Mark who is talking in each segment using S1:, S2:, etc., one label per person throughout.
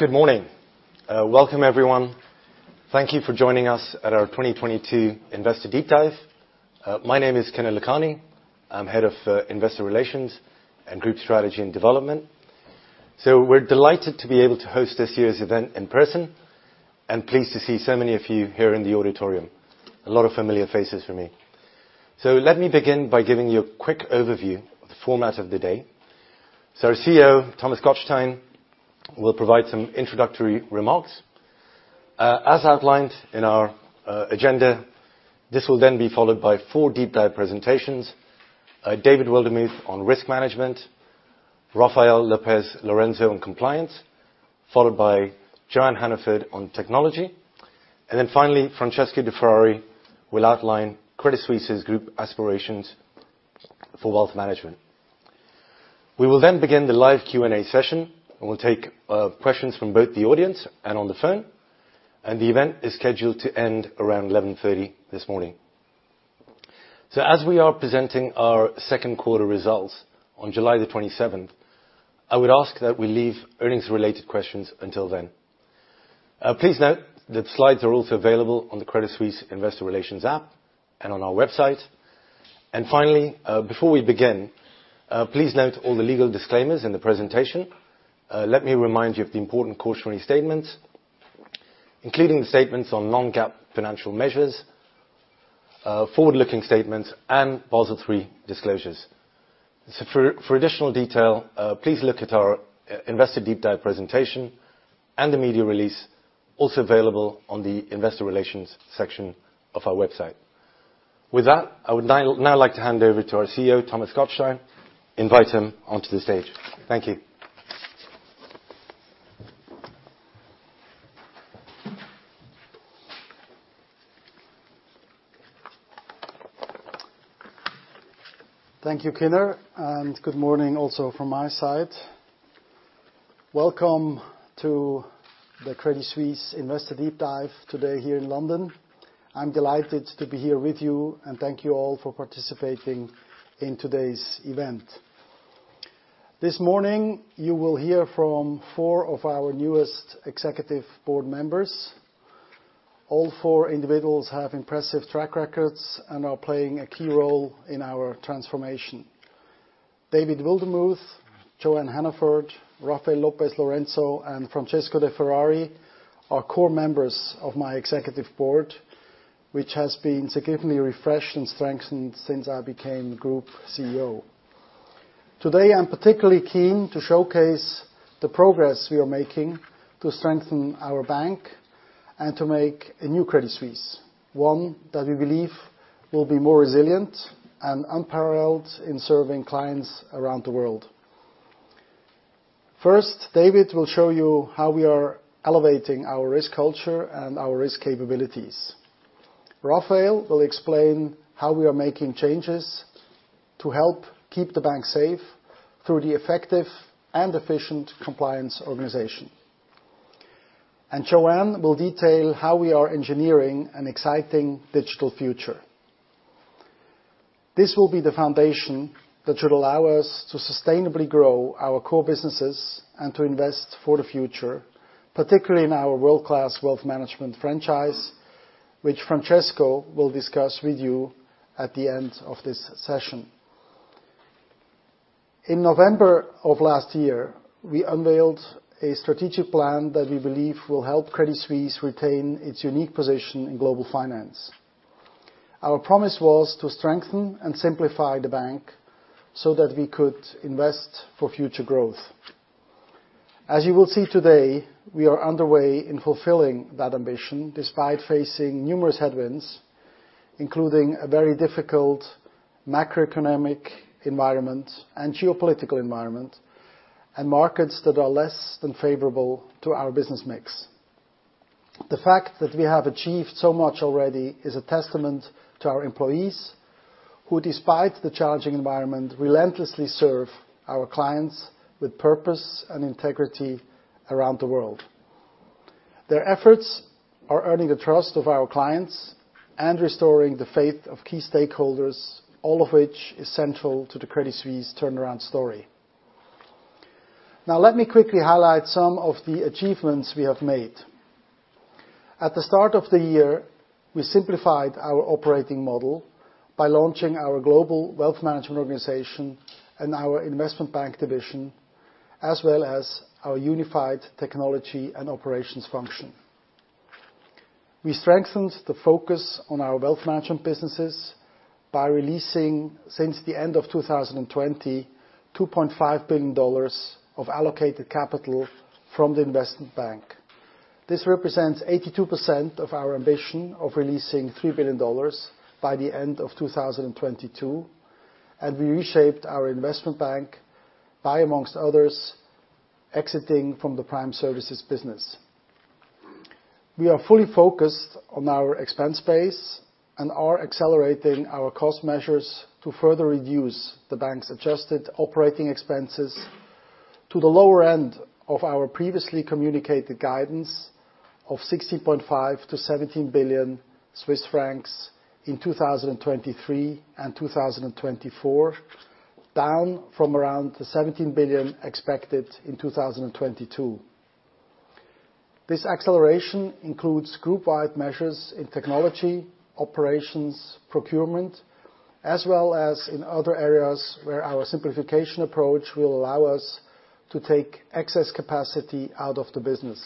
S1: Good morning. Welcome everyone. Thank you for joining us at our 2022 investor deep dive. My name is Kinner Lakhani. I'm head of investor relations and group strategy and development. We're delighted to be able to host this year's event in person, and pleased to see so many of you here in the auditorium. A lot of familiar faces for me. Let me begin by giving you a quick overview of the format of the day. Our CEO, Thomas Gottstein, will provide some introductory remarks. As outlined in our agenda, this will then be followed by four deep dive presentations. David Wildermuth on risk management, Rafael Lopez Lorenzo on compliance, followed by Joanne Hannaford on technology, and then finally, Francesco De Ferrari will outline Credit Suisse's group aspirations for wealth management. We will then begin the live Q&A session, and we'll take questions from both the audience and on the phone, and the event is scheduled to end around 11:30 A.M. this morning. As we are presenting our second quarter results on July 27, I would ask that we leave earnings-related questions until then. Please note that slides are also available on the Credit Suisse Investor Relations app and on our website. Finally, before we begin, please note all the legal disclaimers in the presentation. Let me remind you of the important cautionary statements, including the statements on non-GAAP financial measures, forward-looking statements, and Basel III disclosures. For additional detail, please look at our investor deep dive presentation and the media release also available on the investor relations section of our website. With that, I would now like to hand over to our CEO, Thomas Gottstein, invite him onto the stage. Thank you.
S2: Thank you, Kinner, and good morning also from my side. Welcome to the Credit Suisse Investor Deep Dive today here in London. I'm delighted to be here with you, and thank you all for participating in today's event. This morning, you will hear from four of our newest Executive Board members. All four individuals have impressive track records and are playing a key role in our transformation. David Wildermuth, Joanne Hannaford, Rafael Lopez Lorenzo, and Francesco De Ferrari are core members of my Executive Board, which has been significantly refreshed and strengthened since I became Group CEO. Today, I'm particularly keen to showcase the progress we are making to strengthen our bank and to make a new Credit Suisse, one that we believe will be more resilient and unparalleled in serving clients around the world. First, David will show you how we are elevating our risk culture and our risk capabilities. Rafael will explain how we are making changes to help keep the bank safe through the effective and efficient compliance organization. Joanne will detail how we are engineering an exciting digital future. This will be the foundation that should allow us to sustainably grow our core businesses and to invest for the future, particularly in our world-class wealth management franchise, which Francesco will discuss with you at the end of this session. In November of last year, we unveiled a strategic plan that we believe will help Credit Suisse retain its unique position in global finance. Our promise was to strengthen and simplify the bank so that we could invest for future growth. As you will see today, we are underway in fulfilling that ambition despite facing numerous headwinds, including a very difficult macroeconomic environment and geopolitical environment, and markets that are less than favorable to our business mix. The fact that we have achieved so much already is a testament to our employees, who despite the challenging environment, relentlessly serve our clients with purpose and integrity around the world. Their efforts are earning the trust of our clients and restoring the faith of key stakeholders, all of which is central to the Credit Suisse turnaround story. Now let me quickly highlight some of the achievements we have made. At the start of the year, we simplified our operating model by launching our global wealth management organization and our Investment Bank division, as well as our unified technology and operations function. We strengthened the focus on our wealth management businesses by releasing, since the end of 2020, $2.5 billion of allocated capital from the investment bank. This represents 82% of our ambition of releasing $3 billion by the end of 2022, and we reshaped our investment bank by, among others, exiting from the prime services business. We are fully focused on our expense base and are accelerating our cost measures to further reduce the bank's adjusted operating expenses to the lower end of our previously communicated guidance of 6.5 billion to 17 billion Swiss francs in 2023 and 2024, down from around 17 billion expected in 2022. This acceleration includes group-wide measures in technology, operations, procurement, as well as in other areas where our simplification approach will allow us to take excess capacity out of the business.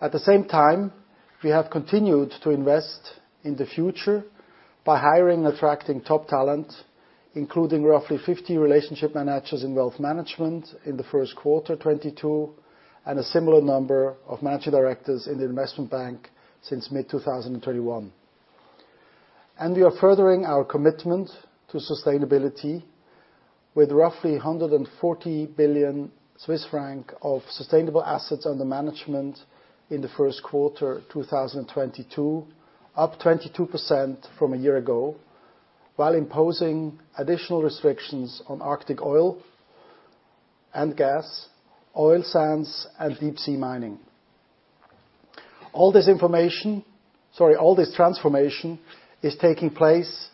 S2: At the same time, we have continued to invest in the future by hiring and attracting top talent, including roughly 50 relationship managers in wealth management in the first quarter 2022, and a similar number of managing directors in the investment bank since mid-2021. We are furthering our commitment to sustainability with roughly 140 billion Swiss franc of sustainable assets under management in the first quarter 2022, up 22% from a year ago, while imposing additional restrictions on Arctic oil and gas, oil sands, and deep-sea mining. Sorry, all this transformation is taking place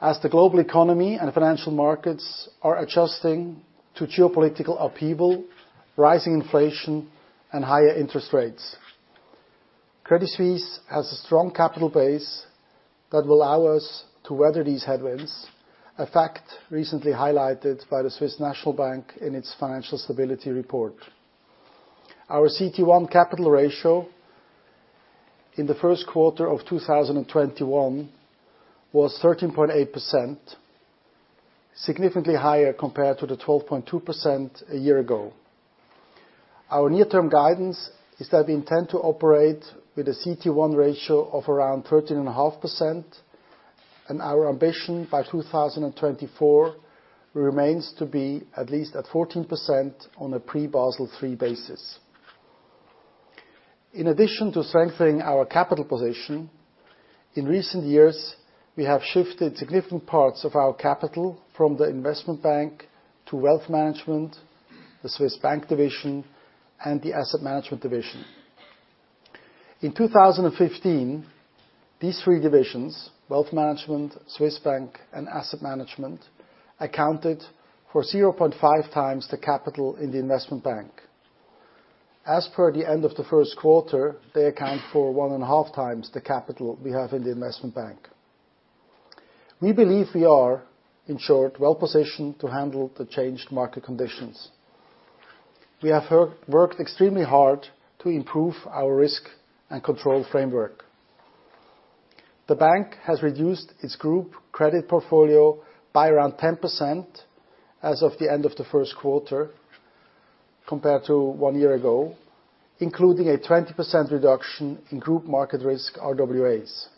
S2: as the global economy and financial markets are adjusting to geopolitical upheaval, rising inflation, and higher interest rates. Credit Suisse has a strong capital base that will allow us to weather these headwinds, a fact recently highlighted by the Swiss National Bank in its financial stability report. Our CET1 capital ratio in the first quarter of 2021 was 13.8%, significantly higher compared to the 12.2% a year ago. Our near-term guidance is that we intend to operate with a CET1 ratio of around 13.5%, and our ambition by 2024 remains to be at least at 14% on a pre-Basel III basis. In addition to strengthening our capital position, in recent years, we have shifted significant parts of our capital from the Investment Bank to Wealth Management, the Swiss Bank division, and the Asset Management division. In 2015, these three divisions, Wealth Management, Swiss Bank, and Asset Management, accounted for zero point five times the capital in the Investment Bank. As per the end of the first quarter, they account for one point five times the capital we have in the Investment Bank. We believe we are, in short, well-positioned to handle the changed market conditions. We have worked extremely hard to improve our risk and control framework. The bank has reduced its group credit portfolio by around 10% as of the end of the first quarter compared to one year ago, including a 20% reduction in group market risk RWAs.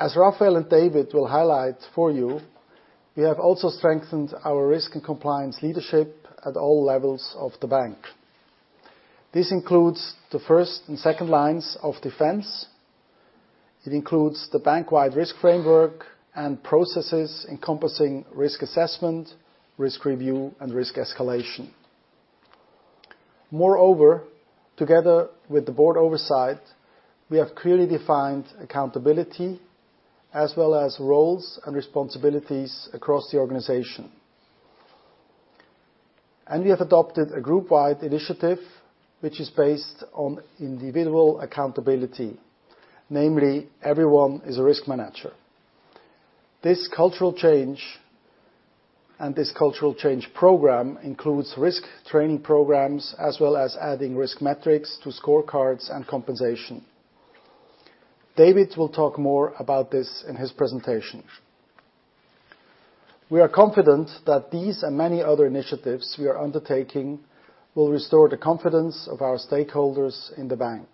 S2: As Rafael and David will highlight for you, we have also strengthened our risk and compliance leadership at all levels of the bank. This includes the first and second lines of defense. It includes the bank-wide risk framework and processes encompassing risk assessment, risk review, and risk escalation. Moreover, together with the board oversight, we have clearly defined accountability as well as roles and responsibilities across the organization. We have adopted a group-wide initiative which is based on individual accountability, namely everyone is a risk manager. This cultural change and this cultural change program includes risk training programs, as well as adding risk metrics to scorecards and compensation. David will talk more about this in his presentation. We are confident that these and many other initiatives we are undertaking will restore the confidence of our stakeholders in the bank.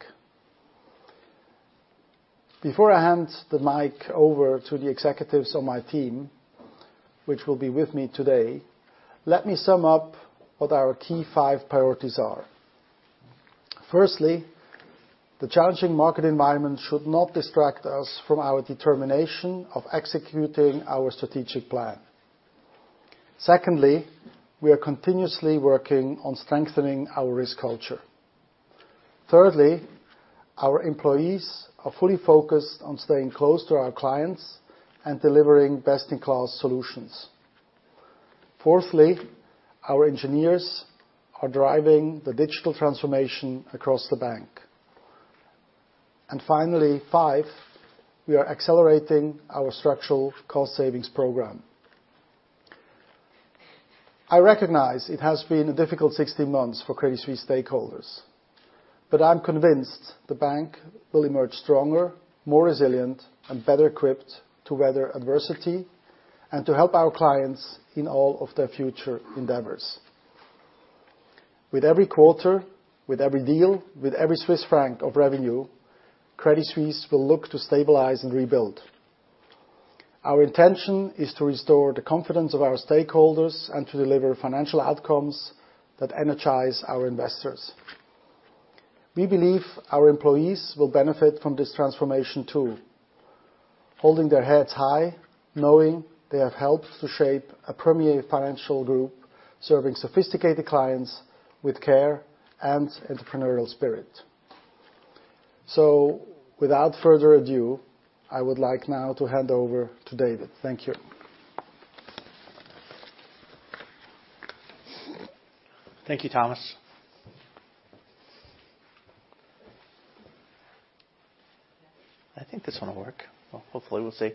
S2: Before I hand the mic over to the executives on my team, which will be with me today, let me sum up what our key five priorities are. Firstly, the challenging market environment should not distract us from our determination of executing our strategic plan. Secondly, we are continuously working on strengthening our risk culture. Thirdly, our employees are fully focused on staying close to our clients and delivering best-in-class solutions. Fourthly, our engineers are driving the digital transformation across the bank. Finally, five, we are accelerating our structural cost savings program. I recognize it has been a difficult 16 months for Credit Suisse stakeholders, but I'm convinced the bank will emerge stronger, more resilient, and better equipped to weather adversity and to help our clients in all of their future endeavors. With every quarter, with every deal, with every Swiss franc of revenue, Credit Suisse will look to stabilize and rebuild. Our intention is to restore the confidence of our stakeholders and to deliver financial outcomes that energize our investors. We believe our employees will benefit from this transformation too. Holding their heads high, knowing they have helped to shape a premier financial group, serving sophisticated clients with care and entrepreneurial spirit. Without further ado, I would like now to hand over to David. Thank you.
S3: Thank you, Thomas. I think this one will work. Well, hopefully, we'll see.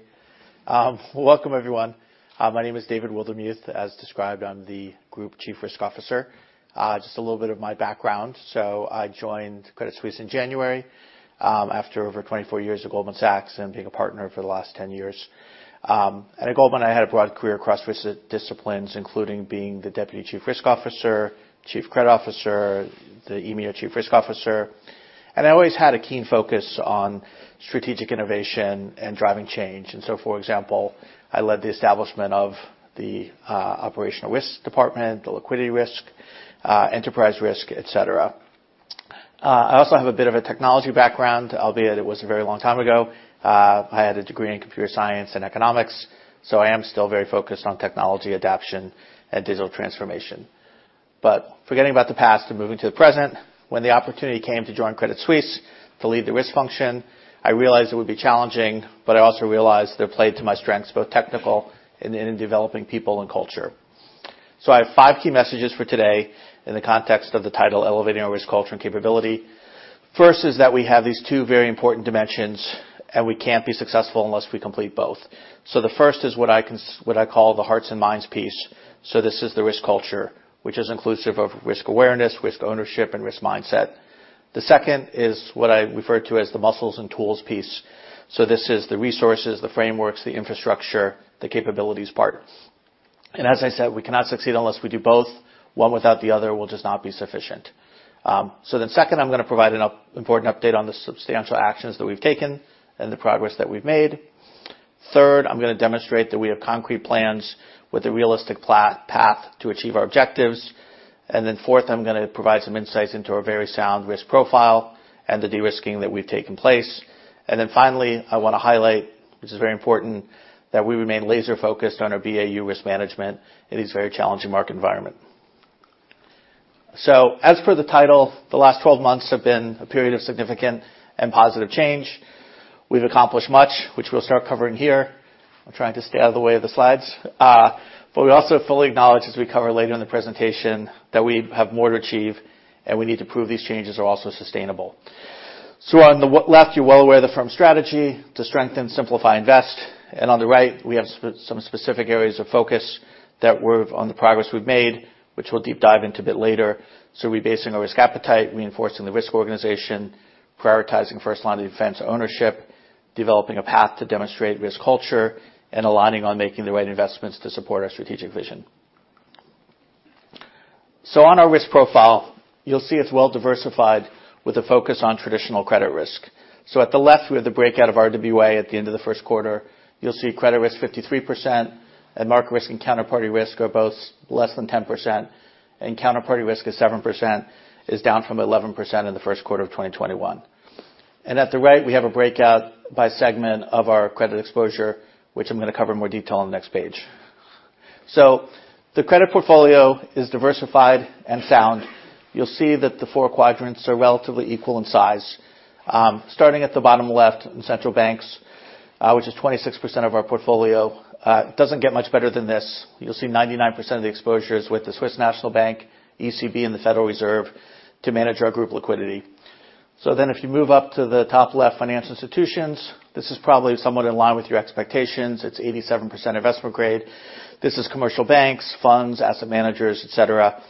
S3: Welcome everyone. My name is David Wildermuth. As described, I'm the Group Chief Risk Officer. Just a little bit of my background. I joined Credit Suisse in January, after over 24 years at Goldman Sachs, and being a partner for the last 10 years. At Goldman, I had a broad career across risk disciplines, including being the deputy Chief Risk Officer, Chief Credit Officer, the EMEA Chief Risk Officer, and I always had a keen focus on strategic innovation and driving change. For example, I led the establishment of the operational risk department, the liquidity risk, enterprise risk, et cetera. I also have a bit of a technology background, albeit it was a very long time ago. I had a degree in computer science and economics, so I am still very focused on technology adaptation and digital transformation. Forgetting about the past and moving to the present, when the opportunity came to join Credit Suisse to lead the risk function, I realized it would be challenging, but I also realized it played to my strengths, both technical and in developing people and culture. I have five key messages for today in the context of the title, Elevating Our Risk Culture and Capability. First is that we have these two very important dimensions, and we can't be successful unless we complete both. The first is what I call the hearts and minds piece. This is the risk culture, which is inclusive of risk awareness, risk ownership, and risk mindset. The second is what I refer to as the muscles and tools piece. This is the resources, the frameworks, the infrastructure, the capabilities part. As I said, we cannot succeed unless we do both. One without the other will just not be sufficient. Second, I'm going to provide an important update on the substantial actions that we've taken and the progress that we've made. Third, I'm going to demonstrate that we have concrete plans with a realistic path to achieve our objectives. Fourth, I'm gonna provide some insights into our very sound risk profile and the de-risking that's taken place. Finally, I wanna highlight, this is very important, that we remain laser-focused on our BAU risk management in this very challenging market environment. As per the title, the last twelve months have been a period of significant and positive change. We've accomplished much, which we'll start covering here. I'm trying to stay out of the way of the slides. But we also fully acknowledge, as we cover later in the presentation, that we have more to achieve, and we need to prove these changes are also sustainable. On the left, you're well aware of the firm's strategy to strengthen, simplify, invest. On the right, we have some specific areas of focus on the progress we've made, which we'll deep dive into a bit later. Rebasing our risk appetite, reinforcing the risk organization, prioritizing first line of defense ownership, developing a path to demonstrate risk culture, and aligning on making the right investments to support our strategic vision. On our risk profile, you'll see it's well-diversified with a focus on traditional credit risk. At the left, we have the breakout of RWA at the end of the first quarter. You'll see credit risk 53% and market risk and counterparty risk are both less than 10%, and counterparty risk is 7%, is down from 11% in the first quarter of 2021. At the right, we have a breakout by segment of our credit exposure, which I'm going to cover in more detail on the next page. The credit portfolio is diversified and sound. You'll see that the four quadrants are relatively equal in size. Starting at the bottom left in central banks, which is 26% of our portfolio, it doesn't get much better than this. You'll see 99% of the exposure is with the Swiss National Bank, ECB, and the Federal Reserve to manage our group liquidity. If you move up to the top left, financial institutions, this is probably somewhat in line with your expectations. It's 87% investment grade. This is commercial banks, funds, asset managers, et cetera.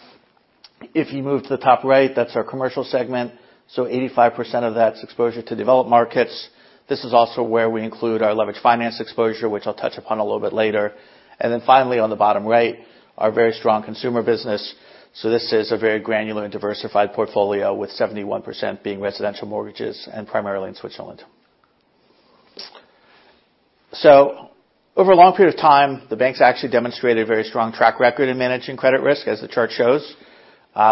S3: If you move to the top right, that's our commercial segment. 85% of that's exposure to developed markets. This is also where we include our leveraged finance exposure, which I'll touch upon a little bit later. Finally, on the bottom right, our very strong consumer business. This is a very granular and diversified portfolio, with 71% being residential mortgages and primarily in Switzerland. Over a long period of time, the banks actually demonstrated a very strong track record in managing credit risk, as the chart shows.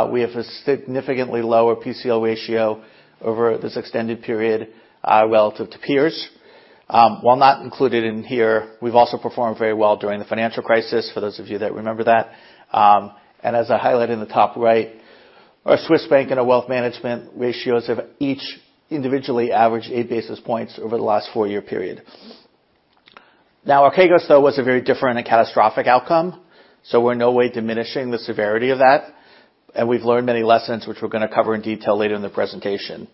S3: We have a significantly lower PCL ratio over this extended period, relative to peers. While not included in here, we've also performed very well during the financial crisis, for those of you that remember that. As I highlighted in the top right, our Swiss Bank and our wealth management ratios have each individually averaged eight basis points over the last four-year period. Now, Archegos, though, was a very different and catastrophic outcome, so we're in no way diminishing the severity of that, and we've learned many lessons which we're going to cover in detail later in the presentation.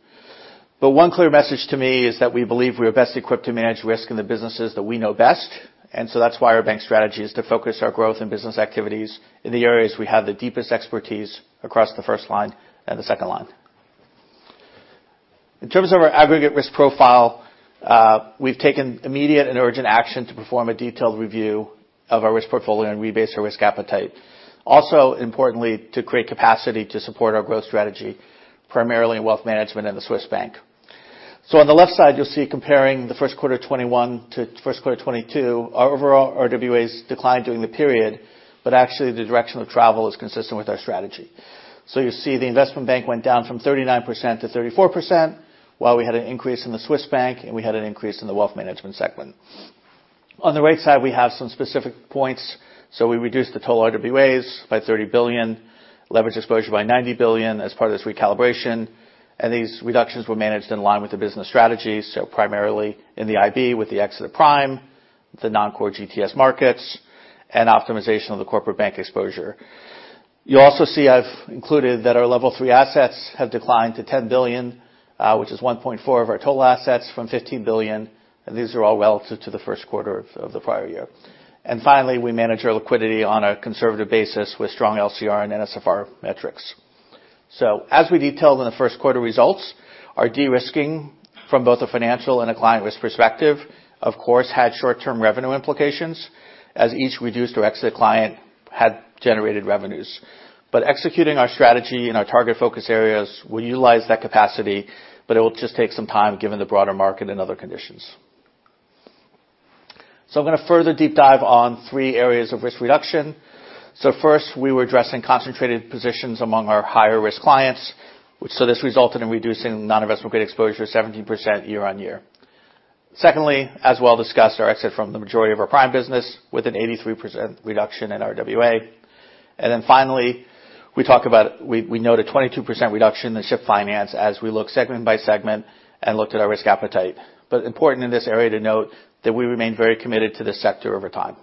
S3: One clear message to me is that we believe we are best equipped to manage risk in the businesses that we know best, and so that's why our bank strategy is to focus our growth and business activities in the areas we have the deepest expertise across the first line and the second line. In terms of our aggregate risk profile, we've taken immediate and urgent action to perform a detailed review of our risk portfolio and rebase our risk appetite. Also, importantly, to create capacity to support our growth strategy, primarily in wealth management and the Swiss bank. On the left side, you'll see comparing the first quarter 2021 to Q1 2022, our overall RWAs declined during the period, but actually the direction of travel is consistent with our strategy. You see the Investment Bank went down from 39% to 34% while we had an increase in the Swiss Bank, and we had an increase in the Wealth Management segment. On the right side, we have some specific points. We reduced the total RWAs by 30 billion, leverage exposure by 90 billion as part of this recalibration. These reductions were managed in line with the business strategy, so primarily in the IB with the exit of prime, the non-core GTS markets, and optimization of the corporate bank exposure. You also see I've included that our Level three assets have declined to 10 billion, which is 1.4% of our total assets from 15 billion. These are all relative to the Q1 of the prior year. Finally, we manage our liquidity on a conservative basis with strong LCR and NSFR metrics. As we detailed in the Q1 results, our de-risking from both a financial and a client risk perspective, of course, had short-term revenue implications as each reduced or exited client had generated revenues. Executing our strategy in our target focus areas will utilize that capacity, but it will just take some time given the broader market and other conditions. I'm gonna further deep dive on three areas of risk reduction. First, we were addressing concentrated positions among our higher-risk clients. This resulted in reducing non-investment grade exposure 17% YoY. Secondly, as we all discussed, our exit from the majority of our prime business with an 83% reduction in RWA. Then finally, we note a 22% reduction in ship finance as we look segment by segment and looked at our risk appetite. Important in this area to note that we remain very committed to this sector over time.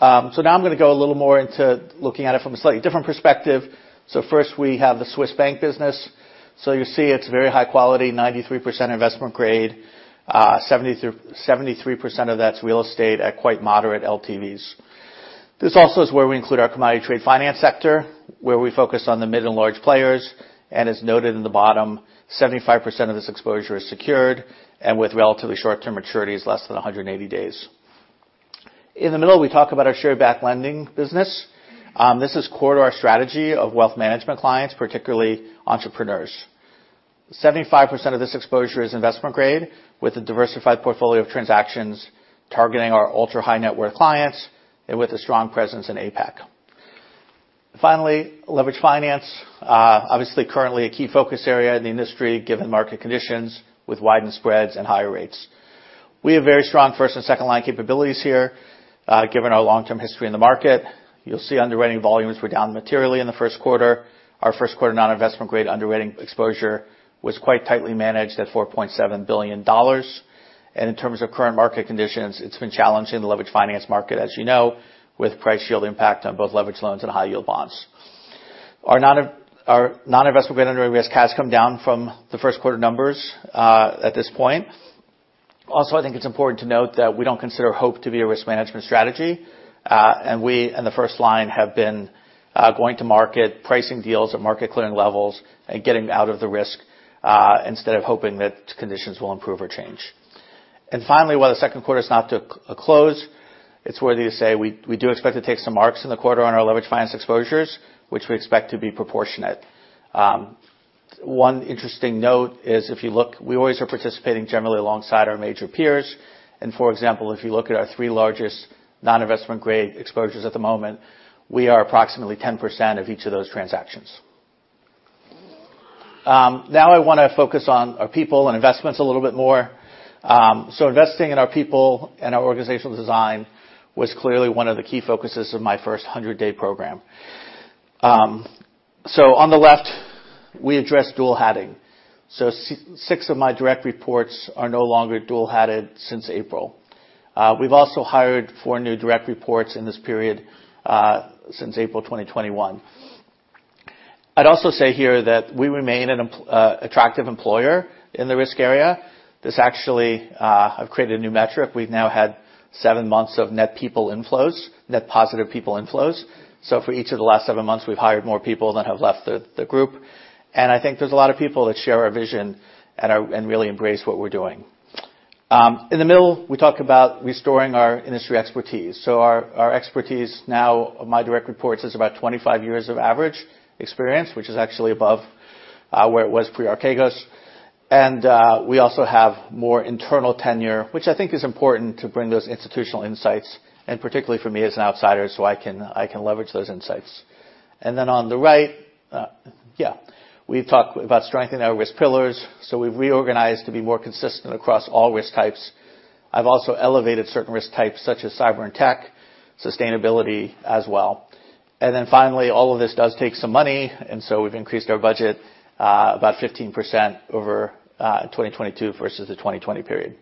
S3: Now I'm gonna go a little more into looking at it from a slightly different perspective. First, we have the Swiss bank business. You see it's very high quality, 93% investment grade, 73% of that's real estate at quite moderate LTVs. This also is where we include our commodity trade finance sector, where we focus on the mid and large players. As noted at the bottom, 75% of this exposure is secured and with relatively short-term maturities, less than 180 days. In the middle, we talk about our share-backed lending business. This is core to our strategy of wealth management clients, particularly entrepreneurs. 75% of this exposure is investment grade with a diversified portfolio of transactions targeting our ultra-high net worth clients and with a strong presence in APAC. Finally, leverage finance. Obviously currently a key focus area in the industry, given market conditions with widened spreads and higher rates. We have very strong first and second line capabilities here, given our long-term history in the market. You'll see underwriting volumes were down materially in the first. Our Q1 non-investment grade underwriting exposure was quite tightly managed at $4.7 billion. In terms of current market conditions, it's been challenging the leverage finance market, as you know, with price shield impact on both leverage loans and high yield bonds. Our non-investment grade underwriting risk has come down from the Q1 numbers, at this point. Also, I think it's important to note that we don't consider hope to be a risk management strategy. We in the first line have been going to market, pricing deals at market clearing levels and getting out of the risk, instead of hoping that conditions will improve or change. Finally, while the Q2 is not to a close, it's worth saying we do expect to take some marks in the quarter on our leverage finance exposures, which we expect to be proportionate. One interesting note is if you look, we always are participating generally alongside our major peers. For example, if you look at our three largest non-investment grade exposures at the moment, we are approximately 10% of each of those transactions. Now I wanna focus on our people and investments a little bit more. Investing in our people and our organizational design was clearly one of the key focuses of my first 100-day program. On the left, we address dual hatting. Six of my direct reports are no longer dual hatted since April. We've also hired four new direct reports in this period, since April 2021. I'd also say here that we remain an attractive employer in the risk area. This actually, I've created a new metric. We've now had seven months of net people inflows, net positive people inflows. For each of the last seven months, we've hired more people than have left the group. I think there's a lot of people that share our vision and really embrace what we're doing. In the middle, we talk about restoring our industry expertise. Our expertise now of my direct reports is about 25 years of average experience which is actually above where it was pre-Archegos. We also have more internal tenure, which I think is important to bring those institutional insights, and particularly for me as an outsider, so I can leverage those insights. On the right, we've talked about strengthening our risk pillars. We've reorganized to be more consistent across all risk types. I've also elevated certain risk types such as cyber and tech, sustainability as well. Finally, all of this does take some money, and so we've increased our budget about 15% over 2022 versus the 2020 period.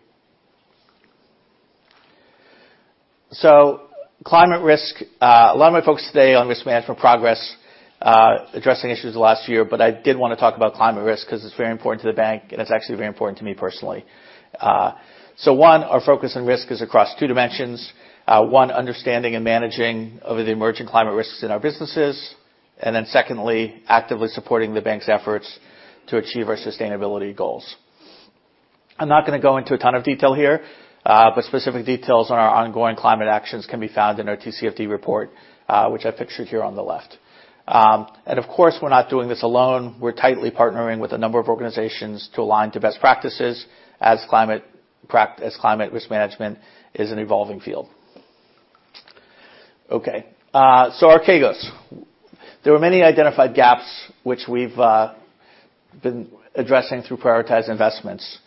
S3: Climate risk, a lot of my focus today on risk management progress, addressing issues the last year, but I did wanna talk about climate risk 'cause it's very important to the bank, and it's actually very important to me personally. One, our focus on risk is across two dimensions. One, understanding and managing of the emerging climate risks in our businesses. Secondly, actively supporting the bank's efforts to achieve our sustainability goals. I'm not gonna go into a ton of detail here, but specific details on our ongoing climate actions can be found in our TCFD report, which I've pictured here on the left. Of course, we're not doing this alone. We're tightly partnering with a number of organizations to align to best practices. As climate risk management is an evolving field. Okay. Archegos. There were many identified gaps which we've been addressing through prioritized investments.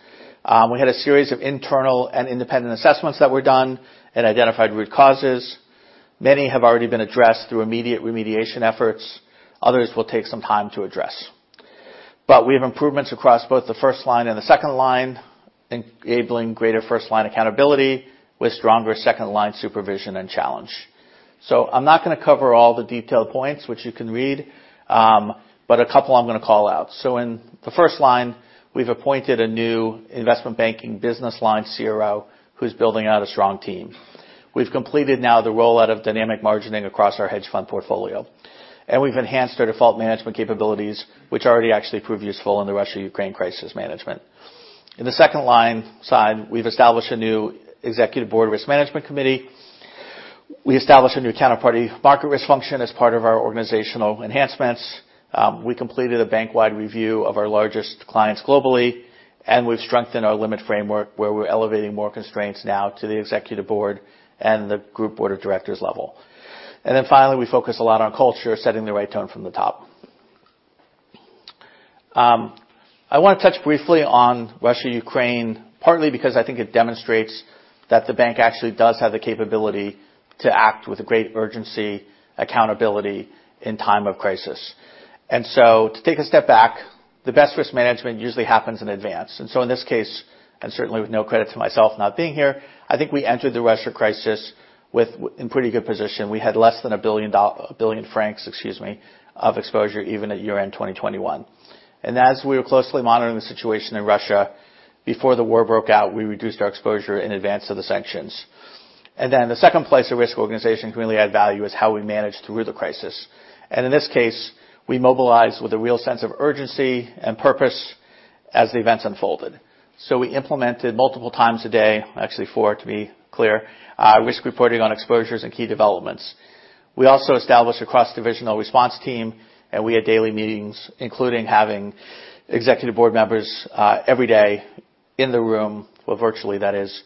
S3: We had a series of internal and independent assessments that were done and identified root causes. Many have already been addressed through immediate remediation efforts. Others will take some time to address. We have improvements across both the first line and the second line, enabling greater first line accountability with stronger second line supervision and challenge. I'm not gonna cover all the detailed points, which you can read, but a couple I'm gonna call out. In the first line, we've appointed a new investment banking business line CRO who's building out a strong team. We've completed now the rollout of dynamic margining across our hedge fund portfolio. We've enhanced our default management capabilities, which already actually proved useful in the Russia-Ukraine crisis management. In the second line side, we've established a new Executive Board Risk Management Committee. We established a new counterparty market risk function as part of our organizational enhancements. We completed a bank-wide review of our largest clients globally, and we've strengthened our limit framework, where we're elevating more constraints now to the Executive Board and the Group Board of Directors level. Then finally, we focus a lot on culture, setting the right tone from the top. I want to touch briefly on Russia-Ukraine, partly because I think it demonstrates that the bank actually does have the capability to act with great urgency, accountability in time of crisis. To take a step back, the best risk management usually happens in advance. In this case, and certainly with no credit to myself not being here, I think we entered the Russia crisis with in pretty good position. We had less than 1 billion francs, excuse me, of exposure even at year-end 2021. As we were closely monitoring the situation in Russia before the war broke out, we reduced our exposure in advance of the sanctions. The second place the risk organization can really add value is how we managed through the crisis. In this case, we mobilized with a real sense of urgency and purpose as the events unfolded. We implemented multiple times a day, actually 4 to be clear, risk reporting on exposures and key developments. We also established a cross-divisional response team, and we had daily meetings, including having Executive Board members, every day in the room, well, virtually that is,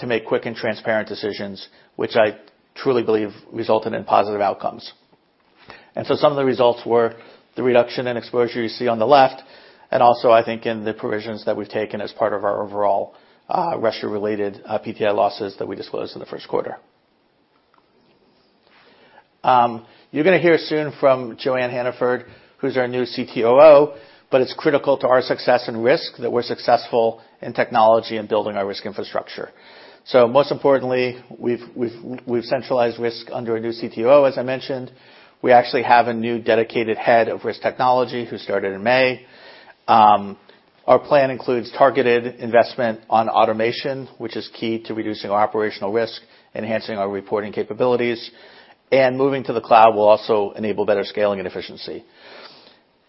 S3: to make quick and transparent decisions, which I truly believe resulted in positive outcomes. Some of the results were the reduction in exposure you see on the left, and also I think in the provisions that we've taken as part of our overall, Russia-related, PTI losses that we disclosed in the Q1. You're gonna hear soon from Joanne Hannaford, who's our new CTOO, but it's critical to our success and risk that we're successful in technology and building our risk infrastructure. Most importantly, we've centralized risk under a new CTO, as I mentioned. We actually have a new dedicated head of risk technology who started in May. Our plan includes targeted investment on automation, which is key to reducing our operational risk, enhancing our reporting capabilities. Moving to the cloud will also enable better scaling and efficiency.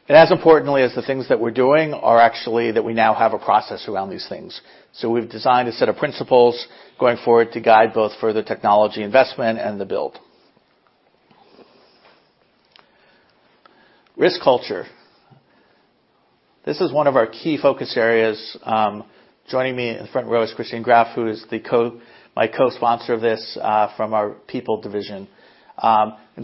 S3: As importantly as the things that we're doing are actually that we now have a process around these things. We've designed a set of principles going forward to guide both further technology investment and the build risk culture. This is one of our key focus areas. Joining me in the front row is Christine Graeff, who is my co-sponsor of this from our people division.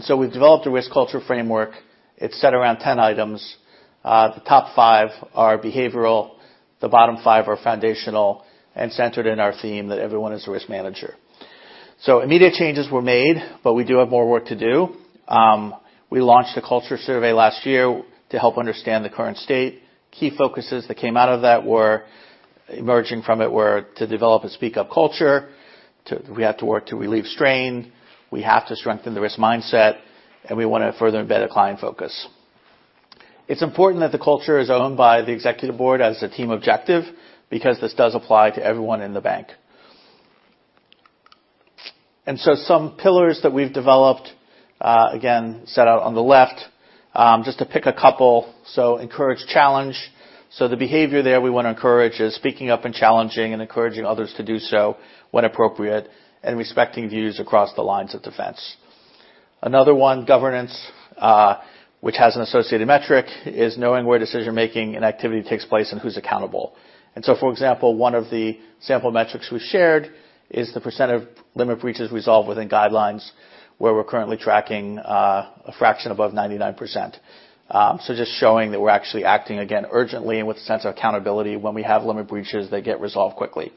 S3: We've developed a risk culture framework. It's set around 10 items. The top five are behavioral. The bottom five are foundational and centered in our theme that everyone is a risk manager. Immediate changes were made, but we do have more work to do. We launched a culture survey last year to help understand the current state. Key focuses that came out of that emerging from it were to develop a speak up culture, we have to work to relieve strain, we have to strengthen the risk mindset, and we wanna further embed a client focus. It's important that the culture is owned by the Executive Board as a team objective because this does apply to everyone in the bank. Some pillars that we've developed, again, set out on the left, just to pick a couple. Encourage challenge. The behavior there we wanna encourage is speaking up and challenging and encouraging others to do so when appropriate and respecting views across the lines of defense. Another one, governance, which has an associated metric, is knowing where decision-making and activity takes place and who's accountable. For example, one of the sample metrics we shared is the percent of limit breaches resolved within guidelines, where we're currently tracking a fraction above 99%. Just showing that we're actually acting again urgently and with a sense of accountability. When we have limit breaches, they get resolved quickly.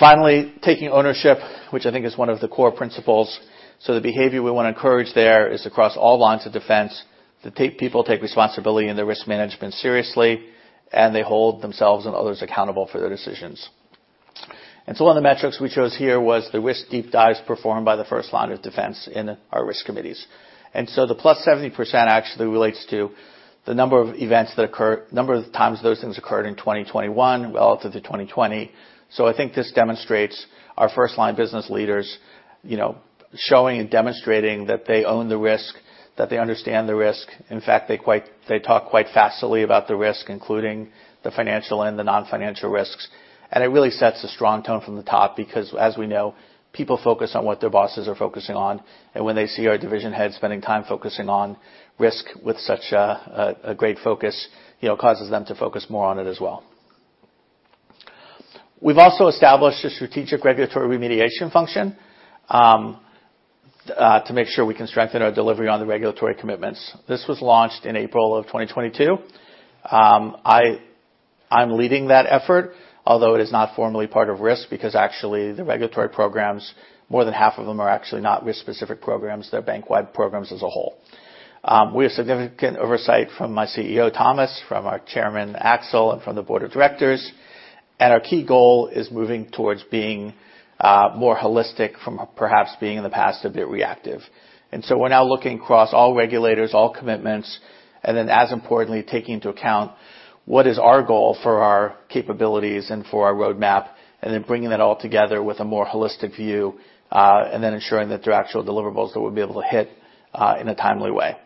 S3: Finally, taking ownership, which I think is one of the core principles. The behavior we wanna encourage there is across all lines of defense that people take responsibility in their risk management seriously, and they hold themselves and others accountable for their decisions. One of the metrics we chose here was the risk deep dives performed by the first line of defense in our risk committees. The plus 70% actually relates to the number of times those things occurred in 2021 relative to 2020. I think this demonstrates our first line business leaders, you know, showing and demonstrating that they own the risk, that they understand the risk. In fact, they talk quite facilely about the risk, including the financial and the non-financial risks. It really sets a strong tone from the top because, as we know, people focus on what their bosses are focusing on. When they see our division heads spending time focusing on risk with such a great focus, you know, causes them to focus more on it as well. We've also established a strategic regulatory remediation function to make sure we can strengthen our delivery on the regulatory commitments. This was launched in April of 2022. I'm leading that effort, although it is not formally part of risk because actually the regulatory programs, more than half of them are actually not risk-specific programs, they're bank-wide programs as a whole. We have significant oversight from my CEO, Thomas, from our chairman, Axel, and from the board of directors, and our key goal is moving towards being more holistic from perhaps being in the past a bit reactive. We're now looking across all regulators, all commitments, and then as importantly, taking into account what is our goal for our capabilities and for our roadmap, and then bringing that all together with a more holistic view, and then ensuring that there are actual deliverables that we'll be able to hit in a timely way.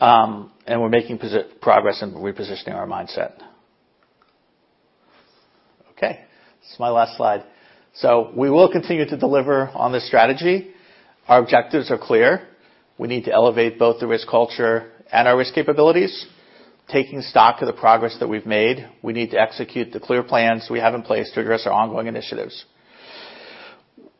S3: We're making progress in repositioning our mindset. Okay, this is my last slide. We will continue to deliver on this strategy. Our objectives are clear. We need to elevate both the risk culture and our risk capabilities, taking stock of the progress that we've made. We need to execute the clear plans we have in place to address our ongoing initiatives.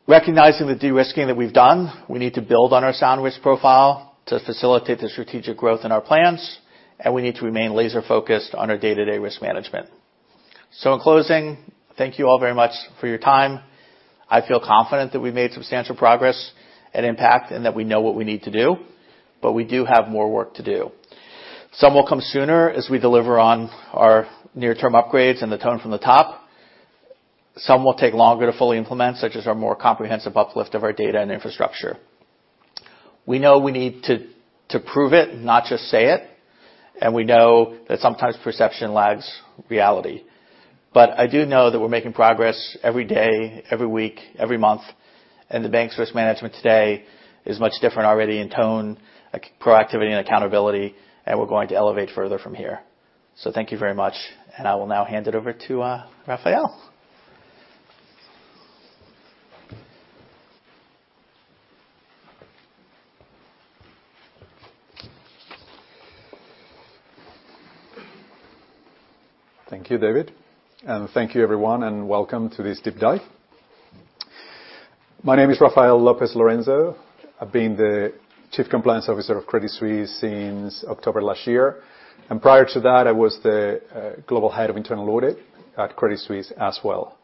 S3: Recognizing the de-risking that we've done, we need to build on our sound risk profile to facilitate the strategic growth in our plans, and we need to remain laser-focused on our day-to-day risk management. In closing, thank you all very much for your time. I feel confident that we made substantial progress at Impact and that we know what we need to do, but we do have more work to do. Some will come sooner as we deliver on our near-term upgrades and the tone from the top. Some will take longer to fully implement, such as our more comprehensive uplift of our data and infrastructure. We know we need to prove it, not just say it, and we know that sometimes perception lags reality. I do know that we're making progress every day, every week, every month, and the bank's risk management today is much different already in tone, like proactivity and accountability, and we're going to elevate further from here. Thank you very much, and I will now hand it over to Rafael.
S4: Thank you, David, and thank you everyone, and welcome to this deep dive. My name is Rafael Lopez Lorenzo. I've been the Chief Compliance Officer of Credit Suisse since October last year, and prior to that, I was the Global Head of Internal Audit at Credit Suisse as well.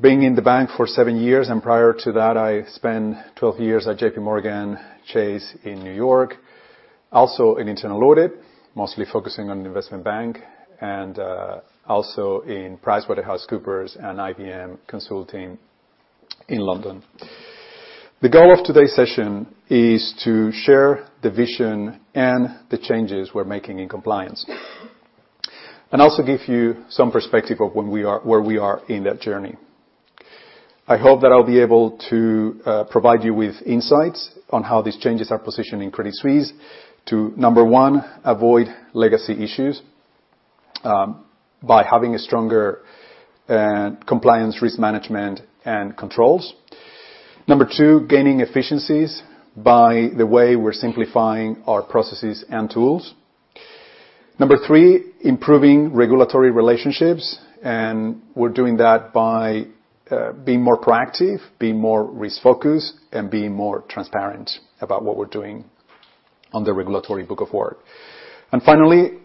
S4: Being in the bank for seven years, and prior to that, I spent 12 years at JPMorgan Chase in New York, also in internal audit, mostly focusing on investment bank and also in PricewaterhouseCoopers and IBM Consulting in London. The goal of today's session is to share the vision and the changes we're making in compliance, and also give you some perspective of where we are in that journey. I hope that I'll be able to provide you with insights on how these changes are positioned in Credit Suisse to, number one, avoid legacy issues by having a stronger compliance, risk management and controls. Number two, gaining efficiencies by the way we're simplifying our processes and tools. Number three, improving regulatory relationships, and we're doing that by being more proactive, being more risk-focused, and being more transparent about what we're doing on the regulatory book of work. Finally,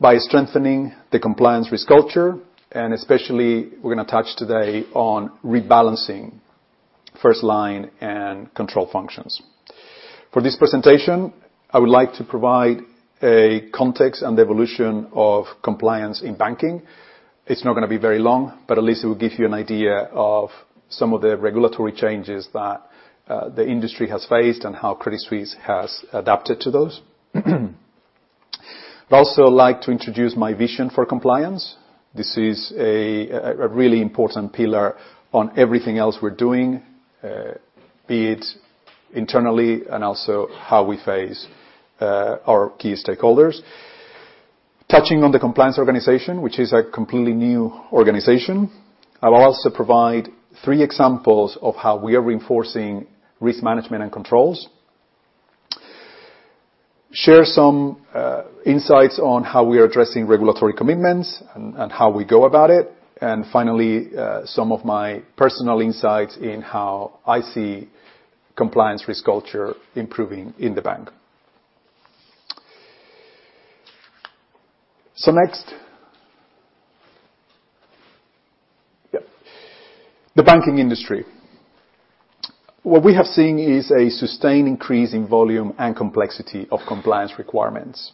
S4: by strengthening the compliance risk culture, and especially we're going to touch today on rebalancing first line and control functions. For this presentation, I would like to provide a context on the evolution of compliance in banking. It's not gonna be very long, but at least it will give you an idea of some of the regulatory changes that the industry has faced and how Credit Suisse has adapted to those. I'd also like to introduce my vision for compliance. This is a really important pillar on everything else we're doing, be it internally and also how we face our key stakeholders. Touching on the compliance organization, which is a completely new organization, I will also provide three examples of how we are reinforcing risk management and controls, share some insights on how we are addressing regulatory commitments and how we go about it, and finally some of my personal insights in how I see compliance risk culture improving in the bank. Next. Yep. The banking industry. What we have seen is a sustained increase in volume and complexity of compliance requirements,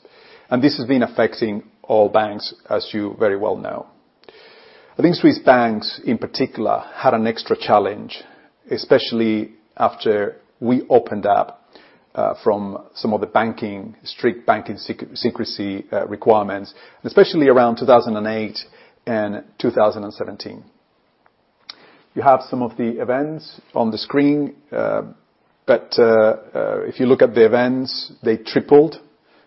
S4: and this has been affecting all banks, as you very well know. I think Swiss banks, in particular, had an extra challenge, especially after we opened up from some of the strict banking secrecy requirements, especially around 2008 and 2017. You have some of the events on the screen. If you look at the events, they tripled.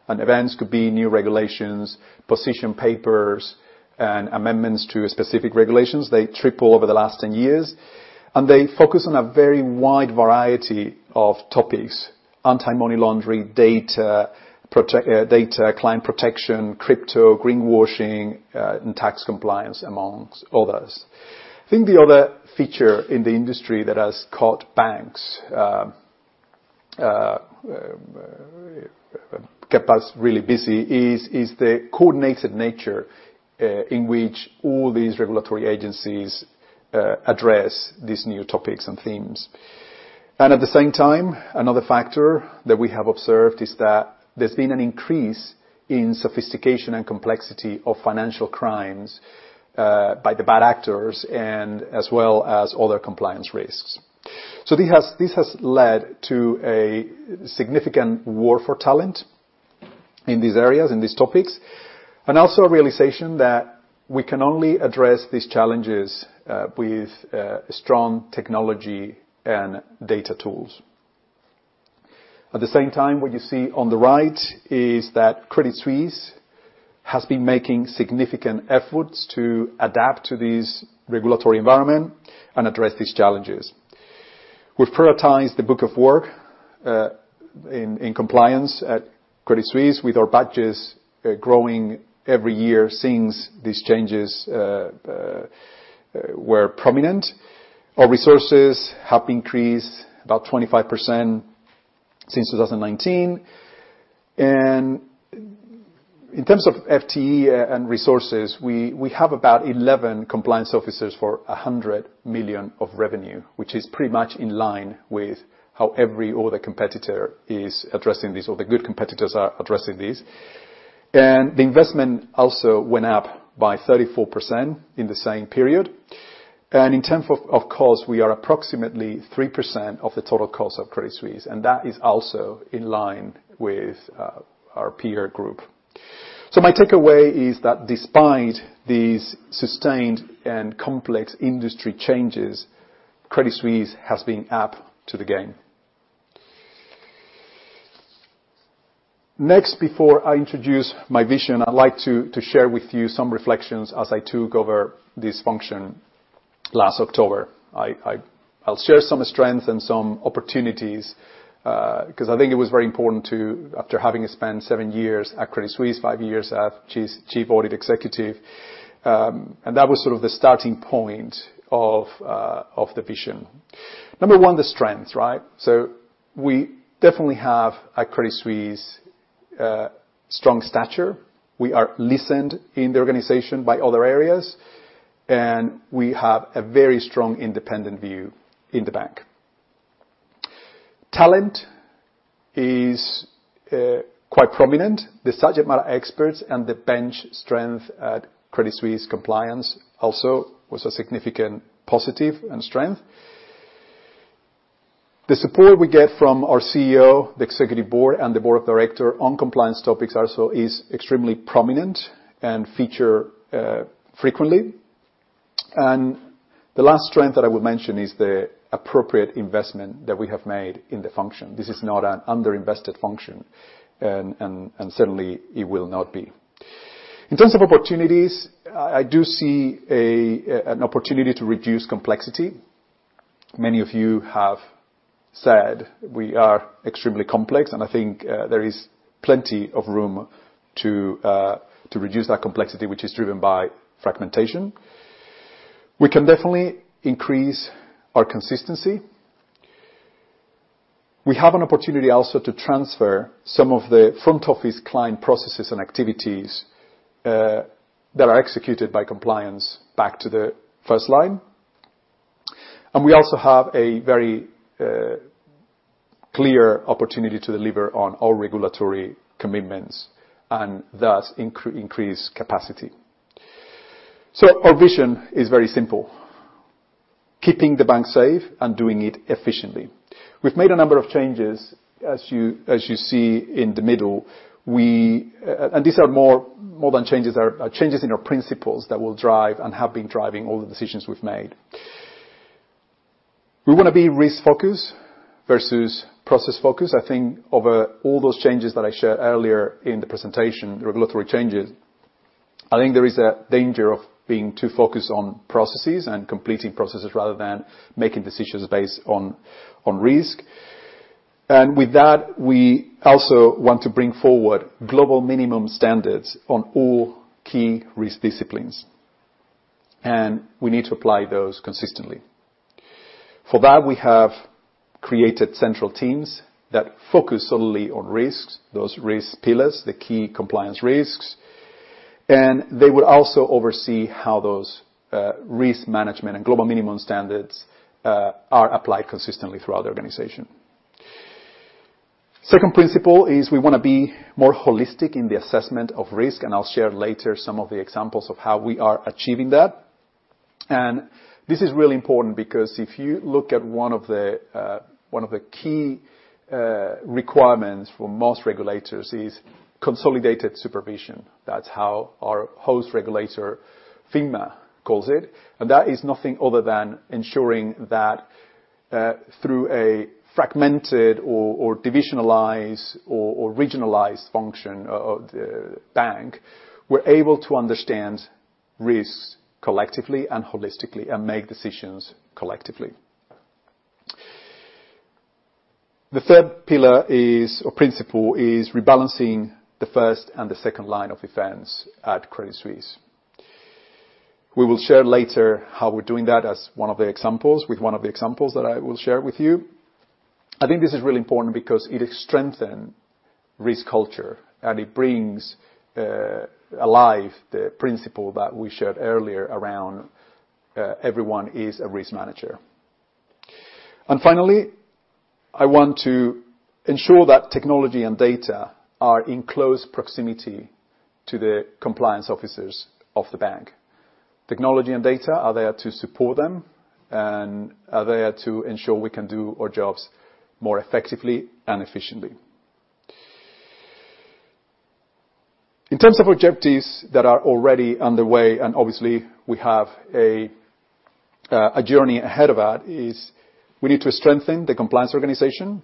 S4: Events could be new regulations, position papers, and amendments to specific regulations. They tripled over the last 10 years, and they focus on a very wide variety of topics, anti-money laundering, data client protection, crypto, greenwashing, and tax compliance, among others. I think the other feature in the industry that has kept us really busy is the coordinated nature in which all these regulatory agencies address these new topics and themes. At the same time, another factor that we have observed is that there's been an increase in sophistication and complexity of financial crimes by the bad actors and as well as other compliance risks. This has led to a significant war for talent in these areas and these topics, and also a realization that we can only address these challenges with strong technology and data tools. At the same time, what you see on the right is that Credit Suisse has been making significant efforts to adapt to this regulatory environment and address these challenges. We've prioritized the book of work in compliance at Credit Suisse with our budgets growing every year since these changes were prominent. Our resources have increased about 25% since 2019. In terms of FTE and resources, we have about 11 compliance officers for 100 million of revenue, which is pretty much in line with how every other competitor is addressing this, or the good competitors are addressing this. The investment also went up by 34% in the same period. In terms of cost, we are approximately 3% of the total cost of Credit Suisse, and that is also in line with our peer group. My takeaway is that despite these sustained and complex industry changes, Credit Suisse has been up to the game. Next, before I introduce my vision, I'd like to share with you some reflections as I took over this function last October. I'll share some strengths and some opportunities, 'cause I think it was very important to, after having spent seven years at Credit Suisse, five years as chief audit executive, and that was sort of the starting point of the vision. Number one, the strength, right? We definitely have at Credit Suisse a strong stature. We are listened to in the organization by other areas, and we have a very strong independent view in the bank. Talent is quite prominent. The subject matter experts and the bench strength at Credit Suisse compliance also was a significant positive and strength. The support we get from our CEO, the Executive Board, and the board of directors on compliance topics also is extremely prominent and featured frequently. The last strength that I would mention is the appropriate investment that we have made in the function. This is not an underinvested function, and certainly it will not be. In terms of opportunities, I do see an opportunity to reduce complexity. Many of you have said we are extremely complex, and I think there is plenty of room to reduce that complexity, which is driven by fragmentation. We can definitely increase our consistency. We have an opportunity also to transfer some of the front office client processes and activities that are executed by compliance back to the first line. We also have a very clear opportunity to deliver on all regulatory commitments and thus increase capacity. Our vision is very simple, keeping the bank safe and doing it efficiently. We've made a number of changes, as you see in the middle. And these are more than changes. They are changes in our principles that will drive and have been driving all the decisions we've made. We wanna be risk-focused versus process-focused. I think over all those changes that I shared earlier in the presentation, the regulatory changes, I think there is a danger of being too focused on processes and completing processes rather than making decisions based on risk. With that, we also want to bring forward global minimum standards on all key risk disciplines, and we need to apply those consistently. For that, we have created central teams that focus solely on risks, those risk pillars, the key compliance risks, and they will also oversee how those, risk management and global minimum standards, are applied consistently throughout the organization. Second principle is we wanna be more holistic in the assessment of risk, and I'll share later some of the examples of how we are achieving that. This is really important because if you look at one of the key requirements for most regulators is consolidated supervision. That's how our host regulator, FINMA, calls it. That is nothing other than ensuring that, through a fragmented or divisionalized or regionalized function of the bank, we're able to understand risks collectively and holistically and make decisions collectively. The third pillar is, or principle is rebalancing the first and the second line of defense at Credit Suisse. We will share later how we're doing that as one of the examples, with one of the examples that I will share with you. I think this is really important because it strengthen risk culture and it brings alive the principle that we shared earlier around everyone is a risk manager. Finally, I want to ensure that technology and data are in close proximity to the compliance officers of the bank. Technology and data are there to support them and are there to ensure we can do our jobs more effectively and efficiently. In terms of objectives that are already underway, and obviously we have a journey ahead of that, is we need to strengthen the compliance organization.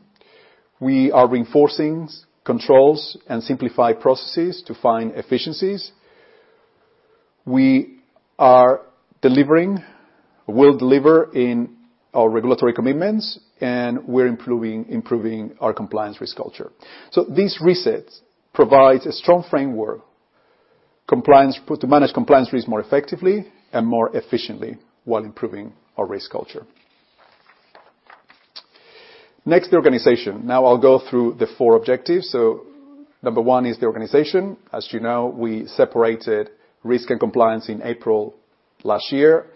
S4: We are reinforcing controls and simplify processes to find efficiencies. We'll deliver in our regulatory commitments, and we're improving our compliance risk culture. This reset provides a strong framework to manage compliance risk more effectively and more efficiently while improving our risk culture. Next, the organization. Now I'll go through the four objectives. Number one is the organization. As you know, we separated risk and compliance in April last year.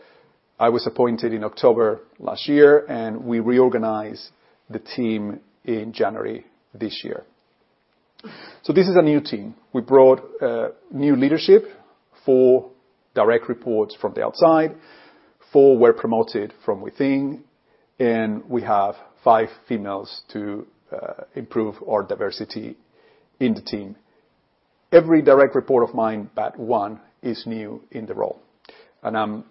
S4: I was appointed in October last year, and we reorganized the team in January this year. This is a new team. We brought new leadership, four direct reports from the outside, four were promoted from within, and we have five females to improve our diversity in the team. Every direct report of mine but one is new in the role, and I'm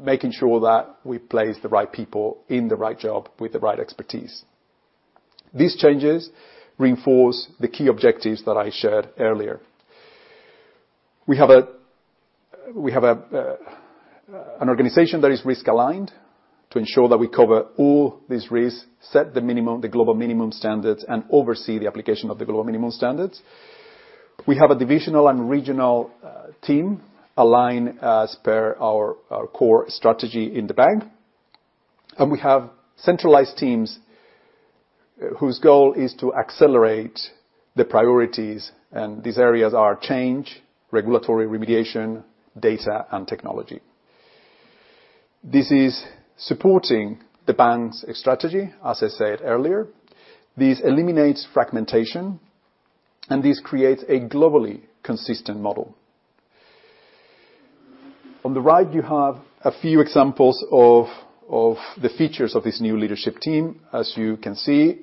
S4: making sure that we place the right people in the right job with the right expertise. These changes reinforce the key objectives that I shared earlier. We have an organization that is risk-aligned to ensure that we cover all these risks, set the global minimum standards, and oversee the application of the global minimum standards. We have a divisional and regional team aligned as per our core strategy in the bank. We have centralized teams whose goal is to accelerate the priorities, and these areas are change, regulatory remediation, data and technology. This is supporting the bank's strategy, as I said earlier. This eliminates fragmentation and this creates a globally consistent model. On the right, you have a few examples of the features of this new leadership team. As you can see,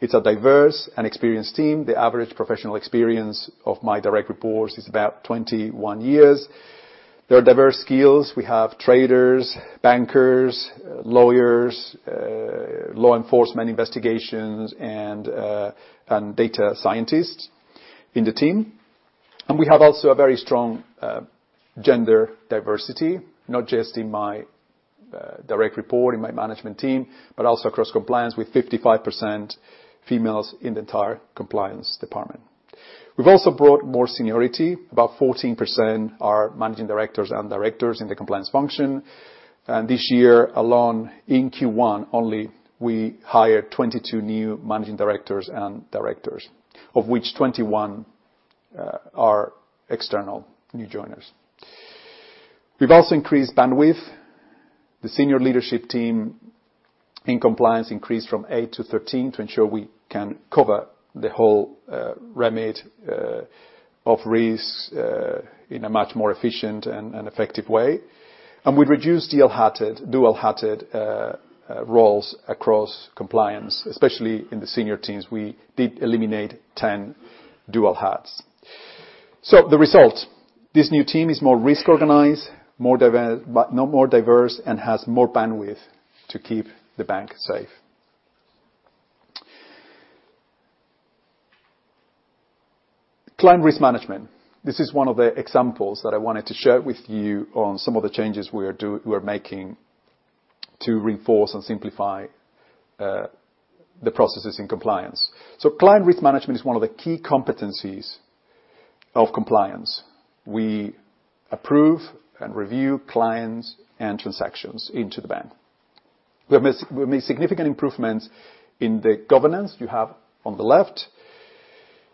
S4: it's a diverse and experienced team. The average professional experience of my direct reports is about 21 years. There are diverse skills. We have traders, bankers, lawyers, law enforcement investigations, and data scientists in the team. We have also a very strong gender diversity, not just in my direct report, in my management team, but also across compliance with 55% females in the entire compliance department. We've also brought more seniority. About 14% are managing directors and directors in the compliance function. This year alone, in Q1 only, we hired 22 new managing directors and directors, of which 21 are external new joiners. We've also increased bandwidth. The senior leadership team in compliance increased from 8 to 13 to ensure we can cover the whole remit of risks in a much more efficient and effective way. We've reduced de-hatted, dual-hatted roles across compliance, especially in the senior teams. We did eliminate 10 dual hats. The result, this new team is more risk organized, more diverse and has more bandwidth to keep the bank safe. Client risk management. This is one of the examples that I wanted to share with you on some of the changes we are making to reinforce and simplify the processes in compliance. Client risk management is one of the key competencies of compliance. We approve and review clients and transactions into the bank. We have made significant improvements in the governance you have on the left,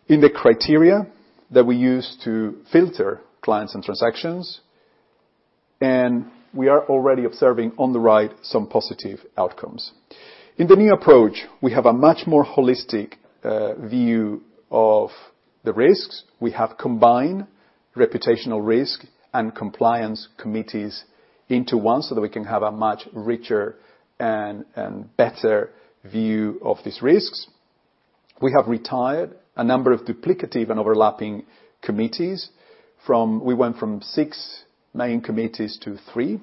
S4: in the criteria that we use to filter clients and transactions, and we are already observing on the right some positive outcomes. In the new approach, we have a much more holistic view of the risks. We have combined reputational risk and compliance committees into one so that we can have a much richer and better view of these risks. We have retired a number of duplicative and overlapping committees. We went from six main committees to three.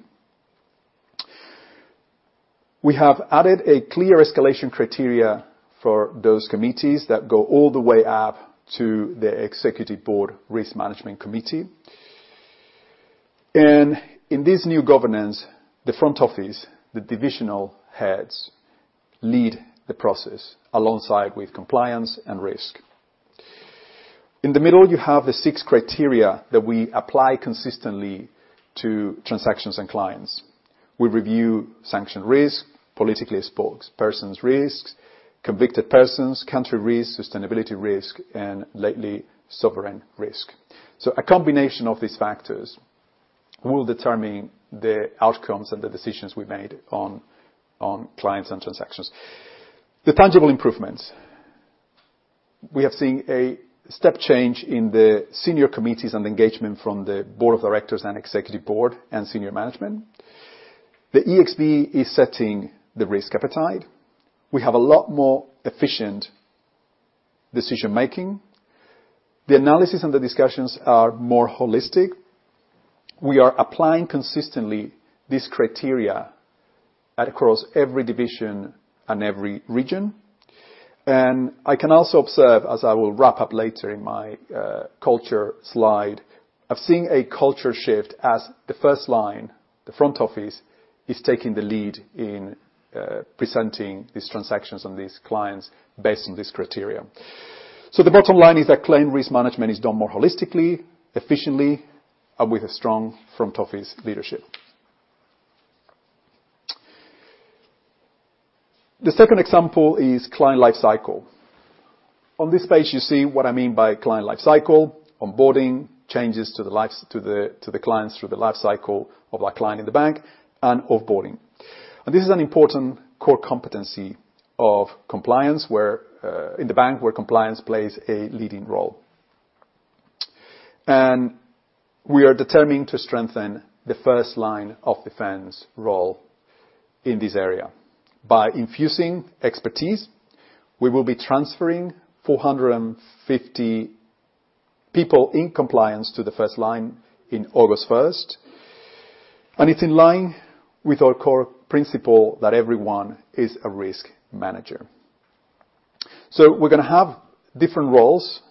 S4: We have added a clear escalation criteria for those committees that go all the way up to the Executive Board risk management committee. In this new governance, the front office, the divisional heads lead the process alongside with compliance and risk. In the middle, you have the six criteria that we apply consistently to transactions and clients. We review sanction risk, Politically Exposed Persons risks, convicted persons, country risk, sustainability risk, and lately sovereign risk. A combination of these factors will determine the outcomes and the decisions we made on clients and transactions. The tangible improvements. We have seen a step change in the senior committees and engagement from the board of directors and Executive Board and senior management. The ExB is setting the risk appetite. We have a lot more efficient decision-making. The analysis and the discussions are more holistic. We are applying consistently these criteria across every division and every region. I can also observe, as I will wrap up later in my culture slide, I've seen a culture shift as the first line, the front office, is taking the lead in presenting these transactions and these clients based on this criteria. The bottom line is that client risk management is done more holistically, efficiently, and with a strong front office leadership. The second example is client life cycle. On this page, you see what I mean by client life cycle, onboarding, changes to the clients through the life cycle of that client in the bank, and off-boarding. This is an important core competency of compliance in the bank where compliance plays a leading role. We are determined to strengthen the first line of defense role in this area. By infusing expertise, we will be transferring 450 people in compliance to the first line in August 1. It's in line with our core principle that everyone is a risk manager. We're gonna have different roles.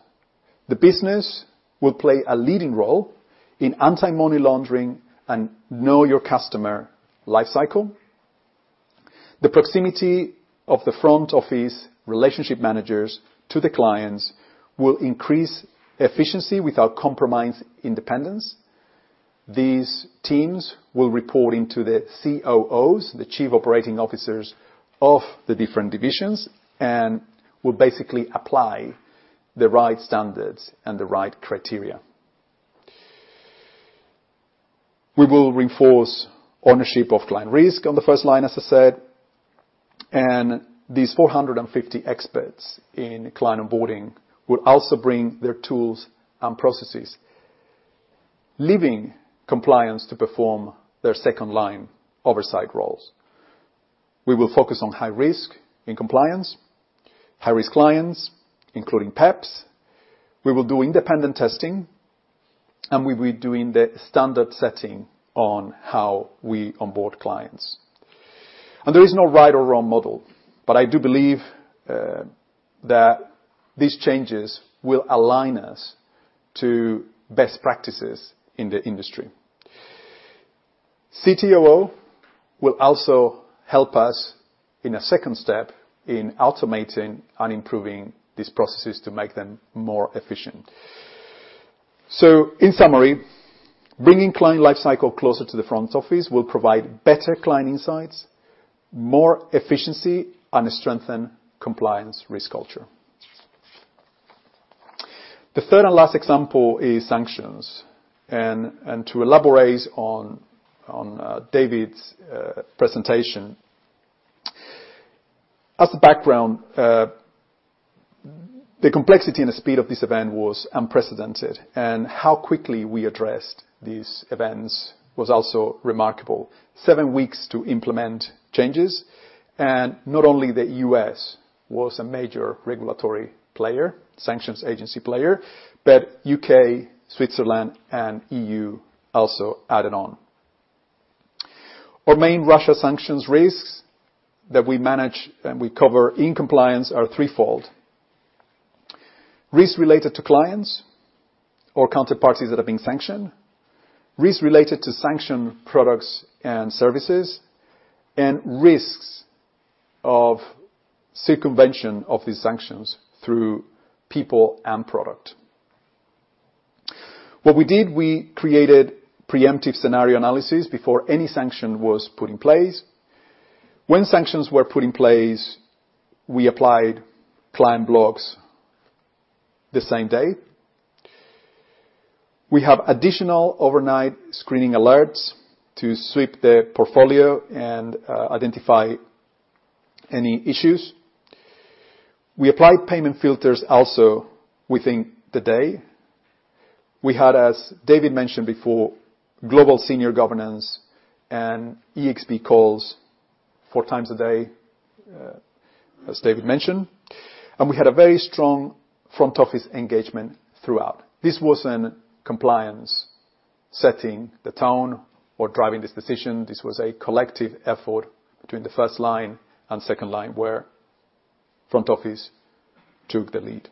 S4: The business will play a leading role in anti-money laundering and know your customer life cycle. The proximity of the front office relationship managers to the clients will increase efficiency without compromising independence. These teams will report into the COOs, the chief operating officers of the different divisions, and will basically apply the right standards and the right criteria. We will reinforce ownership of client risk on the first line, as I said, and these 450 experts in client onboarding will also bring their tools and processes, leaving compliance to perform their second line oversight roles. We will focus on high risk in compliance, high-risk clients, including PEPs. We will do independent testing, and we'll be doing the standard setting on how we onboard clients. There is no right or wrong model, but I do believe that these changes will align us to best practices in the industry. CTOO will also help us in a second step in automating and improving these processes to make them more efficient. In summary, bringing client life cycle closer to the front office will provide better client insights, more efficiency, and strengthen compliance risk culture. The third and last example is sanctions. To elaborate on David's presentation. As a background, the complexity and the speed of this event was unprecedented, and how quickly we addressed these events was also remarkable. 7 weeks to implement changes. Not only the U.S. was a major regulatory player, sanctions agency player, but U.K., Switzerland and EU also added on. Our main Russia sanctions risks that we manage and we cover in compliance are threefold. Risks related to clients or counterparties that are being sanctioned, risks related to sanctioned products and services, and risks of circumvention of these sanctions through people and product. What we did, we created preemptive scenario analysis before any sanction was put in place. When sanctions were put in place, we applied client blocks the same day. We have additional overnight screening alerts to sweep the portfolio and identify any issues. We applied payment filters also within the day. We had, as David mentioned before, global senior governance and EXP calls four times a day, as David mentioned, and we had a very strong front office engagement throughout. This wasn't compliance setting the tone or driving this decision. This was a collective effort between the first line and second line where front office took the lead.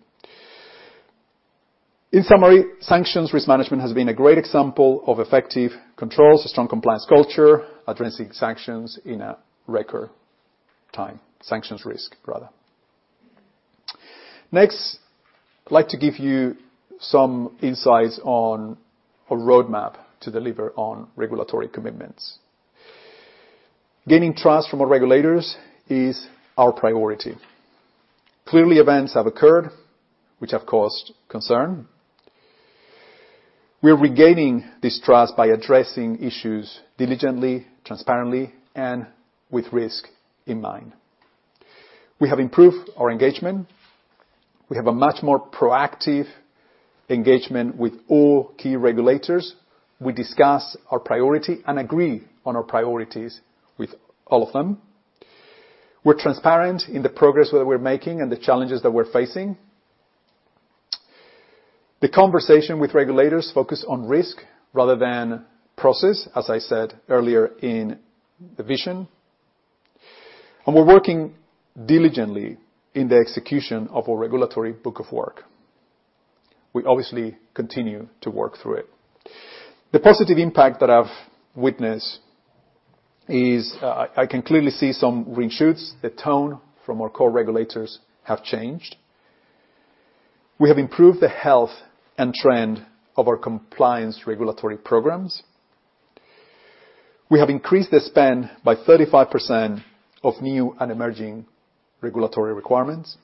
S4: In summary, sanctions risk management has been a great example of effective controls, strong compliance culture, addressing sanctions in a record time. Sanctions risk, rather. Next, I'd like to give you some insights on a roadmap to deliver on regulatory commitments. Gaining trust from our regulators is our priority. Clearly, events have occurred which have caused concern. We're regaining this trust by addressing issues diligently, transparently, and with risk in mind. We have improved our engagement. We have a much more proactive engagement with all key regulators. We discuss our priority and agree on our priorities with all of them. We're transparent in the progress that we're making and the challenges that we're facing. The conversation with regulators focus on risk rather than process, as I said earlier in the vision, and we're working diligently in the execution of a regulatory book of work. We obviously continue to work through it. The positive impact that I've witnessed is I can clearly see some green shoots. The tone from our core regulators have changed. We have improved the health and trend of our compliance regulatory programs. We have increased the spend by 35% of new and emerging regulatory requirements.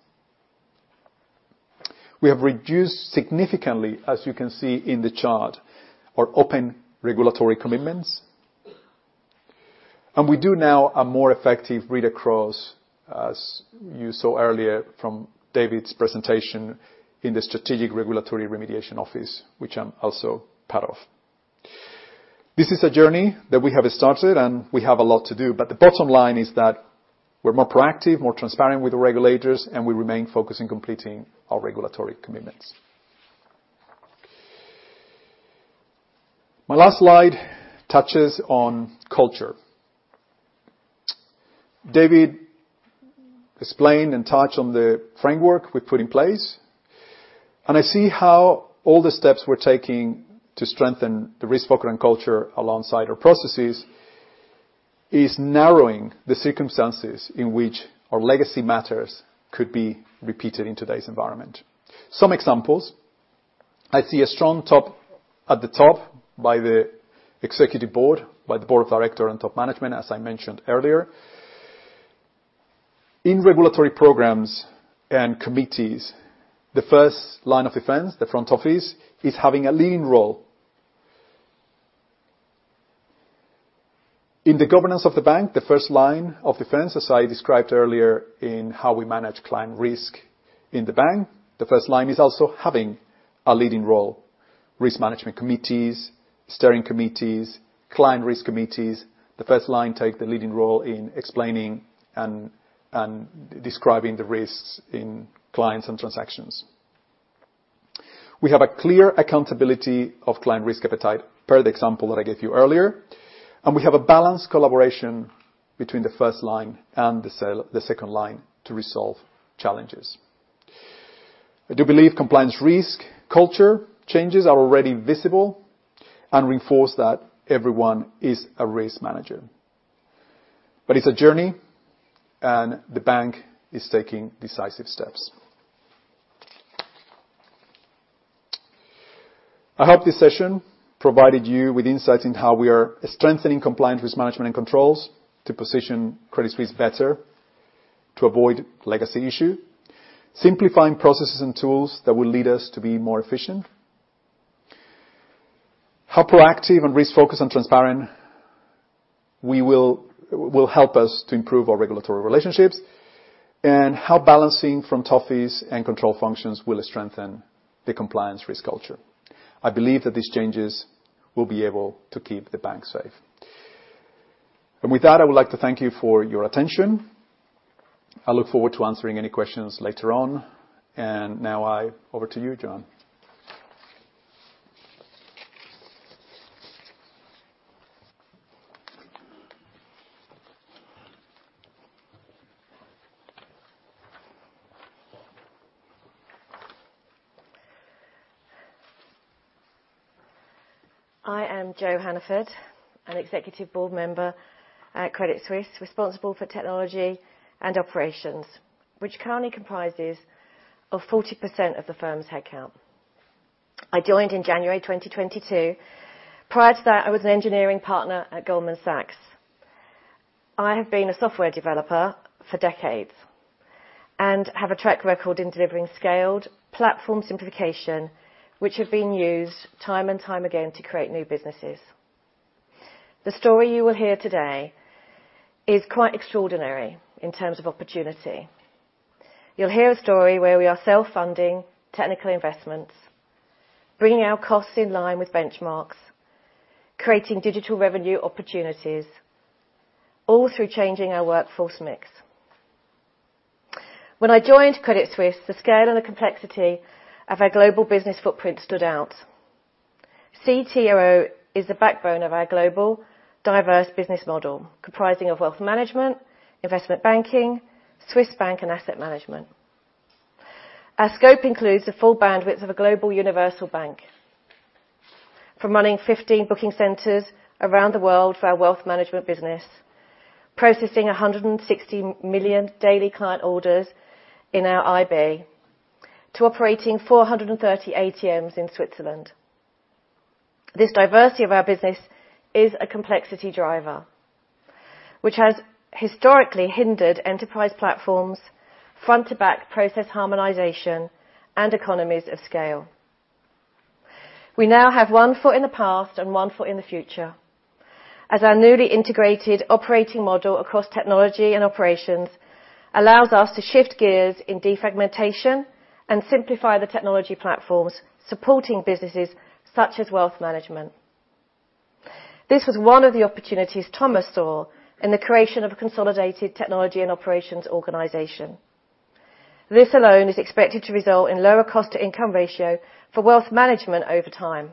S4: We have reduced significantly, as you can see in the chart, our open regulatory commitments, and we do now a more effective read across, as you saw earlier from David's presentation, in the strategic regulatory remediation office, which I'm also part of. This is a journey that we have started and we have a lot to do, but the bottom line is that we're more proactive, more transparent with the regulators, and we remain focused in completing our regulatory commitments. My last slide touches on culture. David explained and touched on the framework we put in place, and I see how all the steps we're taking to strengthen the risk-focused culture alongside our processes is narrowing the circumstances in which our legacy matters could be repeated in today's environment. Some examples. I see a strong tone at the top by the Executive Board, by the Board of Directors and top management, as I mentioned earlier. In regulatory programs and committees, the first line of defense, the front office, is having a leading role. In the governance of the bank, the first line of defense, as I described earlier in how we manage client risk in the bank, the first line is also having a leading role. Risk management committees, steering committees, client risk committees, the first line take the leading role in explaining and describing the risks in clients and transactions. We have a clear accountability of client risk appetite, per the example that I gave you earlier, and we have a balanced collaboration between the first line and the second line to resolve challenges. I do believe compliance risk culture changes are already visible and reinforce that everyone is a risk manager. It's a journey, and the bank is taking decisive steps. I hope this session provided you with insights into how we are strengthening compliance risk management and controls to position Credit Suisse better to avoid legacy issue, simplifying processes and tools that will lead us to be more efficient, how proactive and risk-focused and transparent we will help us to improve our regulatory relationships, and how balancing from top fees and control functions will strengthen the compliance risk culture. I believe that these changes will be able to keep the bank safe. With that, I would like to thank you for your attention. I look forward to answering any questions later on. Now over to you, Jo.
S5: I am Jo Hannaford, an Executive Board member at Credit Suisse, responsible for technology and operations, which currently comprises 40% of the firm's headcount. I joined in January 2022. Prior to that, I was an engineering partner at Goldman Sachs. I have been a software developer for decades and have a track record in delivering scaled platform simplification, which have been used time and time again to create new businesses. The story you will hear today is quite extraordinary in terms of opportunity. You'll hear a story where we are self-funding technical investments, bringing our costs in line with benchmarks, creating digital revenue opportunities, all through changing our workforce mix. When I joined Credit Suisse, the scale and the complexity of our global business footprint stood out. CTOO is the backbone of our global diverse business model comprising of wealth management, investment banking, Swiss Bank and asset management. Our scope includes the full bandwidth of a global universal bank. From running 15 booking centers around the world for our wealth management business, processing 160 million daily client orders in our IB, to operating 430 ATMs in Switzerland. This diversity of our business is a complexity driver, which has historically hindered enterprise platforms, front to back process harmonization, and economies of scale. We now have one foot in the past and one foot in the future, as our newly integrated operating model across technology and operations allows us to shift gears in defragmentation and simplify the technology platforms, supporting businesses such as wealth management. This was one of the opportunities Thomas saw in the creation of a consolidated technology and operations organization. This alone is expected to result in lower cost to income ratio for wealth management over time.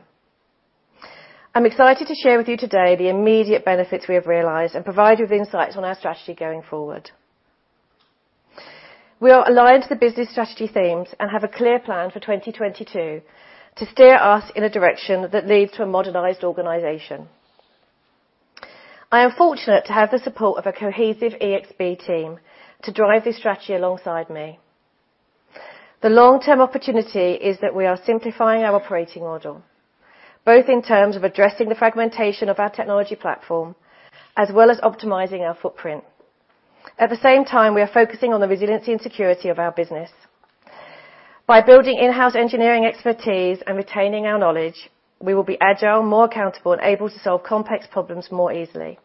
S5: I'm excited to share with you today the immediate benefits we have realized and provide you with insights on our strategy going forward. We are aligned to the business strategy themes and have a clear plan for 2022 to steer us in a direction that leads to a modernized organization. I am fortunate to have the support of a cohesive ExB team to drive this strategy alongside me. The long-term opportunity is that we are simplifying our operating model, both in terms of addressing the fragmentation of our technology platform, as well as optimizing our footprint. At the same time, we are focusing on the resiliency and security of our business. By building in-house engineering expertise and retaining our knowledge, we will be agile, more accountable, and able to solve complex problems more easily.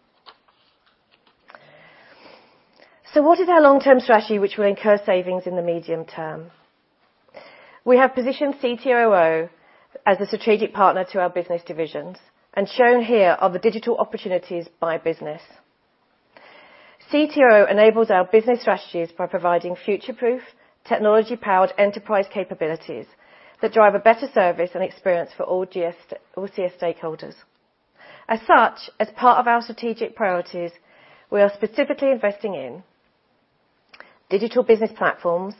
S5: What is our long-term strategy which will incur savings in the medium term? We have positioned CTOO as a strategic partner to our business divisions, and shown here are the digital opportunities by business. CTOO enables our business strategies by providing future-proof, technology-powered enterprise capabilities that drive a better service and experience for all CS stakeholders. As such, as part of our strategic priorities, we are specifically investing in digital business platforms.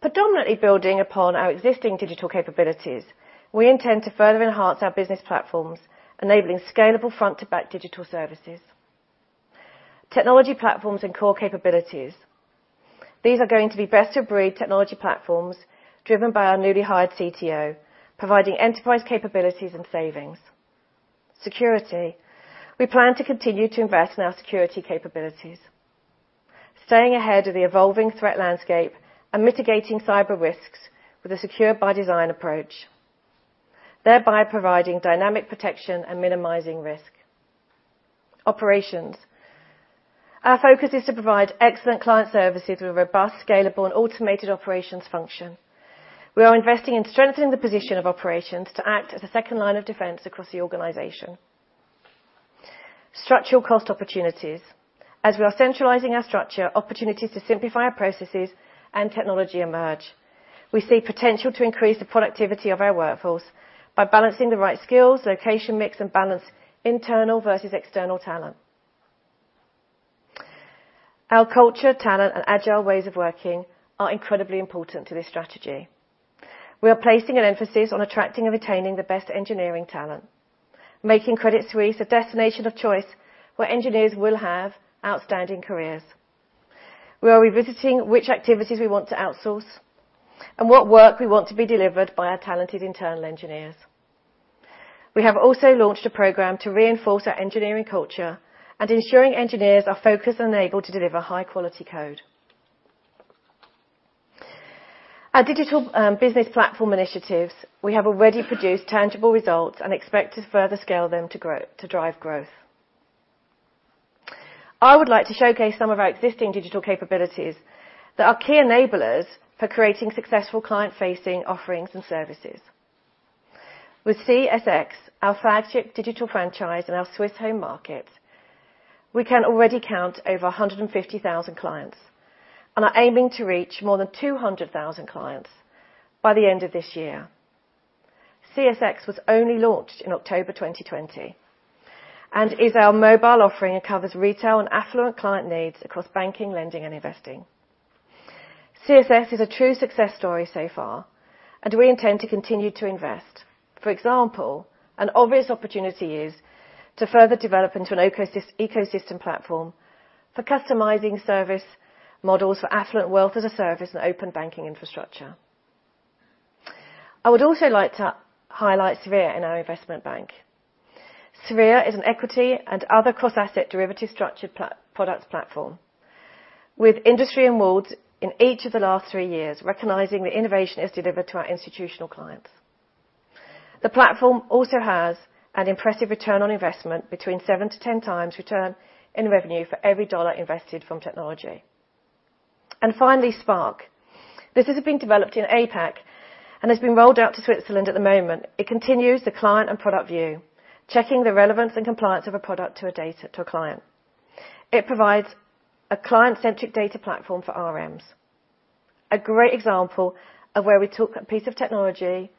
S5: Predominantly building upon our existing digital capabilities, we intend to further enhance our business platforms, enabling scalable front-to-back digital services. Technology platforms and core capabilities. These are going to be best-of-breed technology platforms driven by our newly hired CTO, providing enterprise capabilities and savings. Security. We plan to continue to invest in our security capabilities, staying ahead of the evolving threat landscape and mitigating cyber risks with a secure-by-design approach, thereby providing dynamic protection and minimizing risk. Operations. Our focus is to provide excellent client services with a robust, scalable, and automated operations function. We are investing in strengthening the position of operations to act as a second line of defense across the organization. Structural cost opportunities. As we are centralizing our structure, opportunities to simplify our processes and technology emerge. We see potential to increase the productivity of our workforce by balancing the right skills, location mix, and balance internal versus external talent. Our culture, talent, and agile ways of working are incredibly important to this strategy. We are placing an emphasis on attracting and retaining the best engineering talent, making Credit Suisse a destination of choice where engineers will have outstanding careers. We are revisiting which activities we want to outsource and what work we want to be delivered by our talented internal engineers. We have also launched a program to reinforce our engineering culture and ensuring engineers are focused and able to deliver high-quality code. Our digital business platform initiatives, we have already produced tangible results and expect to further scale them to drive growth. I would like to showcase some of our existing digital capabilities that are key enablers for creating successful client-facing offerings and services. With CSX, our flagship digital franchise in our Swiss home market, we can already count over 150,000 clients and are aiming to reach more than 200,000 clients by the end of this year. CSX was only launched in October 2020 and is our mobile offering. It covers retail and affluent client needs across banking, lending, and investing. CSX is a true success story so far, and we intend to continue to invest. For example, an obvious opportunity is to further develop into an ecosystem platform for customizing service models for affluent wealth as a service and open banking infrastructure. I would also like to highlight Sverea in our Investment Bank. Sverea is an equity and other cross-asset derivative structured products platform. With industry awards in each of the last three years, recognizing the innovation delivered to our institutional clients. The platform also has an impressive return on investment between 7-10 times return in revenue for every dollar invested in technology. Finally, Spark. This has been developed in APAC and has been rolled out to Switzerland at the moment. It continues the client and product view, checking the relevance and compliance of a product to a client. It provides a client-centric data platform for RMs. A great example of where we took a piece of technology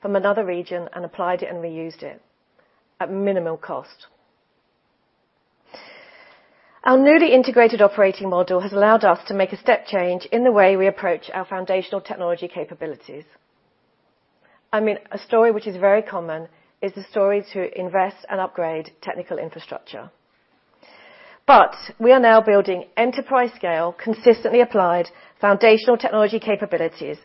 S5: from another region and applied it and reused it at minimal cost. Our newly integrated operating model has allowed us to make a step change in the way we approach our foundational technology capabilities. I mean, a story which is very common is the story to invest and upgrade technical infrastructure. We are now building enterprise scale, consistently applied foundational technology capabilities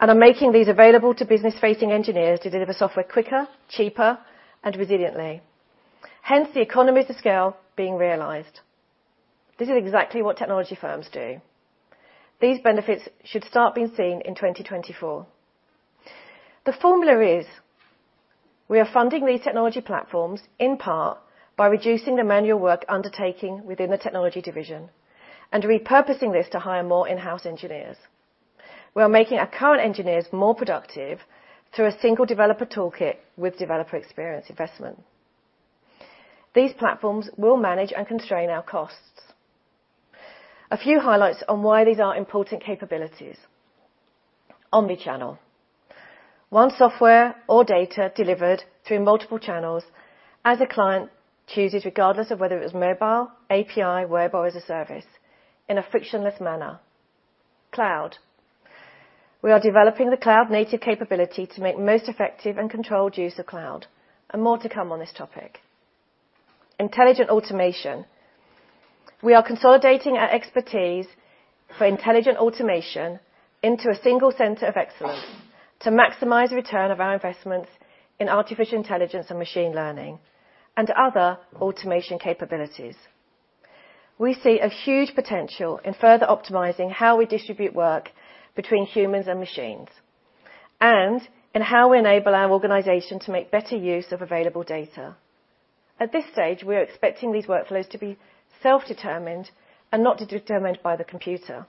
S5: and are making these available to business-facing engineers to deliver software quicker, cheaper and resiliently. Hence, the economies of scale being realized. This is exactly what technology firms do. These benefits should start being seen in 2024. The formula is we are funding these technology platforms in part by reducing the manual work undertaking within the technology division and repurposing this to hire more in-house engineers. We are making our current engineers more productive through a single developer toolkit with developer experience investment. These platforms will manage and constrain our costs. A few highlights on why these are important capabilities. Omnichannel. One software or data delivered through multiple channels as a client chooses, regardless of whether it is mobile, API, web, or as a service in a frictionless manner. Cloud. We are developing the cloud native capability to make most effective and controlled use of cloud and more to come on this topic. Intelligent automation. We are consolidating our expertise for intelligent automation into a single center of excellence to maximize return of our investments in artificial intelligence and machine learning and other automation capabilities. We see a huge potential in further optimizing how we distribute work between humans and machines, and in how we enable our organization to make better use of available data. At this stage, we are expecting these workflows to be self-determined and not determined by the computer.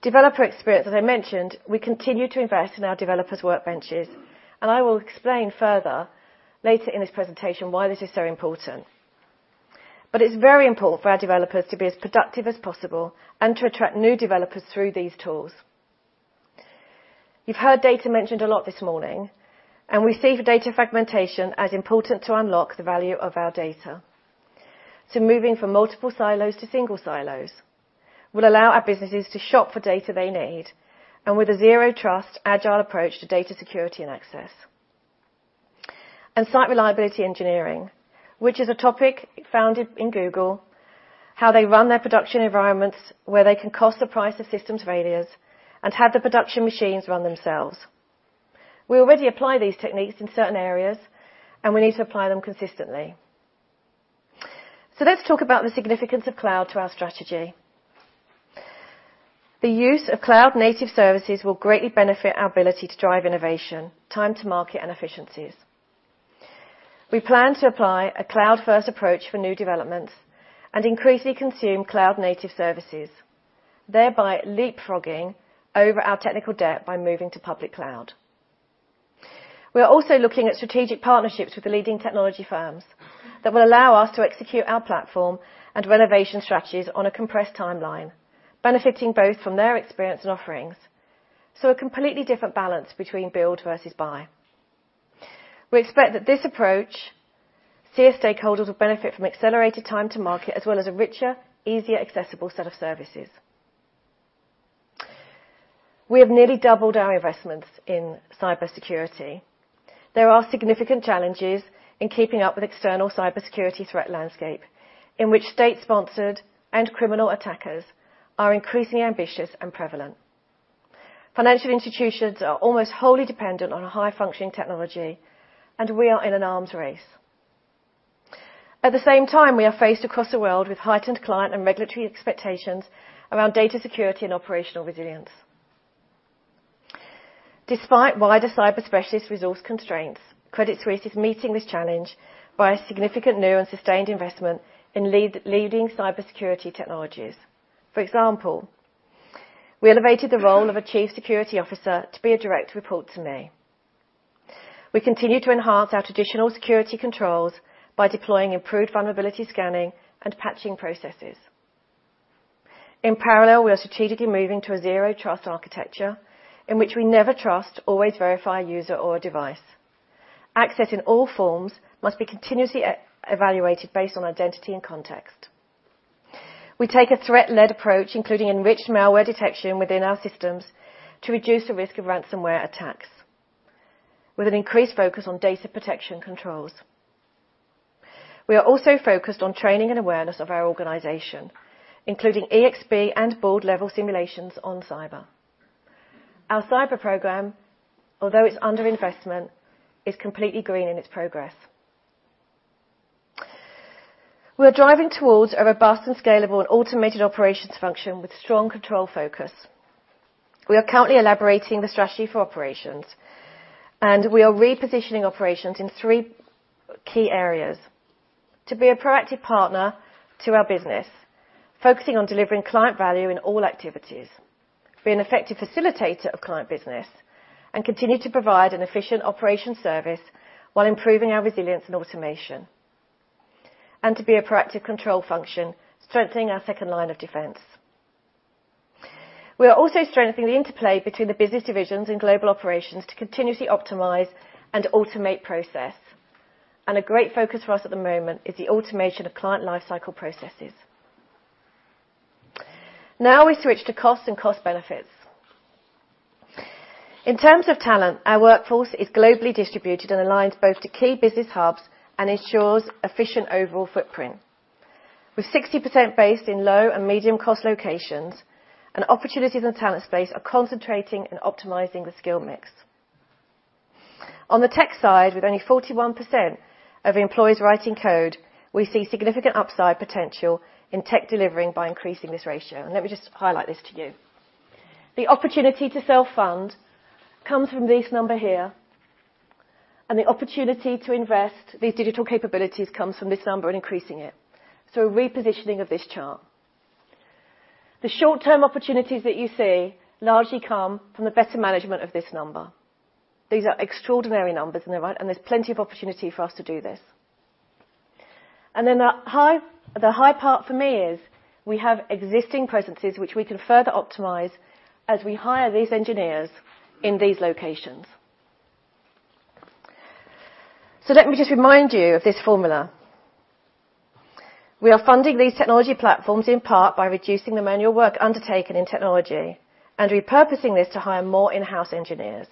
S5: Developer experience, as I mentioned, we continue to invest in our developers' workbenches, and I will explain further later in this presentation why this is so important. It's very important for our developers to be as productive as possible and to attract new developers through these tools. You've heard data mentioned a lot this morning, and we see data fragmentation as important to unlock the value of our data. Moving from multiple silos to single silos will allow our businesses to shop for data they need and with a zero trust, agile approach to data security and access. Site reliability engineering, which is a topic founded in Google, how they run their production environments, where they can cost the price of systems failures and have the production machines run themselves. We already apply these techniques in certain areas, and we need to apply them consistently. Let's talk about the significance of cloud to our strategy. The use of cloud native services will greatly benefit our ability to drive innovation, time to market and efficiencies. We plan to apply a cloud first approach for new developments and increasingly consume cloud native services, thereby leapfrogging over our technical debt by moving to public cloud. We are also looking at strategic partnerships with the leading technology firms that will allow us to execute our platform and renovation strategies on a compressed timeline, benefiting both from their experience and offerings. A completely different balance between build versus buy. We expect that this approach CS stakeholders will benefit from accelerated time to market as well as a richer, easily accessible set of services. We have nearly doubled our investments in cybersecurity. There are significant challenges in keeping up with external cybersecurity threat landscape in which state-sponsored and criminal attackers are increasingly ambitious and prevalent. Financial institutions are almost wholly dependent on a high-functioning technology, and we are in an arms race. At the same time, we are faced across the world with heightened client and regulatory expectations around data security and operational resilience. Despite wider cyber-specialist resource constraints, Credit Suisse is meeting this challenge by a significant new and sustained investment in leading cybersecurity technologies. For example, we elevated the role of a chief security officer to be a direct report to me. We continue to enhance our traditional security controls by deploying improved vulnerability scanning and patching processes. In parallel, we are strategically moving to a zero trust architecture in which we never trust, always verify user or device. Access in all forms must be continuously evaluated based on identity and context. We take a threat-led approach, including enriched malware detection within our systems, to reduce the risk of ransomware attacks with an increased focus on data protection controls. We are also focused on training and awareness of our organization, including ExB and board level simulations on cyber. Our cyber program, although it's under investment, is completely green in its progress. We are driving towards a robust and scalable and automated operations function with strong control focus. We are currently elaborating the strategy for operations, and we are repositioning operations in three key areas, to be a proactive partner to our business, focusing on delivering client value in all activities, be an effective facilitator of client business, and continue to provide an efficient operation service while improving our resilience and automation, and to be a proactive control function, strengthening our second line of defense. We are also strengthening the interplay between the business divisions and global operations to continuously optimize and automate process. A great focus for us at the moment is the automation of client lifecycle processes. Now we switch to cost and cost benefits. In terms of talent, our workforce is globally distributed and aligns both to key business hubs and ensures efficient overall footprint. With 60% based in low- and medium-cost locations and opportunities in the talent space are concentrating and optimizing the skill mix. On the tech side, with only 41% of employees writing code, we see significant upside potential in tech delivering by increasing this ratio. Let me just highlight this to you. The opportunity to self-fund comes from this number here, and the opportunity to invest these digital capabilities comes from this number and increasing it. A repositioning of this chart. The short-term opportunities that you see largely come from the better management of this number. These are extraordinary numbers, and they're right, and there's plenty of opportunity for us to do this. The high part for me is we have existing presences which we can further optimize as we hire these engineers in these locations. Let me just remind you of this formula. We are funding these technology platforms in part by reducing the manual work undertaken in technology and repurposing this to hire more in-house engineers.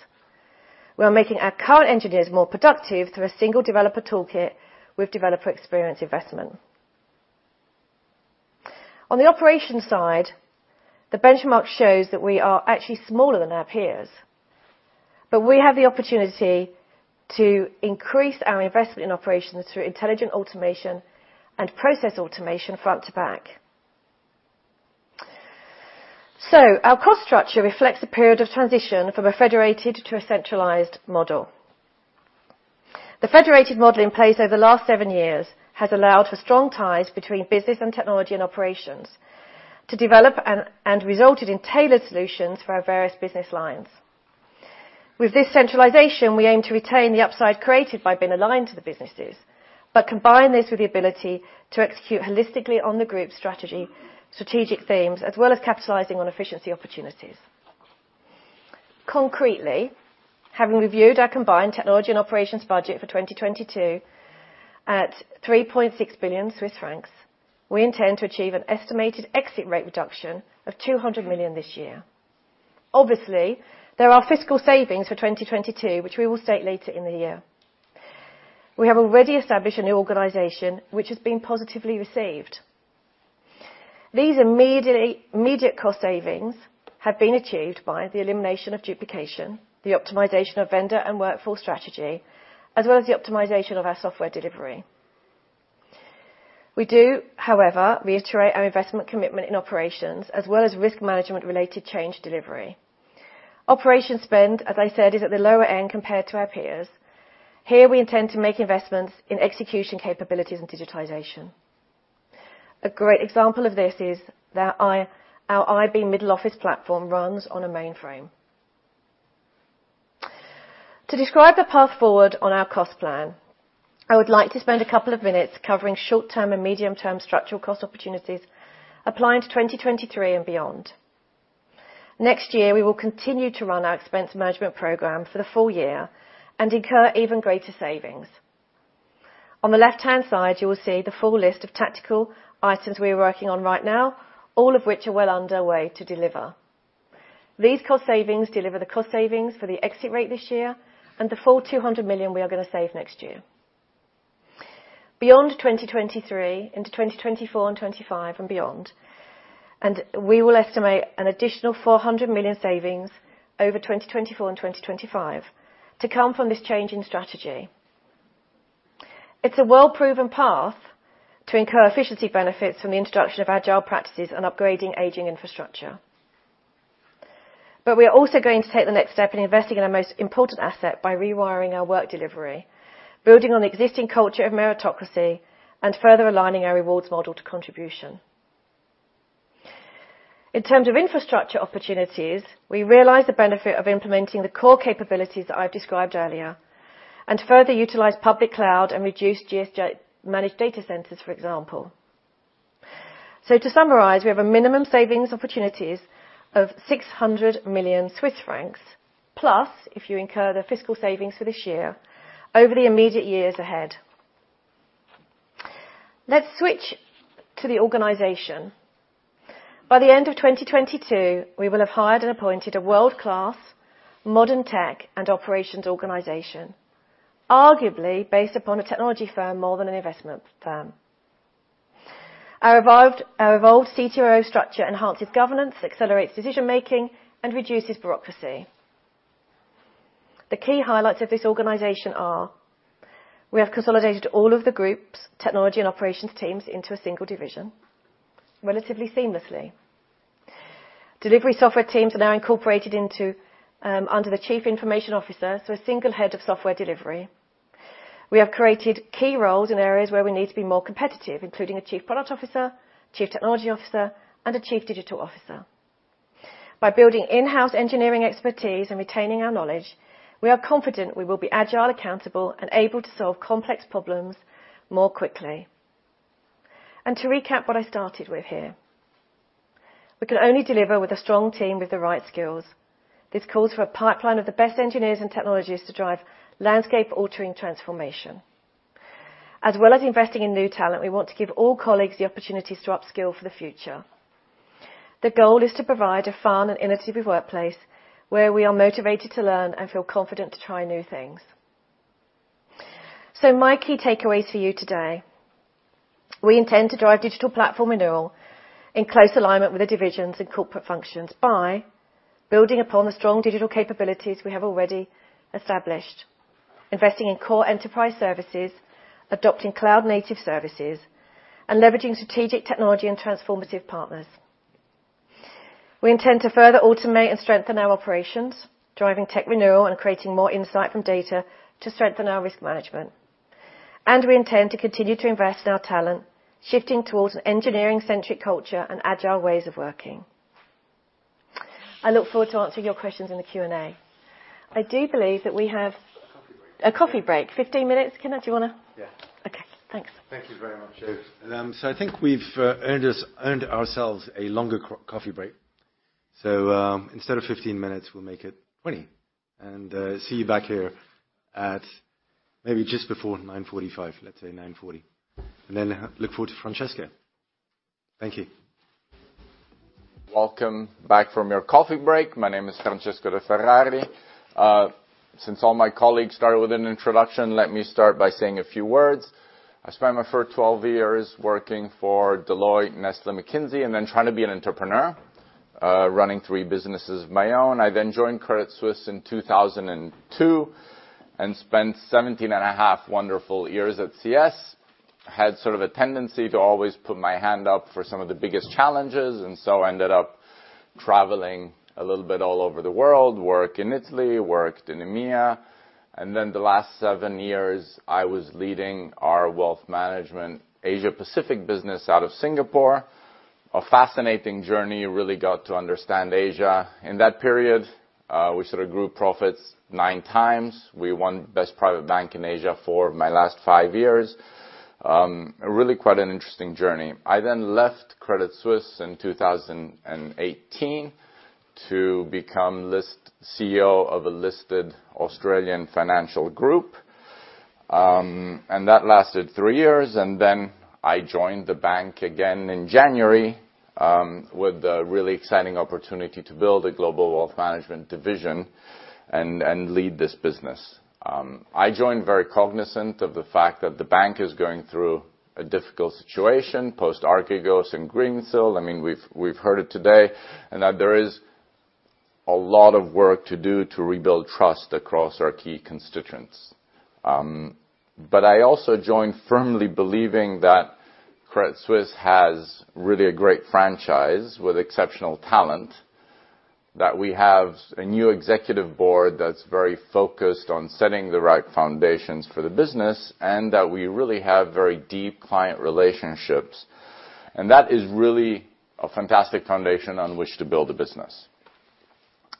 S5: We are making our current engineers more productive through a single developer toolkit with developer experience investment. On the operations side, the benchmark shows that we are actually smaller than our peers, but we have the opportunity to increase our investment in operations through intelligent automation and process automation front to back. Our cost structure reflects a period of transition from a federated to a centralized model. The federated model in place over the last seven years has allowed for strong ties between business and technology and operations to develop and resulted in tailored solutions for our various business lines. With this centralization, we aim to retain the upside created by being aligned to the businesses, but combine this with the ability to execute holistically on the group strategy, strategic themes, as well as capitalizing on efficiency opportunities. Concretely, having reviewed our combined technology and operations budget for 2022 at 3.6 billion Swiss francs, we intend to achieve an estimated exit rate reduction of 200 million this year. Obviously, there are fiscal savings for 2022, which we will state later in the year. We have already established a new organization which has been positively received. These immediate cost savings have been achieved by the elimination of duplication, the optimization of vendor and workforce strategy, as well as the optimization of our software delivery. We do, however, reiterate our investment commitment in operations as well as risk management-related change delivery. Operating spend, as I said, is at the lower end compared to our peers. Here we intend to make investments in execution capabilities and digitization. A great example of this is that our IB middle office platform runs on a mainframe. To describe the path forward on our cost plan, I would like to spend a couple of minutes covering short-term and medium-term structural cost opportunities applying to 2023 and beyond. Next year, we will continue to run our expense management program for the full year and incur even greater savings. On the left-hand side, you will see the full list of tactical items we are working on right now, all of which are well underway to deliver. These cost savings deliver the cost savings for the exit rate this year and the full 200 million we are gonna save next year. Beyond 2023 into 2024 and 2025 and beyond, we will estimate an additional 400 million savings over 2024 and 2025 to come from this change in strategy. It's a well-proven path to incur efficiency benefits from the introduction of agile practices and upgrading aging infrastructure. We are also going to take the next step in investing in our most important asset by rewiring our work delivery, building on the existing culture of meritocracy and further aligning our rewards model to contribution. In terms of infrastructure opportunities, we realize the benefit of implementing the core capabilities that I've described earlier and further utilize public cloud and reduce GTS managed data centers, for example. To summarize, we have a minimum savings opportunities of 600 million Swiss francs, plus if you include the fiscal savings for this year over the immediate years ahead. Let's switch to the organization. By the end of 2022, we will have hired and appointed a world-class modern tech and operations organization, arguably based upon a technology firm more than an investment firm. Our evolved CTO structure enhances governance, accelerates decision-making, and reduces bureaucracy. The key highlights of this organization are. We have consolidated all of the group's technology and operations teams into a single division relatively seamlessly. Delivery software teams are now incorporated into under the chief information officer, so a single head of software delivery. We have created key roles in areas where we need to be more competitive, including a chief product officer, chief technology officer, and a chief digital officer. By building in-house engineering expertise and retaining our knowledge, we are confident we will be agile, accountable, and able to solve complex problems more quickly. To recap what I started with here, we can only deliver with a strong team with the right skills. This calls for a pipeline of the best engineers and technologists to drive landscape-altering transformation. As well as investing in new talent, we want to give all colleagues the opportunities to upskill for the future. The goal is to provide a fun and innovative workplace where we are motivated to learn and feel confident to try new things. My key takeaways for you today, we intend to drive digital platform renewal in close alignment with the divisions and corporate functions by building upon the strong digital capabilities we have already established, investing in core enterprise services, adopting cloud-native services, and leveraging strategic technology and transformative partners. We intend to further automate and strengthen our operations, driving tech renewal and creating more insight from data to strengthen our risk management. We intend to continue to invest in our talent, shifting towards an engineering-centric culture and agile ways of working. I look forward to answering your questions in the Q&A. I do believe that we have.
S1: A coffee break.
S5: a coffee break. 15 minutes. Kenneth, do you wanna?
S1: Yeah.
S5: Okay, thanks.
S1: Thank you very much, Jo. I think we've earned ourselves a longer coffee break. Instead of 15 minutes, we'll make it 20, and see you back here at maybe just before 9:45 A.M. Let's say 9:40 A.M. Then look forward to Francesco. Thank you.
S6: Welcome back from your coffee break. My name is Francesco De Ferrari. Since all my colleagues started with an introduction, let me start by saying a few words. I spent my first 12 years working for Deloitte, Nestlé, McKinsey, and then trying to be an entrepreneur, running three businesses of my own. I then joined Credit Suisse in 2002 and spent 17 and a half wonderful years at CS. Had sort of a tendency to always put my hand up for some of the biggest challenges, and so ended up traveling a little bit all over the world, work in Italy, worked in EMEA. Then the last seven years, I was leading our wealth management Asia Pacific business out of Singapore. A fascinating journey. Really got to understand Asia. In that period, we sort of grew profits nine times. We won Best Private Bank in Asia for my last five years. Really quite an interesting journey. I then left Credit Suisse in 2018 to become CEO of a listed Australian financial group, and that lasted three years. I joined the bank again in January with a really exciting opportunity to build a global wealth management division and lead this business. I joined very cognizant of the fact that the bank is going through a difficult situation post Archegos and Greensill. I mean, we've heard it today, and that there is a lot of work to do to rebuild trust across our key constituents. I also joined firmly believing that Credit Suisse has really a great franchise with exceptional talent, that we have a new Executive Board that's very focused on setting the right foundations for the business, and that we really have very deep client relationships. That is really a fantastic foundation on which to build a business.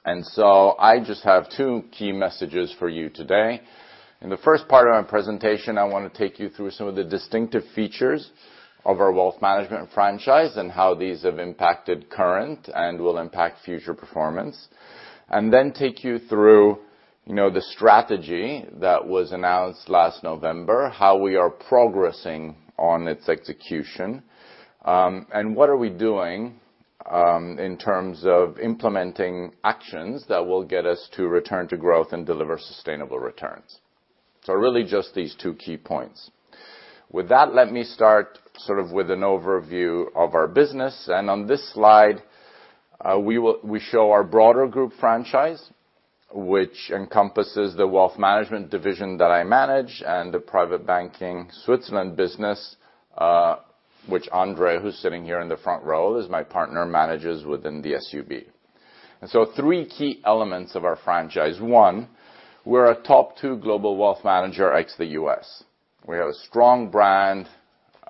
S6: I just have two key messages for you today. In the first part of my presentation, I wanna take you through some of the distinctive features of our wealth management franchise and how these have impacted current and will impact future performance. Then take you through, you know, the strategy that was announced last November, how we are progressing on its execution, and what are we doing in terms of implementing actions that will get us to return to growth and deliver sustainable returns. Really just these two key points. With that, let me start sort of with an overview of our business. On this slide, we show our broader group franchise, which encompasses the wealth management division that I manage and the private banking Switzerland business, which André, who's sitting here in the front row, is my partner, manages within the SUB. Three key elements of our franchise. One, we're a top two global wealth manager ex the US. We have a strong brand,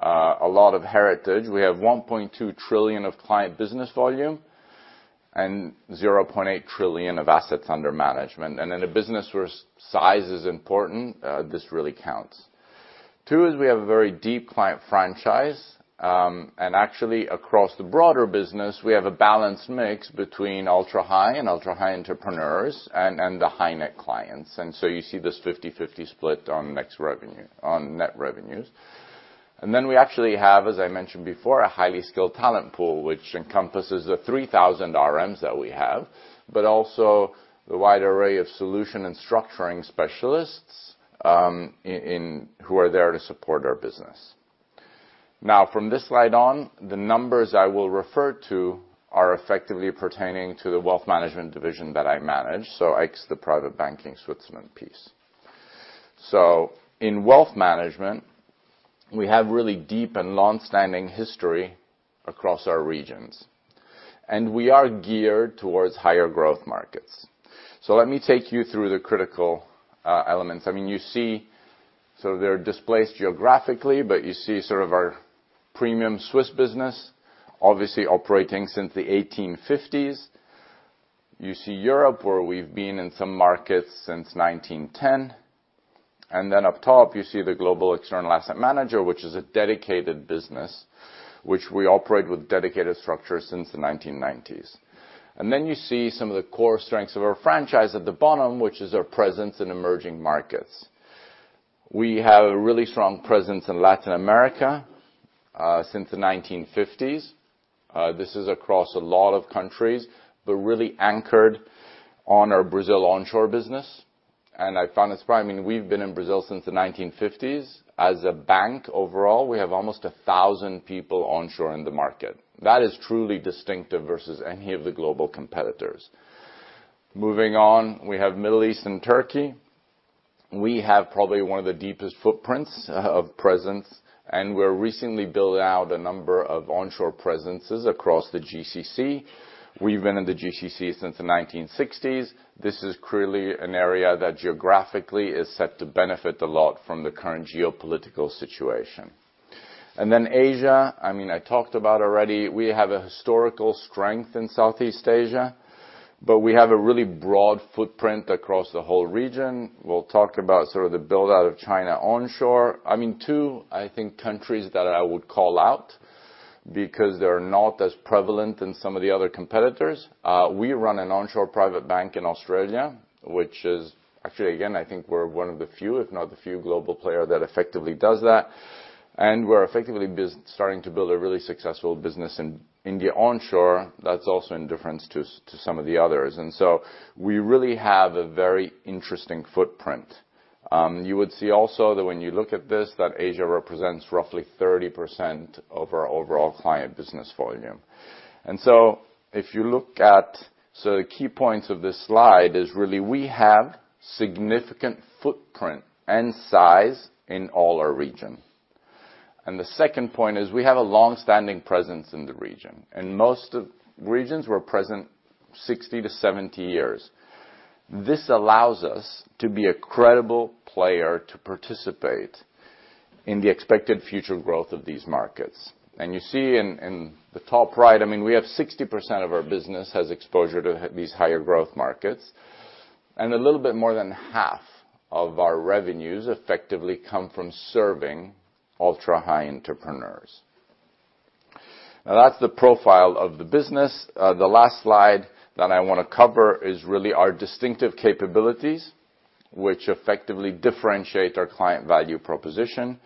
S6: a lot of heritage. We have 1.2 trillion of client business volume and 0.8 trillion of assets under management. In a business where size is important, this really counts. Two is we have a very deep client franchise, and actually across the broader business, we have a balanced mix between ultra-high entrepreneurs and the high net clients. You see this 50-50 split on net revenues. Then we actually have, as I mentioned before, a highly skilled talent pool, which encompasses the 3,000 RMs that we have, but also the wide array of solution and structuring specialists, who are there to support our business. Now from this slide on, the numbers I will refer to are effectively pertaining to the wealth management division that I manage, so X, the private banking Switzerland piece. In wealth management, we have really deep and long-standing history across our regions, and we are geared towards higher growth markets. Let me take you through the critical elements. I mean, you see, so they're displaced geographically, but you see sort of our premium Swiss business, obviously operating since the 1850s. You see Europe, where we've been in some markets since 1910. Then up top, you see the global external asset manager, which is a dedicated business, which we operate with dedicated structures since the 1990s. Then you see some of the core strengths of our franchise at the bottom, which is our presence in emerging markets. We have a really strong presence in Latin America, since the 1950s. This is across a lot of countries, but really anchored on our Brazil onshore business. I mean, we've been in Brazil since the 1950s. As a bank overall, we have almost 1,000 people onshore in the market. That is truly distinctive versus any of the global competitors. Moving on, we have Middle East and Turkey. We have probably one of the deepest footprints of presence, and we're recently building out a number of onshore presences across the GCC. We've been in the GCC since the 1960s. This is clearly an area that geographically is set to benefit a lot from the current geopolitical situation. Asia, I mean, I talked about already, we have a historical strength in Southeast Asia, but we have a really broad footprint across the whole region. We'll talk about sort of the build-out of China onshore. I mean, two, I think countries that I would call out because they're not as prevalent in some of the other competitors. We run an onshore private bank in Australia, which is actually, again, I think we're one of the few, if not the few global player that effectively does that. We're effectively best starting to build a really successful business in India onshore. That's also different to some of the others. We really have a very interesting footprint. You would see also that when you look at this, that Asia represents roughly 30% of our overall client business volume. The key points of this slide is really we have significant footprint and size in all our region. The second point is we have a long-standing presence in the region, and most of regions we're present 60-70 years. This allows us to be a credible player to participate in the expected future growth of these markets. You see in the top right, I mean, we have 60% of our business has exposure to these higher growth markets, and a little bit more than half of our revenues effectively come from serving ultra-high entrepreneurs. Now, that's the profile of the business. The last slide that I wanna cover is really our distinctive capabilities, which effectively differentiate our client value proposition.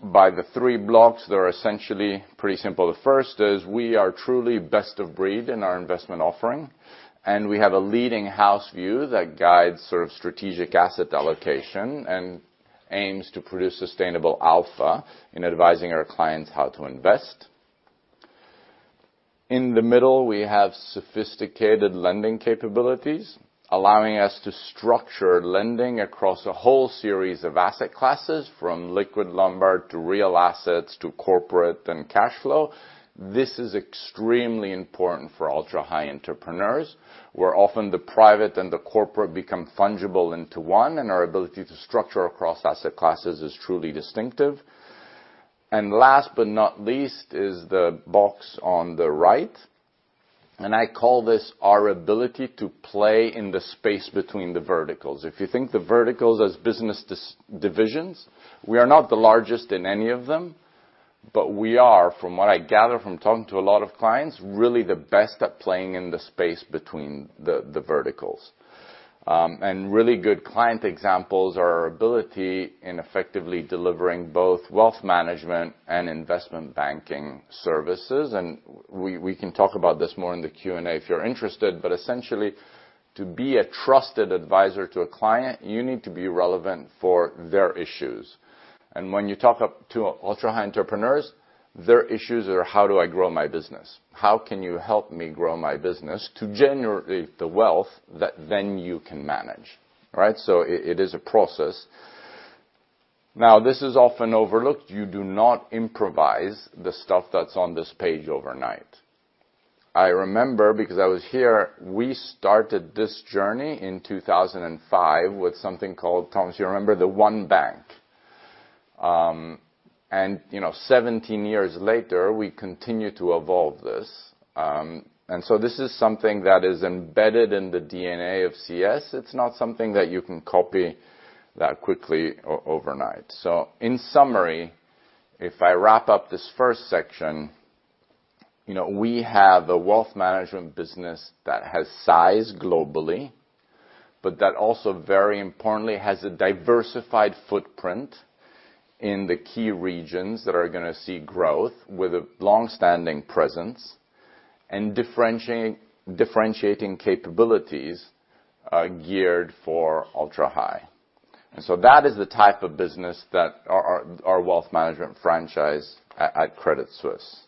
S6: By the three blocks, they're essentially pretty simple. The first is we are truly best of breed in our investment offering, and we have a leading house view that guides sort of strategic asset allocation and aims to produce sustainable alpha in advising our clients how to invest. In the middle, we have sophisticated lending capabilities, allowing us to structure lending across a whole series of asset classes, from liquid Lombard to real assets to corporate and cash flow. This is extremely important for ultra-high entrepreneurs, where often the private and the corporate become fungible into one, and our ability to structure across asset classes is truly distinctive. Last but not least is the box on the right, and I call this our ability to play in the space between the verticals. If you think of the verticals as business divisions, we are not the largest in any of them, but we are, from what I gather from talking to a lot of clients, really the best at playing in the space between the verticals. Really good client examples are our ability to effectively delivering both wealth management and investment banking services. We can talk about this more in the Q&A if you're interested. Essentially, to be a trusted advisor to a client, you need to be relevant for their issues. When you talk up to ultra-high entrepreneurs, their issues are how do I grow my business? How can you help me grow my business to generate the wealth that then you can manage, right? It is a process. Now, this is often overlooked. You do not improvise the stuff that's on this page overnight. I remember because I was here, we started this journey in 2005 with something called, Thomas, you remember, the One Bank. You know, 17 years later, we continue to evolve this. This is something that is embedded in the DNA of CS. It's not something that you can copy that quickly overnight. In summary, if I wrap up this first section, you know, we have a wealth management business that has size globally, but that also, very importantly, has a diversified footprint in the key regions that are gonna see growth with a long-standing presence. Differentiating capabilities geared for ultra-high. That is the type of business that our wealth management franchise at Credit Suisse.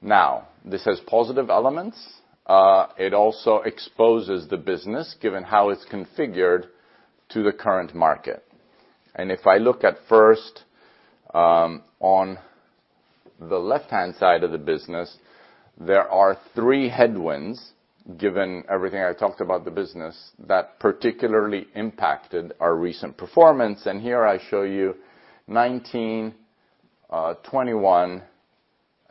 S6: Now, this has positive elements. It also exposes the business, given how it's confi gured to the current market. If I look at first, on the left-hand side of the business, there are three headwinds, given everything I talked about the business, that particularly impacted our recent performance. Here I show you 2019, 2021,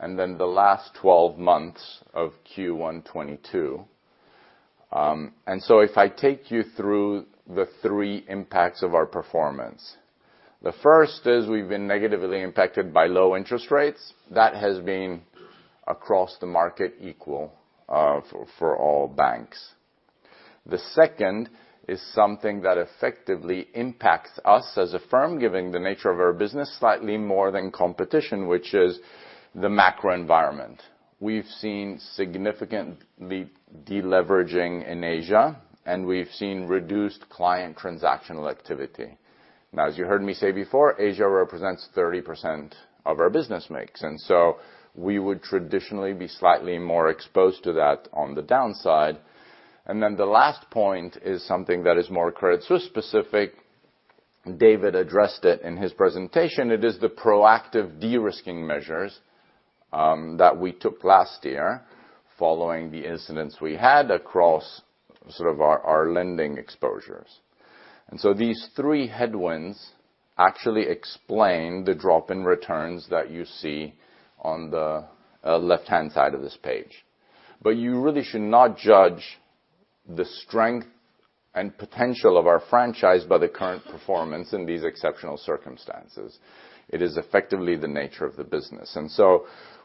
S6: and then the last twelve months of Q1 2022. If I take you through the three impacts of our performance, the first is we've been negatively impacted by low interest rates. That has been across the market equally for all banks. The second is something that effectively impacts us as a firm, given the nature of our business, slightly more than competitors, which is the macro environment. We've seen significant deleveraging in Asia, and we've seen reduced client transactional activity. Now, as you heard me say before, Asia represents 30% of our business mix, and we would traditionally be slightly more exposed to that on the downside. The last point is something that is more Credit Suisse specific. David addressed it in his presentation. It is the proactive de-risking measures that we took last year following the incidents we had across sort of our lending exposures. These three headwinds actually explain the drop in returns that you see on the left-hand side of this page. You really should not judge the strength and potential of our franchise by the current performance in these exceptional circumstances. It is effectively the nature of the business.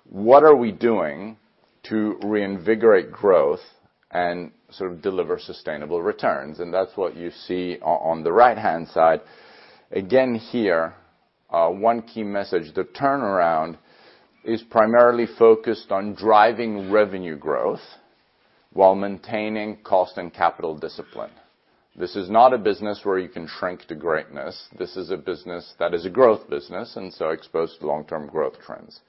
S6: What are we doing to reinvigorate growth and sort of deliver sustainable returns? That's what you see on the right-hand side. Again here, one key message. The turnaround is primarily focused on driving revenue growth while maintaining cost and capital discipline. This is not a business where you can shrink to greatness. This is a business that is a growth business, and so exposed to long-term growth trends.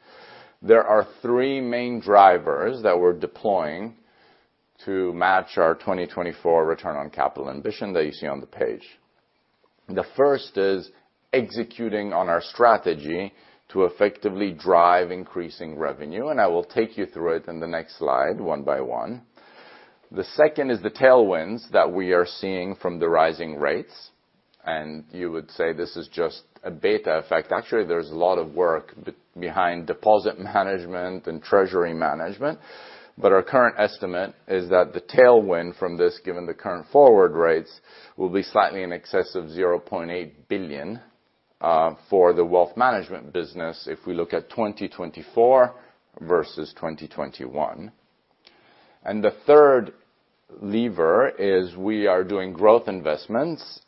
S6: There are three main drivers that we're deploying to match our 2024 return on capital ambition that you see on the page. The first is executing on our strategy to effectively drive increasing revenue, and I will take you through it in the next slide one by one. The second is the tailwinds that we are seeing from the rising rates, and you would say this is just a beta effect. Actually, there's a lot of work behind deposit management and treasury management, but our current estimate is that the tailwind from this, given the current forward rates, will be slightly in excess of 0.8 billion for the wealth management business if we look at 2024 versus 2021. The third lever is we are doing growth investments.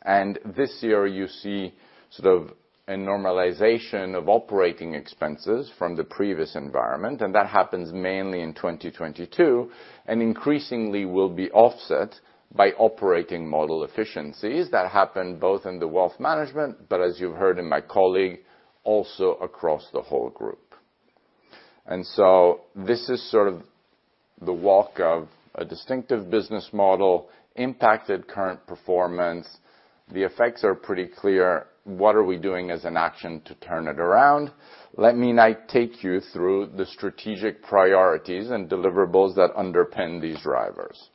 S6: This year you see sort of a normalization of operating expenses from the previous environment, and that happens mainly in 2022, and increasingly will be offset by operating model efficiencies that happen both in the wealth management, but as you heard in my colleague, also across the whole group. This is sort of the walk of a distinctive business model, impacted current performance. The effects are pretty clear. What are we doing as an action to turn it around? Let me now take you through the strategic priorities and deliverables that underpin these drivers.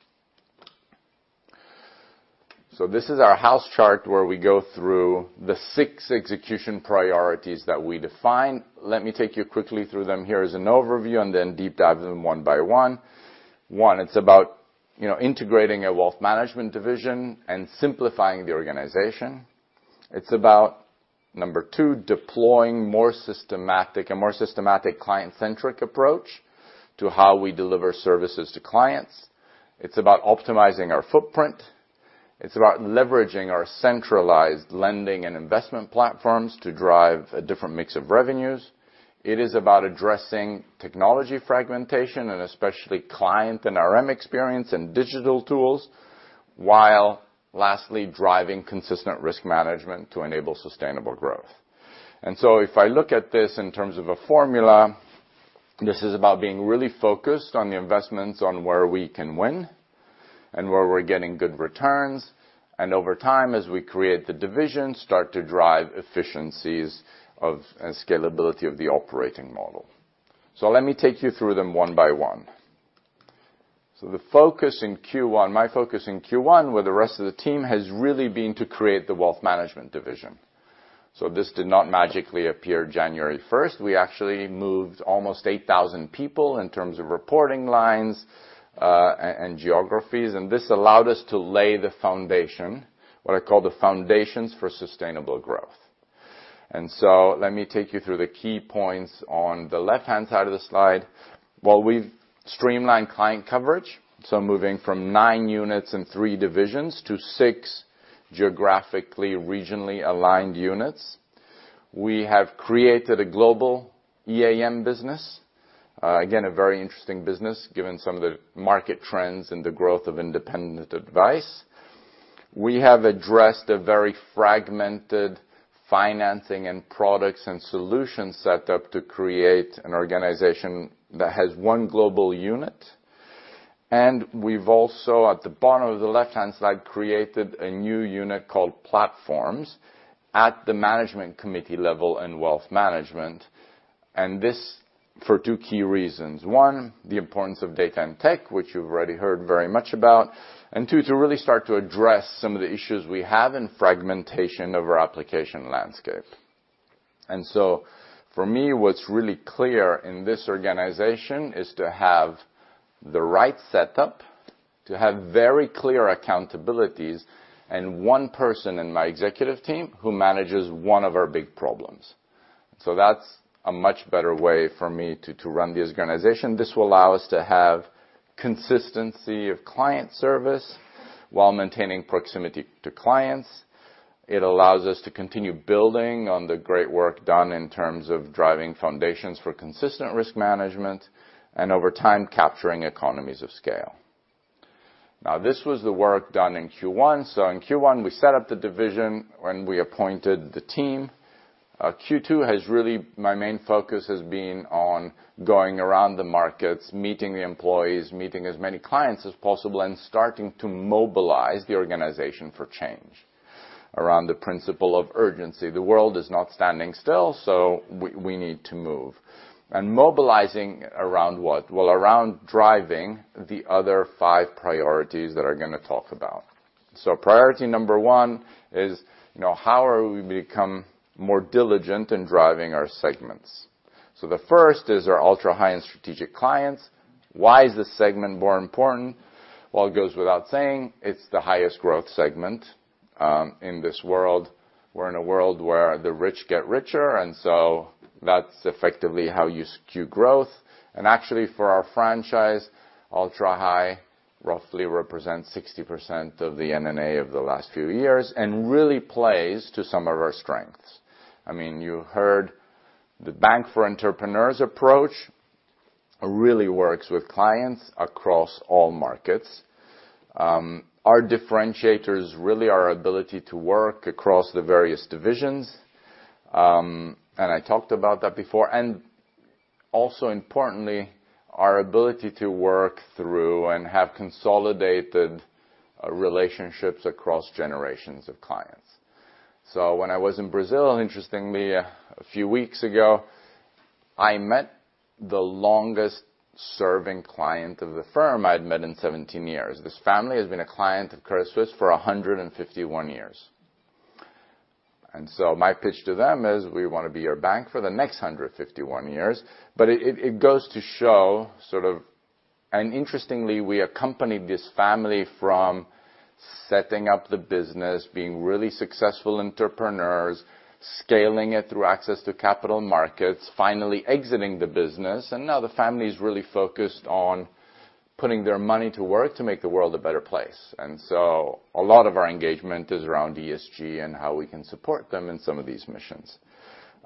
S6: This is our house chart where we go through the six execution priorities that we define. Let me take you quickly through them. Here is an overview and then deep dive them one by one. One, it's about, you know, integrating a wealth management division and simplifying the organization. It's about number two, deploying a more systematic client-centric approach to how we deliver services to clients. It's about optimizing our footprint. It's about leveraging our centralized lending and investment platforms to drive a different mix of revenues. It is about addressing technology fragmentation and especially client and RM experience and digital tools, while lastly, driving consistent risk management to enable sustainable growth. If I look at this in terms of a formula, this is about being really focused on the investments on where we can win and where we're getting good returns, and over time, as we create the division, start to drive efficiencies of and scalability of the operating model. Let me take you through them one by one. My focus in Q1 with the rest of the team has really been to create the wealth management division. This did not magically appear January first. We actually moved almost 8,000 people in terms of reporting lines, and geographies, and this allowed us to lay the foundation, what I call the foundations for sustainable growth. Let me take you through the key points on the left-hand side of the slide. Well, we've streamlined client coverage, so moving from 9 units and 3 divisions to 6 geographically regionally aligned units. We have created a global EAM business. Again, a very interesting business, given some of the market trends and the growth of independent advice. We have addressed a very fragmented financing and products and solutions set up to create an organization that has one global unit. We've also, at the bottom of the left-hand side, created a new unit called Platforms at the management committee level in wealth management, and this for two key reasons. One, the importance of data and tech, which you've already heard very much about. Two, to really start to address some of the issues we have in fragmentation of our application landscape. For me, what's really clear in this organization is to have the right setup, to have very clear accountabilities, and one person in my executive team who manages one of our big problems. That's a much better way for me to run this organization. This will allow us to have consistency of client service while maintaining proximity to clients. It allows us to continue building on the great work done in terms of driving foundations for consistent risk management and over time, capturing economies of scale. Now, this was the work done in Q1. In Q1, we set up the division when we appointed the team. In Q2, really, my main focus has been on going around the markets, meeting the employees, meeting as many clients as possible, and starting to mobilize the organization for change around the principle of urgency. The world is not standing still, so we need to move. Mobilizing around what? Well, around driving the other five priorities that I'm gonna talk about. Priority number one is, you know, how are we become more diligent in driving our segments? The first is our ultra-high net strategic clients. Why is this segment more important? Well, it goes without saying, it's the highest growth segment in this world. We're in a world where the rich get richer, and so that's effectively how you skew growth. Actually, for our franchise, ultra-high roughly represents 60% of the NNA of the last few years and really plays to some of our strengths. I mean, you heard the bank for entrepreneurs approach really works with clients across all markets. Our differentiators really are our ability to work across the various divisions. I talked about that before. Importantly, our ability to work through and have consolidated relationships across generations of clients. When I was in Brazil, interestingly, a few weeks ago, I met the longest serving client of the firm I'd met in 17 years. This family has been a client of Credit Suisse for 151 years. My pitch to them is, "We wanna be your bank for the next 151 years." It goes to show sort of. Interestingly, we accompanied this family from setting up the business, being really successful entrepreneurs, scaling it through access to capital markets, finally exiting the business, and now the family is really focused on putting their money to work to make the world a better place. A lot of our engagement is around ESG and how we can support them in some of these missions.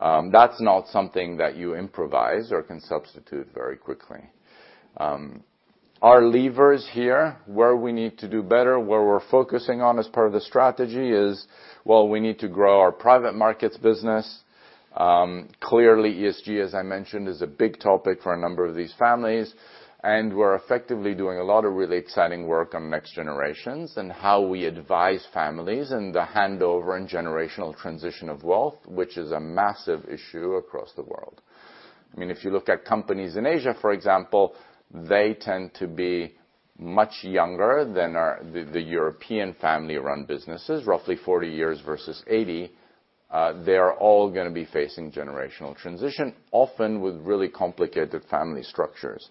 S6: That's not something that you improvise or can substitute very quickly. Our levers here, where we need to do better, where we're focusing on as part of the strategy is, well, we need to grow our private markets business. Clearly, ESG, as I mentioned, is a big topic for a number of these families, and we're effectively doing a lot of really exciting work on next generations and how we advise families in the handover and generational transition of wealth, which is a massive issue across the world. I mean, if you look at companies in Asia, for example, they tend to be much younger than the European family-run businesses, roughly 40 years versus 80. They are all gonna be facing generational transition, often with really complicated family structures.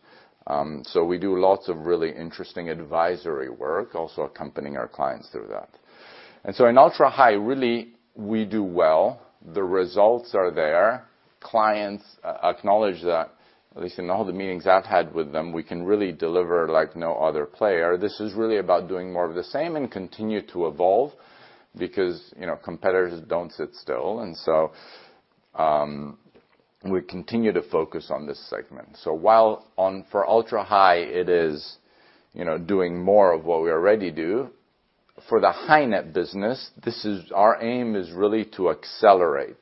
S6: We do lots of really interesting advisory work, also accompanying our clients through that. In ultra high, really we do well. The results are there. Clients acknowledge that, at least in all the meetings I've had with them, we can really deliver like no other player. This is really about doing more of the same and continue to evolve because, you know, competitors don't sit still. We continue to focus on this segment. While for ultra-high, it is, you know, doing more of what we already do. For the high-net-worth business, our aim is really to accelerate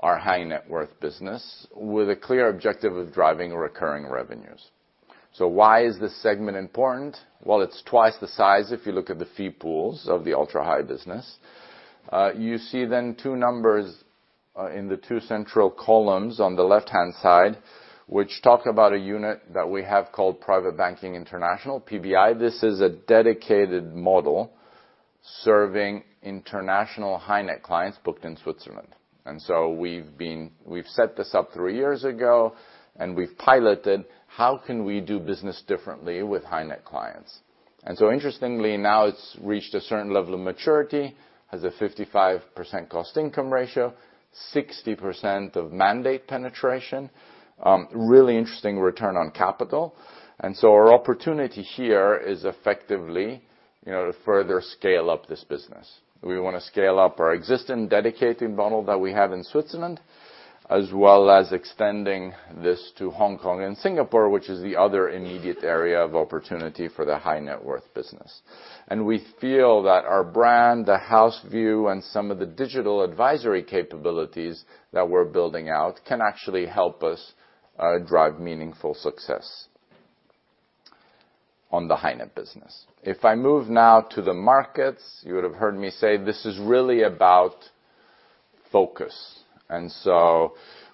S6: our high-net-worth business with a clear objective of driving recurring revenues. Why is this segment important? Well, it's twice the size if you look at the fee pools of the ultra-high business. You see then two numbers in the two central columns on the left-hand side, which talk about a unit that we have called Private Banking International, PBI. This is a dedicated model serving international high-net-worth clients booked in Switzerland. We've set this up three years ago, and we've piloted how can we do business differently with high net clients. Interestingly, now it's reached a certain level of maturity, has a 55% cost income ratio, 60% of mandate penetration, really interesting return on capital. Our opportunity here is effectively, you know, to further scale up this business. We wanna scale up our existing dedicated model that we have in Switzerland, as well as extending this to Hong Kong and Singapore, which is the other immediate area of opportunity for the high net worth business. We feel that our brand, the house view, and some of the digital advisory capabilities that we're building out can actually help us drive meaningful success on the high net business. If I move now to the markets, you would have heard me say this is really about focus.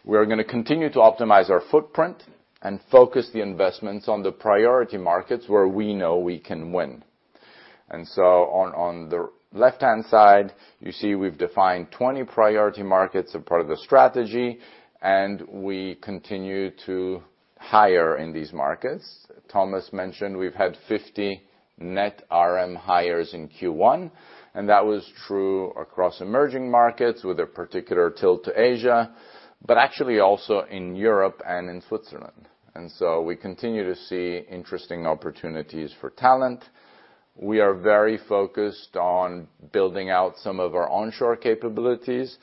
S6: We're gonna continue to optimize our footprint and focus the investments on the priority markets where we know we can win. On the left-hand side, you see we've defined 20 priority markets as part of the strategy, and we continue to hire in these markets. Thomas mentioned we've had 50 net RM hires in Q1, and that was true across emerging markets with a particular tilt to Asia, but actually also in Europe and in Switzerland. We continue to see interesting opportunities for talent. We are very focused on building out some of our onshore capabilities.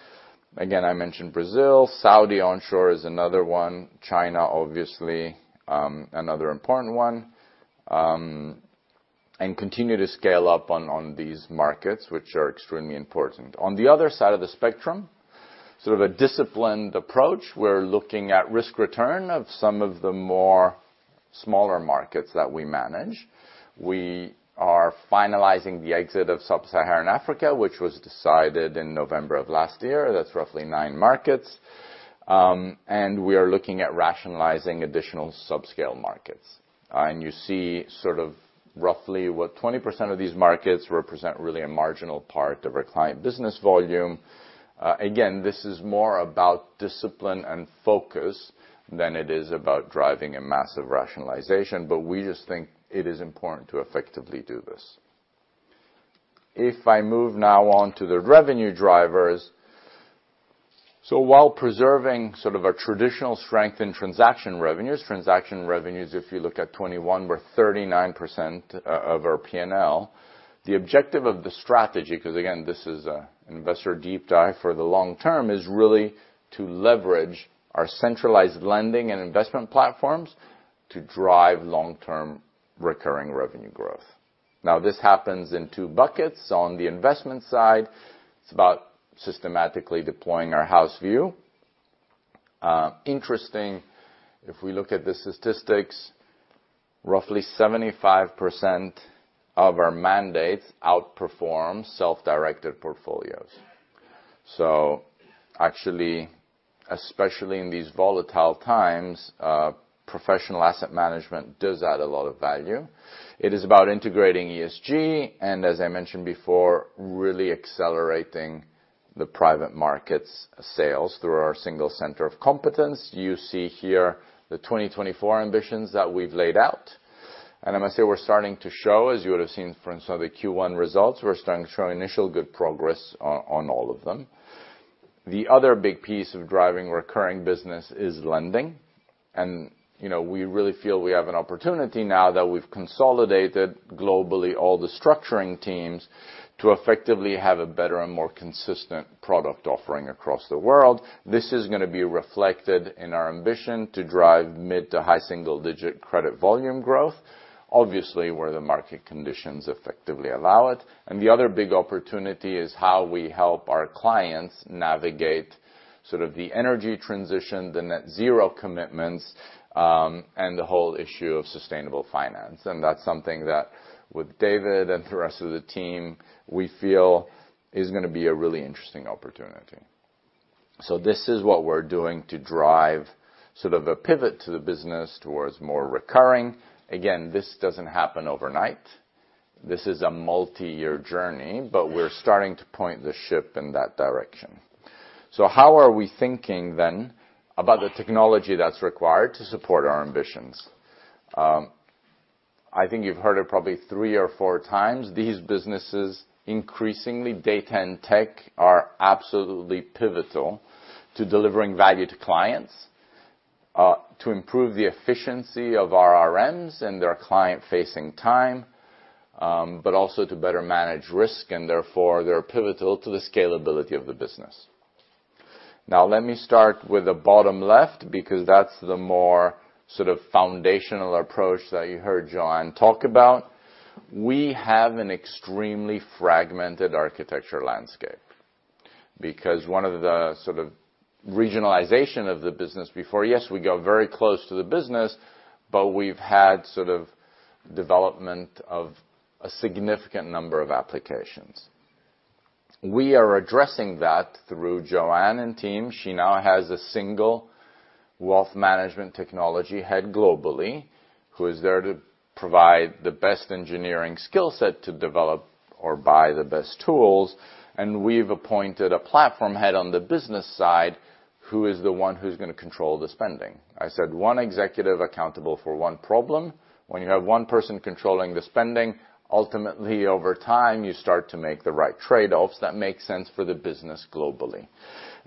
S6: Again, I mentioned Brazil. Saudi onshore is another one, China, obviously, another important one, and continue to scale up on these markets, which are extremely important. On the other side of the spectrum, sort of a disciplined approach. We're looking at risk return of some of the more smaller markets that we manage. We are finalizing the exit of Sub-Saharan Africa, which was decided in November of last year. That's roughly nine markets. We are looking at rationalizing additional subscale markets. You see sort of roughly what 20% of these markets represent really a marginal part of our client business volume. Again, this is more about discipline and focus than it is about driving a massive rationalization, but we just think it is important to effectively do this. If I move now on to the revenue drivers. While preserving sort of our traditional strength in transaction revenues, transaction revenues, if you look at 2021, were 39% of our P&L. The objective of the strategy, 'cause again, this is a investor deep dive for the long term, is really to leverage our centralized lending and investment platforms to drive long-term recurring revenue growth. Now, this happens in two buckets. On the investment side, it's about systematically deploying our house view. Interesting, if we look at the statistics, roughly 75% of our mandates outperform self-directed portfolios. So actually, especially in these volatile times, professional asset management does add a lot of value. It is about integrating ESG, and as I mentioned before, really accelerating the private markets sales through our single center of competence. You see here the 2024 ambitions that we've laid out. I must say we're starting to show, as you would have seen, for instance, the Q1 results, we're starting to show initial good progress on all of them. The other big piece of driving recurring business is lending. You know, we really feel we have an opportunity now that we've consolidated globally all the structuring teams to effectively have a better and more consistent product offering across the world. This is gonna be reflected in our ambition to drive mid to high single digit credit volume growth, obviously, where the market conditions effectively allow it. The other big opportunity is how we help our clients navigate sort of the energy transition, the net zero commitments, and the whole issue of sustainable finance. That's something that with David and the rest of the team, we feel is gonna be a really interesting opportunity. This is what we're doing to drive sort of a pivot to the business towards more recurring. Again, this doesn't happen overnight. This is a multi-year journey, but we're starting to point the ship in that direction. How are we thinking then about the technology that's required to support our ambitions? I think you've heard it probably three or four times. These businesses, increasingly data and tech, are absolutely pivotal to delivering value to clients, to improve the efficiency of our RM's and their client-facing time, but also to better manage risk, and therefore, they're pivotal to the scalability of the business. Now let me start with the bottom left because that's the more sort of foundational approach that you heard John talk about. We have an extremely fragmented architecture landscape because one of the sort of regionalization of the business before. Yes, we go very close to the business, but we've had sort of development of a significant number of applications. We are addressing that through Joanne and team. She now has a single wealth management technology head globally who is there to provide the best engineering skill set to develop or buy the best tools. We've appointed a platform head on the business side, who is the one who's gonna control the spending. I said one executive accountable for one problem. When you have one person controlling the spending, ultimately, over time, you start to make the right trade-offs that make sense for the business globally.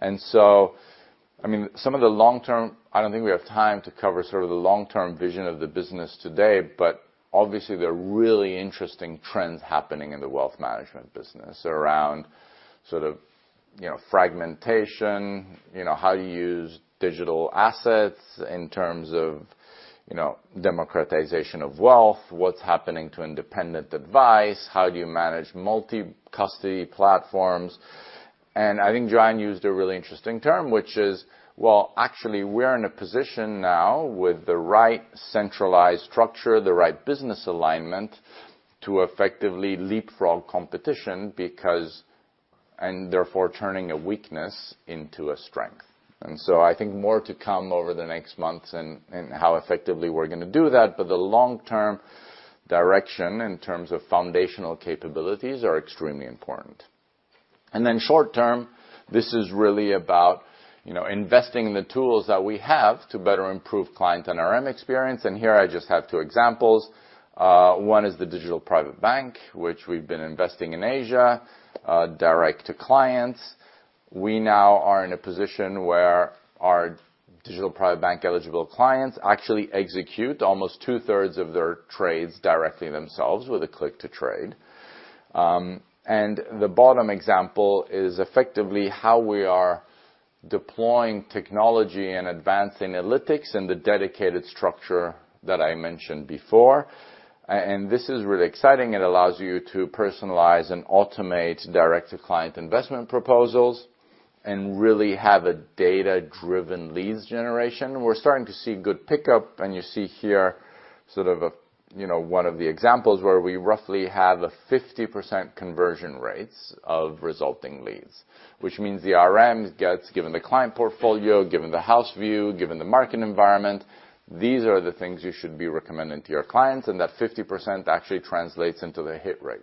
S6: I mean, some of the long-term. I don't think we have time to cover sort of the long-term vision of the business today, but obviously there are really interesting trends happening in the wealth management business around sort of, you know, fragmentation, you know, how you use digital assets in terms of, you know, democratization of wealth, what's happening to independent advice, how do you manage multi-custody platforms. I think Joanne used a really interesting term, which is, well, actually we're in a position now with the right centralized structure, the right business alignment to effectively leapfrog competition because, and therefore turning a weakness into a strength. I think more to come over the next months and how effectively we're gonna do that. The long-term direction in terms of foundational capabilities are extremely important. Short-term, this is really about, you know, investing in the tools that we have to better improve client and RM experience. Here I just have two examples. One is the Digital Private Bank, which we've been investing in Asia, direct to clients. We now are in a position where our Digital Private Bank-eligible clients actually execute almost two-thirds of their trades directly themselves with a click to trade. The bottom example is effectively how we are deploying technology and advanced analytics in the dedicated structure that I mentioned before. This is really exciting. It allows you to personalize and automate direct-to-client investment proposals and really have a data-driven leads generation. We're starting to see good pickup, and you see here sort of a, you know, one of the examples where we roughly have a 50% conversion rates of resulting leads, which means the RM gets given the client portfolio, given the house view, given the market environment, these are the things you should be recommending to your clients, and that 50% actually translates into the hit rate.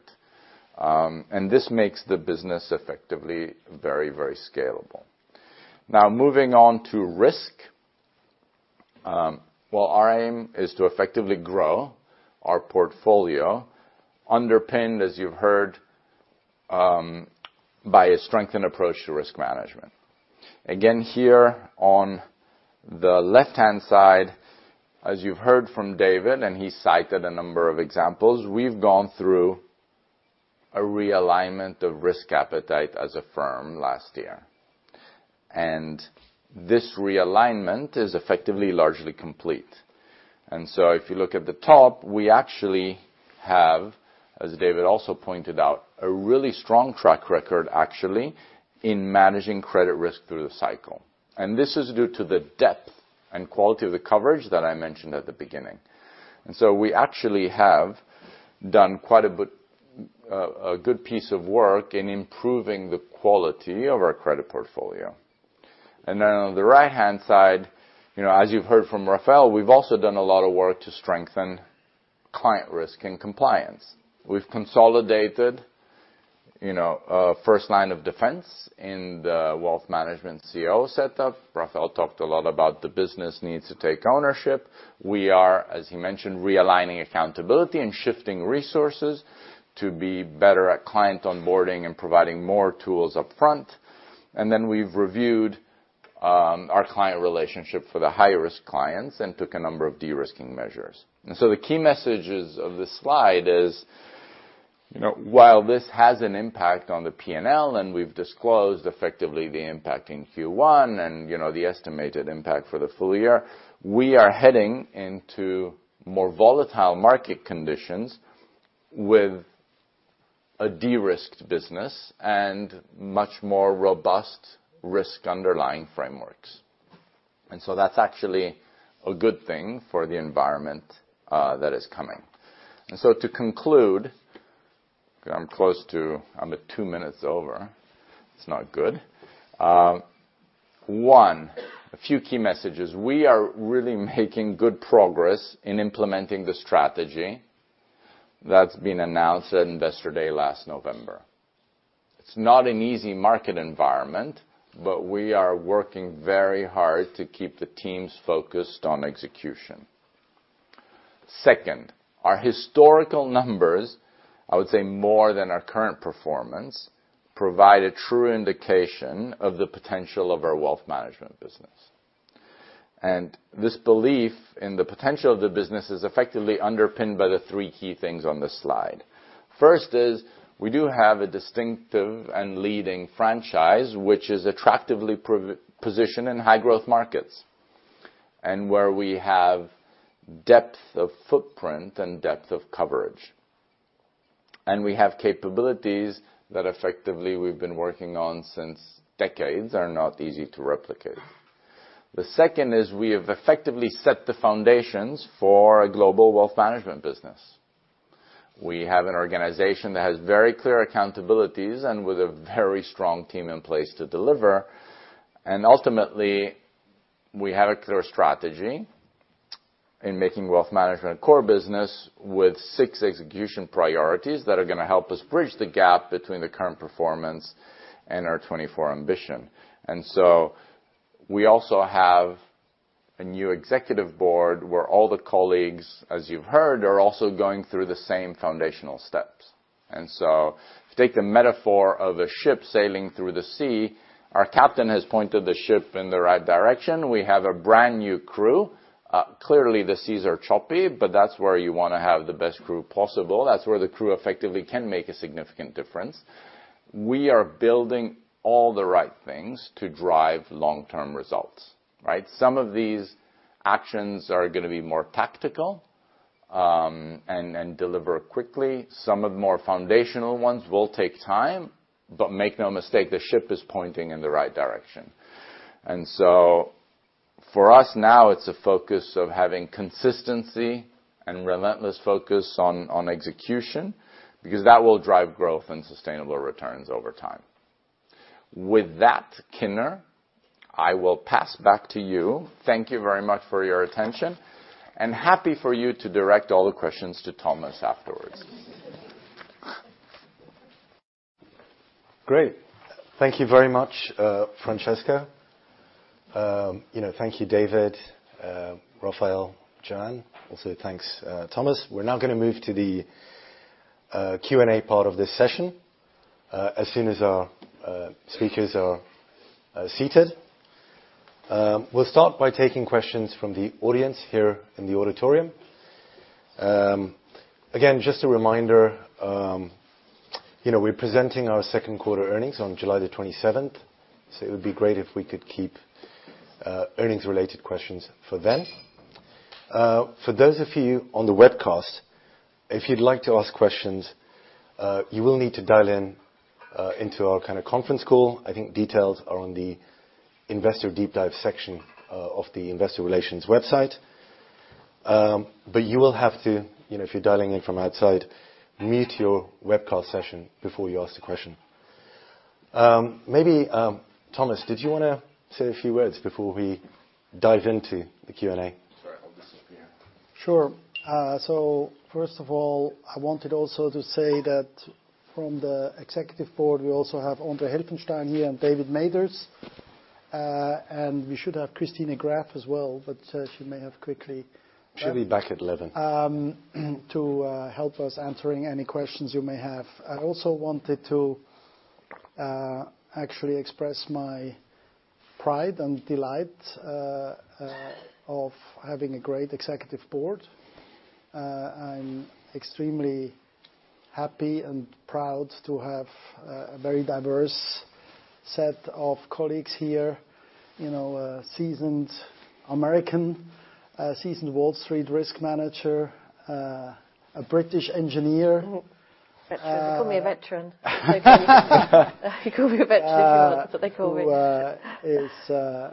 S6: This makes the business effectively very, very scalable. Now, moving on to risk. Well, our aim is to effectively grow our portfolio underpinned, as you've heard, by a strengthened approach to risk management. Again, here on the left-hand side, as you've heard from David, and he cited a number of examples, we've gone through a realignment of risk appetite as a firm last year, and this realignment is effectively largely complete. If you look at the top, we actually have, as David also pointed out, a really strong track record actually in managing credit risk through the cycle. This is due to the depth and quality of the coverage that I mentioned at the beginning. We actually have done quite a bit, a good piece of work in improving the quality of our credit portfolio. On the right-hand side, you know, as you've heard from Rafael, we've also done a lot of work to strengthen client risk and compliance. We've consolidated, you know, first line of defense in the wealth management COO setup. Rafael talked a lot about the business needs to take ownership. We are, as he mentioned, realigning accountability and shifting resources to be better at client onboarding and providing more tools upfront. We've reviewed our client relationship for the high-risk clients and took a number of de-risking measures. The key messages of this slide is while this has an impact on the P&L, and we've disclosed effectively the impact in Q1 and the estimated impact for the full year, we are heading into more volatile market conditions with a de-risked business and much more robust risk underlying frameworks. That's actually a good thing for the environment that is coming. To conclude, I'm at two minutes over. It's not good. One, a few key messages. We are really making good progress in implementing the strategy that's been announced at Investor Day last November. It's not an easy market environment, but we are working very hard to keep the teams focused on execution. Second, our historical numbers, I would say more than our current performance, provide a true indication of the potential of our wealth management business. This belief in the potential of the business is effectively underpinned by the three key things on this slide. First is we do have a distinctive and leading franchise, which is attractively positioned in high-growth markets, and where we have depth of footprint and depth of coverage. We have capabilities that effectively we've been working on for decades are not easy to replicate. The second is we have effectively set the foundations for a global wealth management business. We have an organization that has very clear accountabilities and with a very strong team in place to deliver. Ultimately, we have a clear strategy in making Wealth Management a core business with six execution priorities that are gonna help us bridge the gap between the current performance and our 2024 ambition. We also have a new Executive Board where all the colleagues, as you've heard, are also going through the same foundational steps. To take the metaphor of a ship sailing through the sea, our captain has pointed the ship in the right direction. We have a brand-new crew. Clearly the seas are choppy, but that's where you wanna have the best crew possible. That's where the crew effectively can make a significant difference. We are building all the right things to drive long-term results, right? Some of these actions are gonna be more tactical, and deliver quickly. Some of the more foundational ones will take time, but make no mistake, the ship is pointing in the right direction. For us now, it's a focus of having consistency and relentless focus on execution, because that will drive growth and sustainable returns over time. With that, Kinner, I will pass back to you. Thank you very much for your attention, and happy for you to direct all the questions to Thomas afterwards.
S1: Great. Thank you very much, Francesco. You know, thank you, David, Rafael, Joanne. Also, thanks, Thomas. We're now gonna move to the Q&A part of this session, as soon as our speakers are seated. We'll start by taking questions from the audience here in the auditorium. Again, just a reminder, you know, we're presenting our second quarter earnings on July the 27th, so it would be great if we could keep earnings-related questions for then. For those of you on the webcast, if you'd like to ask questions, you will need to dial in into our kind of conference call. I think details are on the investor deep dive section of the investor relations website. You will have to, you know, if you're dialing in from outside, mute your webcast session before you ask the question. Maybe Thomas, did you wanna say a few words before we dive into the Q&A?
S6: Sorry, I'll disappear.
S2: Sure. First of all, I wanted also to say that from the Executive Board, we also have André Helfenstein here and David Mathers. We should have Christine Graeff as well, but she may have quickly-
S1: She'll be back at 11:00.
S2: To help us answering any questions you may have. I also wanted to actually express my pride and delight of having a great Executive Board. I'm extremely happy and proud to have a very diverse set of colleagues here. You know, a seasoned American, a seasoned Wall Street risk manager, a British engineer.
S5: You can call me a veteran if you want, but they call me.
S2: Who is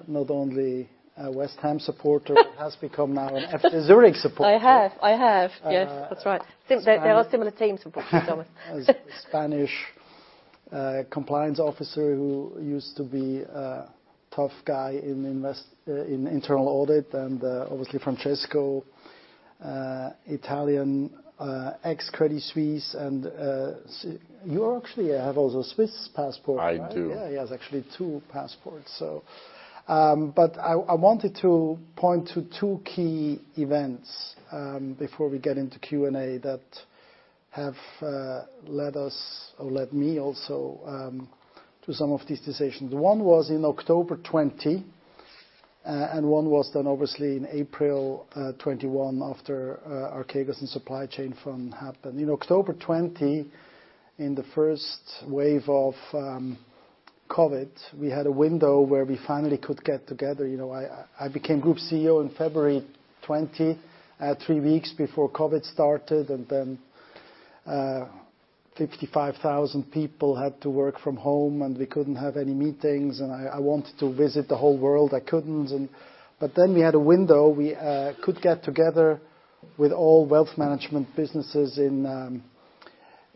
S2: not only a West Ham supporter but has become now an FC Zürich supporter.
S5: I have. Yes, that's right.
S2: Spanish.
S5: There are similar teams, unfortunately, Thomas.
S2: A Spanish compliance officer who used to be a tough guy in internal audit and obviously Francesco, Italian, ex-Credit Suisse. You actually have also Swiss passport, right?
S6: I do.
S2: Yeah, he has actually two passports. I wanted to point to two key events before we get into Q&A that have led us or led me also to some of these decisions. One was in October 2020, and one was then obviously in April 2021 after Archegos and Supply Chain Fund happened. In October 2020, in the first wave of COVID, we had a window where we finally could get together. You know, I became Group CEO in February 2020, three weeks before COVID started, and then 55,000 people had to work from home, and we couldn't have any meetings, and I wanted to visit the whole world. I couldn't. We had a window. We could get together with all wealth management businesses in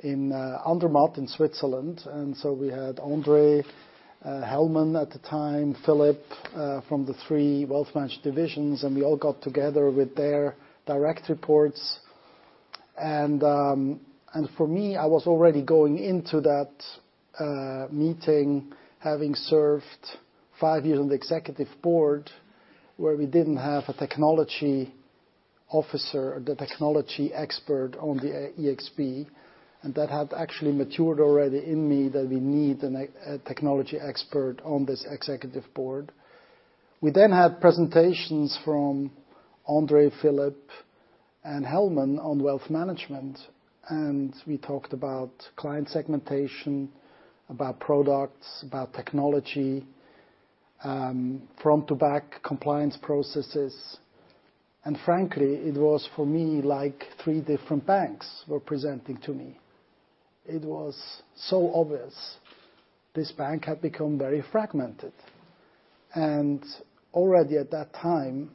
S2: Andermatt in Switzerland. We had André, Helman at the time, Philipp from the three wealth management divisions, and we all got together with their direct reports. For me, I was already going into that meeting having served five years on the executive board, where we didn't have a technology officer or the technology expert on the Executive Board, and that had actually matured already in me that we need a technology expert on this executive board. We then had presentations from André, Philipp, and Helman on wealth management, and we talked about client segmentation, about products, about technology, front-to-back compliance processes. Frankly, it was for me like three different banks were presenting to me. It was so obvious this bank had become very fragmented. Already at that time,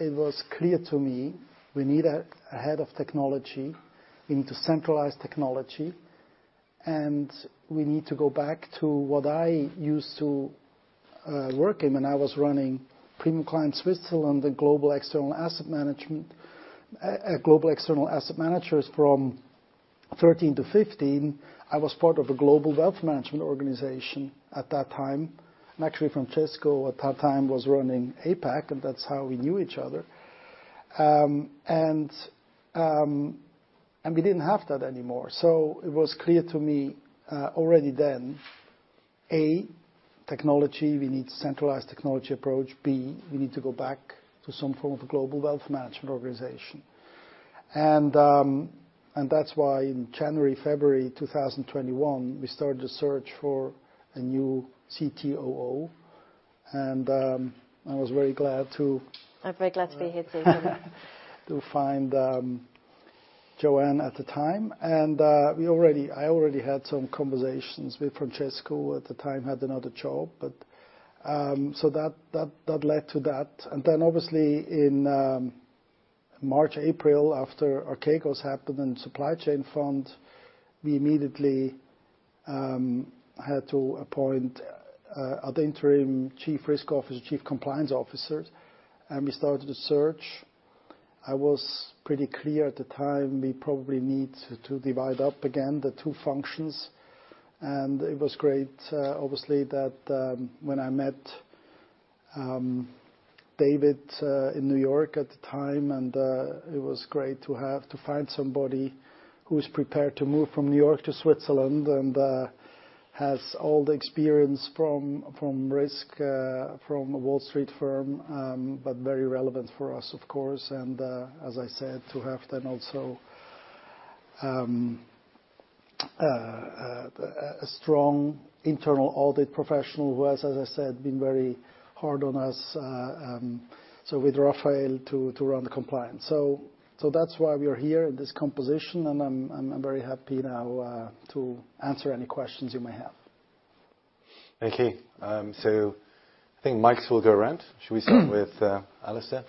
S2: it was clear to me we need a head of technology, we need to centralize technology, and we need to go back to what I used to work in when I was running Premium Client Switzerland, the global external asset management. At global external asset managers from 2013 to 2015, I was part of a global wealth management organization at that time. Actually, Francesco at that time was running APAC, and that's how we knew each other. We didn't have that anymore. It was clear to me already then. A, technology, we need centralized technology approach. B, we need to go back to some form of global wealth management organization. That's why in January, February 2021, we started to search for a new CTOO, and I was very glad to-
S1: I'm very glad to be here too.
S2: To find Joanne at the time. I already had some conversations with Francesco, who at the time had another job. So that led to that. Obviously in March, April, after Archegos happened and supply chain fund, we immediately had to appoint an interim chief risk officer, chief compliance officer, and we started a search. I was pretty clear at the time we probably need to divide up again the two functions. It was great obviously that when I met David in New York at the time, and it was great to have to find somebody who's prepared to move from New York to Switzerland and has all the experience from risk from a Wall Street firm, but very relevant for us, of course. As I said, to have then also a strong internal audit professional who has, as I said, been very hard on us, so with Rafael to run the compliance. That's why we're here in this composition, and I'm very happy now to answer any questions you may have.
S6: Thank you. I think mics will go around. Should we start with Alastair?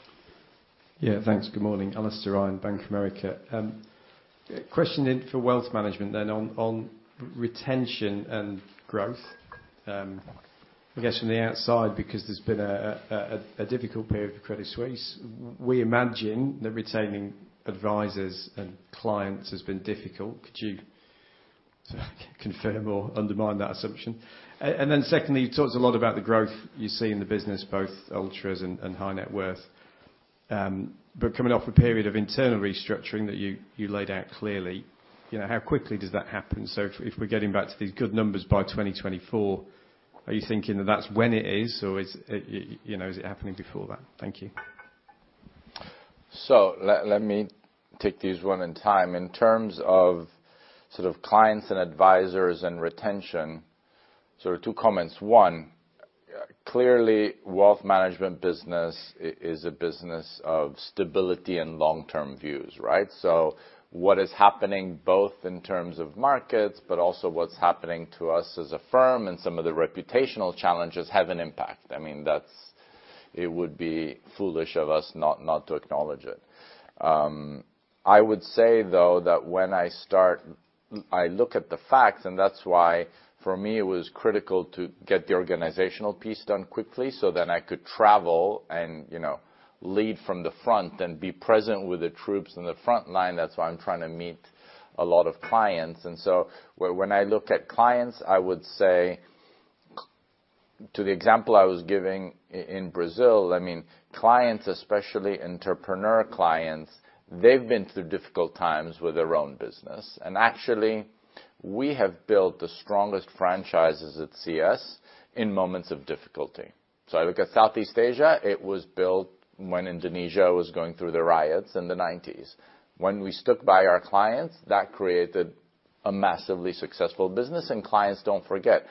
S7: Yeah. Thanks. Good morning. Alastair Ryan, Bank of America. Question for wealth management on retention and growth. I guess from the outside, because there's been a difficult period for Credit Suisse, we imagine that retaining advisors and clients has been difficult. Could you confirm or undermine that assumption? Then secondly, you talked a lot about the growth you see in the business, both ultras and high net worth. But coming off a period of internal restructuring that you laid out clearly, you know, how quickly does that happen? If we're getting back to these good numbers by 2024, are you thinking that's when it is, or is it, you know, is it happening before that? Thank you.
S6: Let me take these one at a time. In terms of sort of clients and advisors and retention, so two comments. One, clearly, wealth management business is a business of stability and long-term views, right? What is happening both in terms of markets, but also what's happening to us as a firm and some of the reputational challenges have an impact. I mean, it would be foolish of us not to acknowledge it. I would say, though, that when I start, I look at the facts, and that's why for me, it was critical to get the organizational piece done quickly so then I could travel and, you know, lead from the front and be present with the troops in the front line. That's why I'm trying to meet a lot of clients. When I look at clients, I would say to the example I was giving in Brazil, I mean, clients, especially entrepreneur clients, they've been through difficult times with their own business. Actually, we have built the strongest franchises at CS in moments of difficulty. I look at Southeast Asia, it was built when Indonesia was going through the riots in the nineties. When we stood by our clients, that created a massively successful business, and clients don't forget.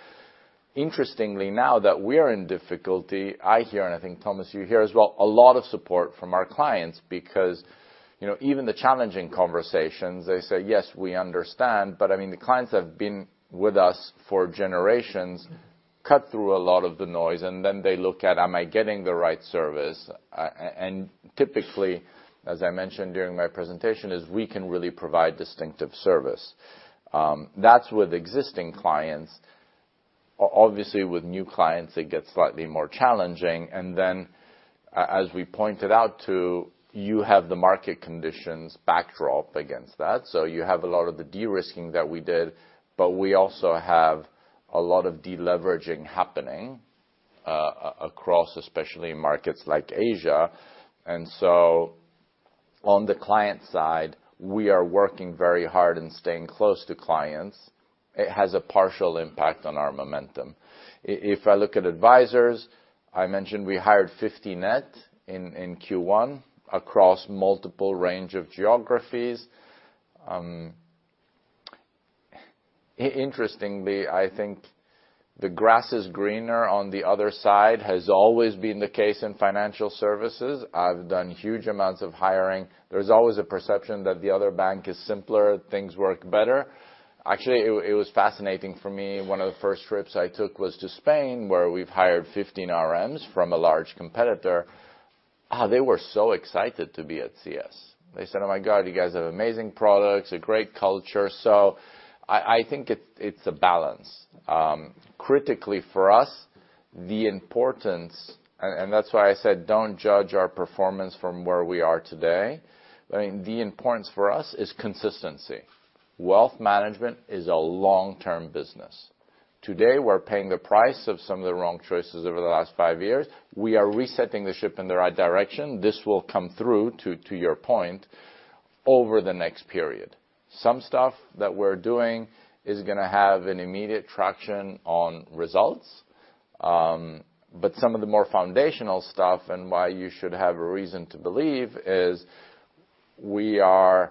S6: Interestingly, now that we're in difficulty, I hear, and I think, Thomas, you hear as well, a lot of support from our clients because, you know, even the challenging conversations, they say, "Yes, we understand." I mean, the clients that have been with us for generations cut through a lot of the noise, and then they look at, am I getting the right service? Typically, as I mentioned during my presentation, is we can really provide distinctive service. That's with existing clients. Obviously, with new clients, it gets slightly more challenging. Then as we pointed out too, you have the market conditions backdrop against that. You have a lot of the de-risking that we did, but we also have a lot of deleveraging happening across, especially markets like Asia. On the client side, we are working very hard and staying close to clients. It has a partial impact on our momentum. If I look at advisors, I mentioned we hired 50 net in Q1 across multiple range of geographies. Interestingly, I think the grass is greener on the other side has always been the case in financial services. I've done huge amounts of hiring. There's always a perception that the other bank is simpler, things work better. Actually, it was fascinating for me. One of the first trips I took was to Spain, where we've hired 15 RMs from a large competitor. They were so excited to be at CS. They said, "Oh my God, you guys have amazing products, a great culture." I think it's a balance. Critically for us, the importance. That's why I said don't judge our performance from where we are today. I mean, the importance for us is consistency. Wealth management is a long-term business. Today, we're paying the price of some of the wrong choices over the last five years. We are resetting the ship in the right direction. This will come through to your point over the next period. Some stuff that we're doing is gonna have an immediate traction on results. But some of the more foundational stuff and why you should have a reason to believe is we are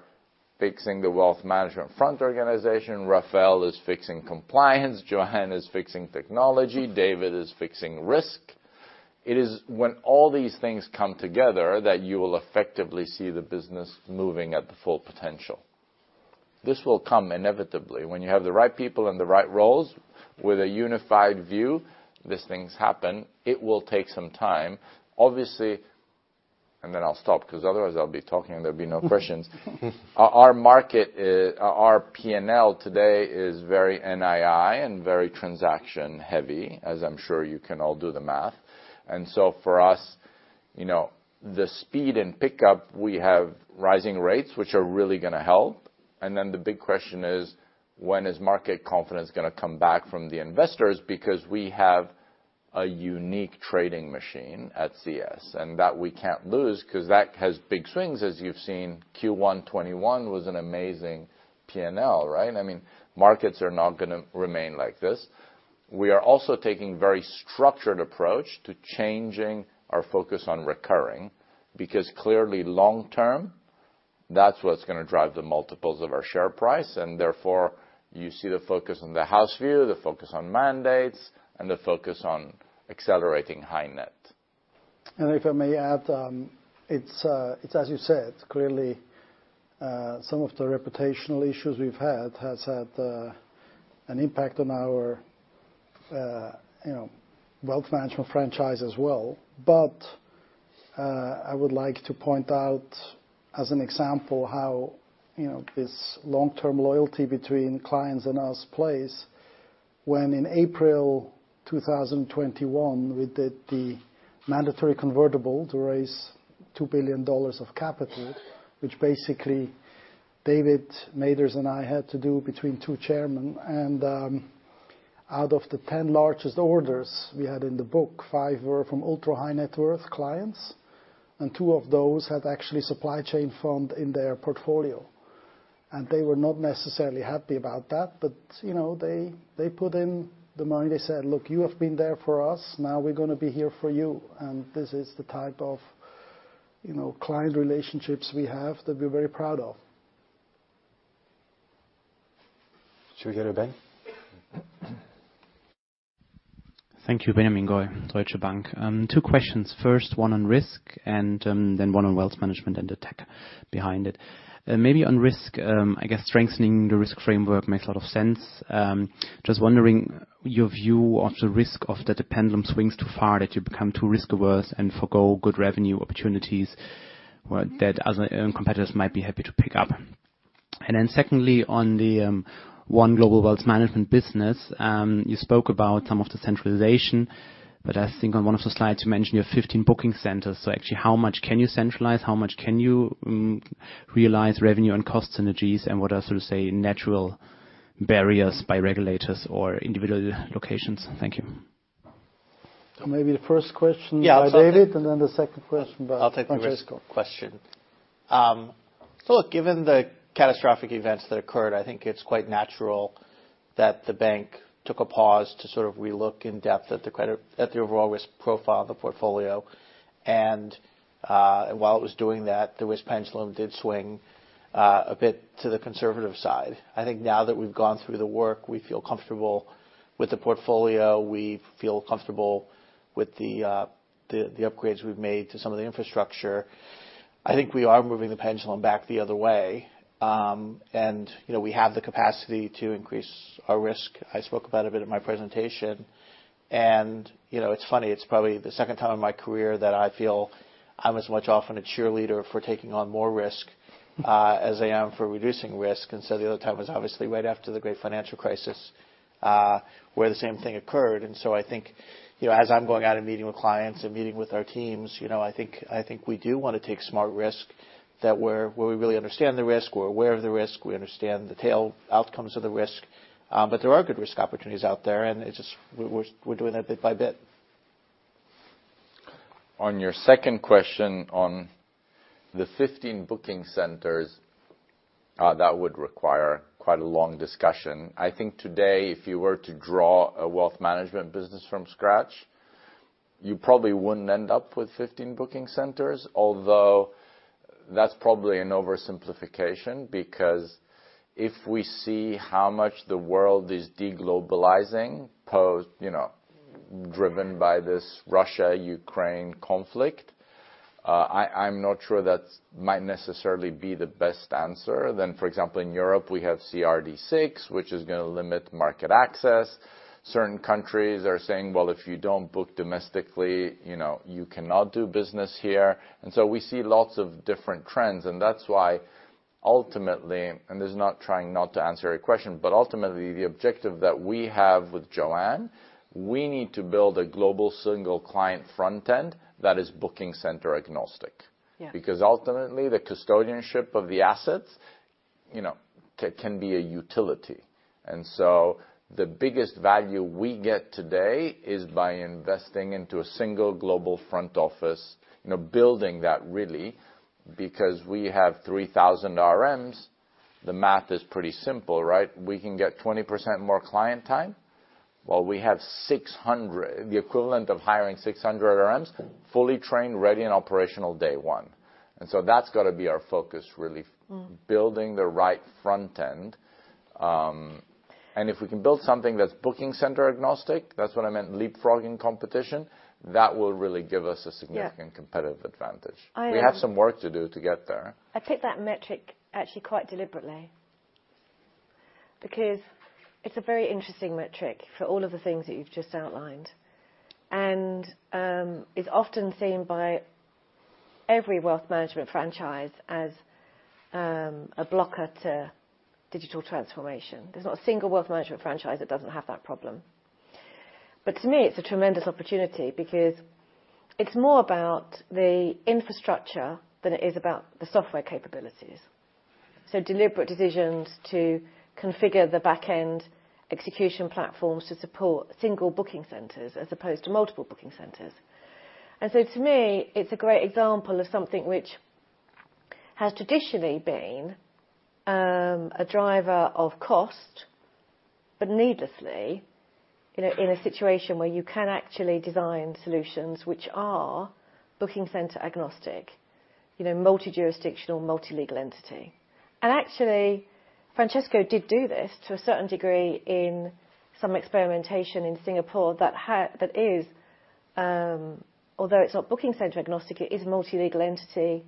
S6: fixing the wealth management front organization. Rafael is fixing compliance. Joanne is fixing technology. David is fixing risk. It is when all these things come together that you will effectively see the business moving at the full potential. This will come inevitably. When you have the right people in the right roles with a unified view, these things happen. It will take some time, obviously. Then I'll stop, 'cause otherwise I'll be talking and there'll be no questions. Our margins, our P&L today is very NII and very transaction-heavy, as I'm sure you can all do the math. For us, you know, the speed and pickup, we have rising rates, which are really gonna help, and then the big question is: When is market confidence gonna come back from the investors? Because we have a unique trading machine at CS, and that we can't lose, 'cause that has big swings, as you've seen. Q1 2021 was an amazing P&L, right? I mean, markets are not gonna remain like this. We are also taking very structured approach to changing our focus on recurring. Because clearly long term, that's what's gonna drive the multiples of our share price, and therefore you see the focus on the house view, the focus on mandates, and the focus on accelerating high net.
S2: If I may add, it's as you said, clearly, some of the reputational issues we've had has had an impact on our, you know, risk management franchise as well. I would like to point out as an example how, you know, this long-term loyalty between clients and us plays, when in April 2021, we did the mandatory convertible to raise $2 billion of capital, which basically David Mathers and I had to do between two chairmen. Out of the 10 largest orders we had in the book, five were from ultra-high net worth clients, and two of those had actually Supply Chain Fund in their portfolio. They were not necessarily happy about that, but, you know, they put in the money. They said, "Look, you have been there for us, now we're gonna be here for you." This is the type of, you know, client relationships we have that we're very proud of.
S6: Should we go to Benjamin?
S8: Thank you. Benjamin Goy, Deutsche Bank. Two questions. First, one on risk and then one on wealth management and the tech behind it. Maybe on risk, I guess strengthening the risk framework makes a lot of sense. Just wondering your view of the risk that the pendulum swings too far, that you become too risk-averse and forgo good revenue opportunities, right, that other competitors might be happy to pick up. Secondly, on the One Global Wealth Management business, you spoke about some of the centralization, but I think on one of the slides you mentioned you have 15 booking centers. So actually, how much can you centralize? How much can you realize revenue and cost synergies, and what are, sort of, say, natural barriers by regulators or individual locations? Thank you.
S2: Maybe the first question.
S6: Yeah.
S2: by David, and then the second question by Francesco.
S3: I'll take the risk question. Look, given the catastrophic events that occurred, I think it's quite natural that the bank took a pause to sort of re-look in depth at the credit, at the overall risk profile of the portfolio. While it was doing that, the risk pendulum did swing a bit to the conservative side. I think now that we've gone through the work, we feel comfortable with the portfolio. We feel comfortable with the upgrades we've made to some of the infrastructure. I think we are moving the pendulum back the other way. You know, we have the capacity to increase our risk. I spoke about a bit in my presentation. You know, it's funny, it's probably the second time in my career that I feel I'm as much often a cheerleader for taking on more risk as I am for reducing risk. The other time was obviously right after the great financial crisis where the same thing occurred. I think, you know, as I'm going out and meeting with clients and meeting with our teams, you know, I think we do wanna take smart risk where we really understand the risk. We're aware of the risk. We understand the tail outcomes of the risk. But there are good risk opportunities out there, and we're doing that bit by bit.
S6: On your second question, on the 15 booking centers, that would require quite a long discussion. I think today, if you were to draw a wealth management business from scratch, you probably wouldn't end up with 15 booking centers, although that's probably an oversimplification, because if we see how much the world is de-globalizing, you know, driven by this Russia/Ukraine conflict, I'm not sure that might necessarily be the best answer. For example, in Europe, we have CRD VI, which is gonna limit market access. Certain countries are saying, "Well, if you don't book domestically, you know, you cannot do business here." We see lots of different trends. That's why ultimately, and this is not trying not to answer your question, but ultimately, the objective that we have with Joanne, we need to build a global single client front end that is booking center agnostic.
S5: Yeah.
S6: Because ultimately, the custodianship of the assets, you know, can be a utility. The biggest value we get today is by investing into a single global front office, you know, building that, really, because we have 3,000 RMs. The math is pretty simple, right? We can get 20% more client time. Well, we have 600, the equivalent of hiring 600 RMs, fully trained, ready, and operational day one. That's gotta be our focus, really.
S5: Mm.
S6: -building the right front end. If we can build something that's booking center agnostic, that's what I meant leapfrogging competition, that will really give us a significant-
S5: Yeah.
S6: Competitive advantage.
S5: I, um-
S6: We have some work to do to get th ere.
S5: I picked that metric actually quite deliberately. Because it's a very interesting metric for all of the things that you've just outlined. It's often seen by every wealth management franchise as a blocker to digital transformation. There's not a single wealth management franchise that doesn't have that problem. To me, it's a tremendous opportunity because it's more about the infrastructure than it is about the software capabilities. Deliberate decisions to configure the back-end execution platforms to support single booking centers as opposed to multiple booking centers. To me, it's a great example of something which has traditionally been a driver of cost, but needlessly, you know, in a situation where you can actually design solutions which are booking center agnostic, you know, multi-jurisdictional, multi-legal entity. Actually, Francesco did do this to a certain degree in some experimentation in Singapore that, although it's not booking center agnostic, it is multi-legal entity,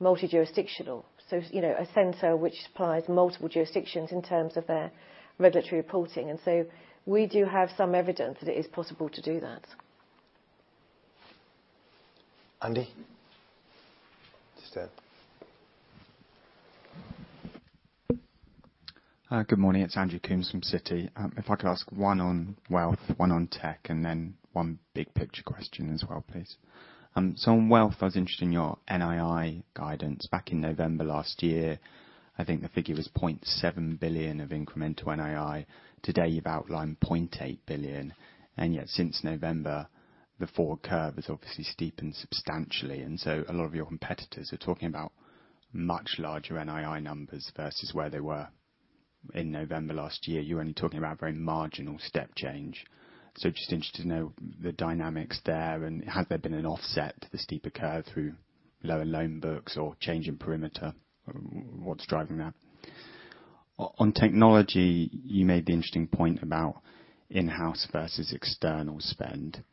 S5: multi-jurisdictional. You know, a center which supplies multiple jurisdictions in terms of their regulatory reporting. We do have some evidence that it is possible to do that.
S6: Andrew? Just there.
S9: Hi. Good morning. It's Andrew Coombs from Citi. If I could ask one on wealth, one on tech, and then one big picture question as well, please. So on wealth, I was interested in your NII guidance. Back in November last year, I think the figure was 0.7 billion of incremental NII. Today, you've outlined 0.8 billion, and yet since November, the forward curve has obviously steepened substantially. A lot of your competitors are talking about much larger NII numbers versus where they were. In November last year, you were only talking about very marginal step change. Just interested to know the dynamics there, and has there been an offset to the steeper curve through lower loan books or change in perimeter? What's driving that? On technology, you made the interesting point about in-house versus external spend.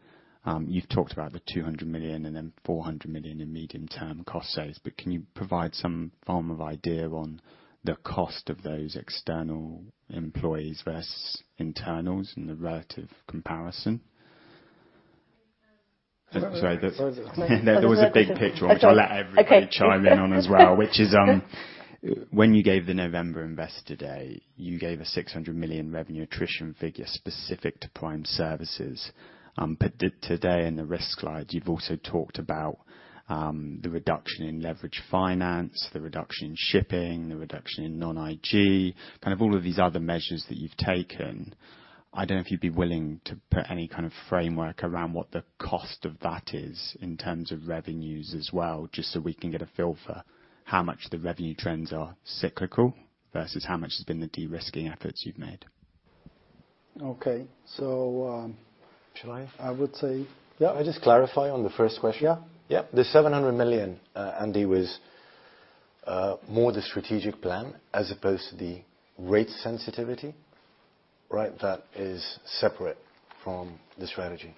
S9: You've talked about the 200 million and then 400 million in medium-term cost savings, but can you provide some form of idea on the cost of those external employees versus internals and the relative comparison?
S6: Sorry, that-
S5: Sorry.
S9: There was a big picture which I'll let everybody chime in on as well, which is, when you gave the November Investor Day, you gave a 600 million revenue attrition figure specific to Prime Services. Today in the risk slide, you've also talked about, the reduction in leverage finance, the reduction in shipping, the reduction in non-IG, kind of all of these other measures that you've taken. I don't know if you'd be willing to put any kind of framework around what the cost of that is in terms of revenues as well, just so we can get a feel for how much the revenue trends are cyclical versus how much has been the de-risking efforts you've made.
S6: Okay.
S5: Shall I?
S6: I would say.
S5: Yeah, I just clarify on the first question.
S6: Yeah.
S5: Yeah. The 700 million, Andy, was more the strategic plan as opposed to the rate sensitivity, right? That is separate from the strategy.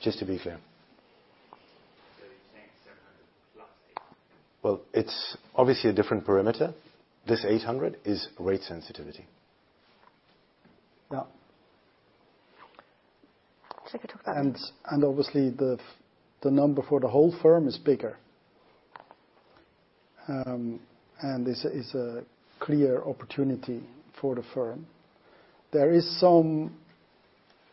S5: Just to be clear.
S9: You're saying 700 plus 800?
S5: Well, it's obviously a different parameter. This 800 is rate sensitivity.
S6: Yeah.
S5: Obviously the number for the whole firm is bigger. This is a clear opportunity for the firm. There is some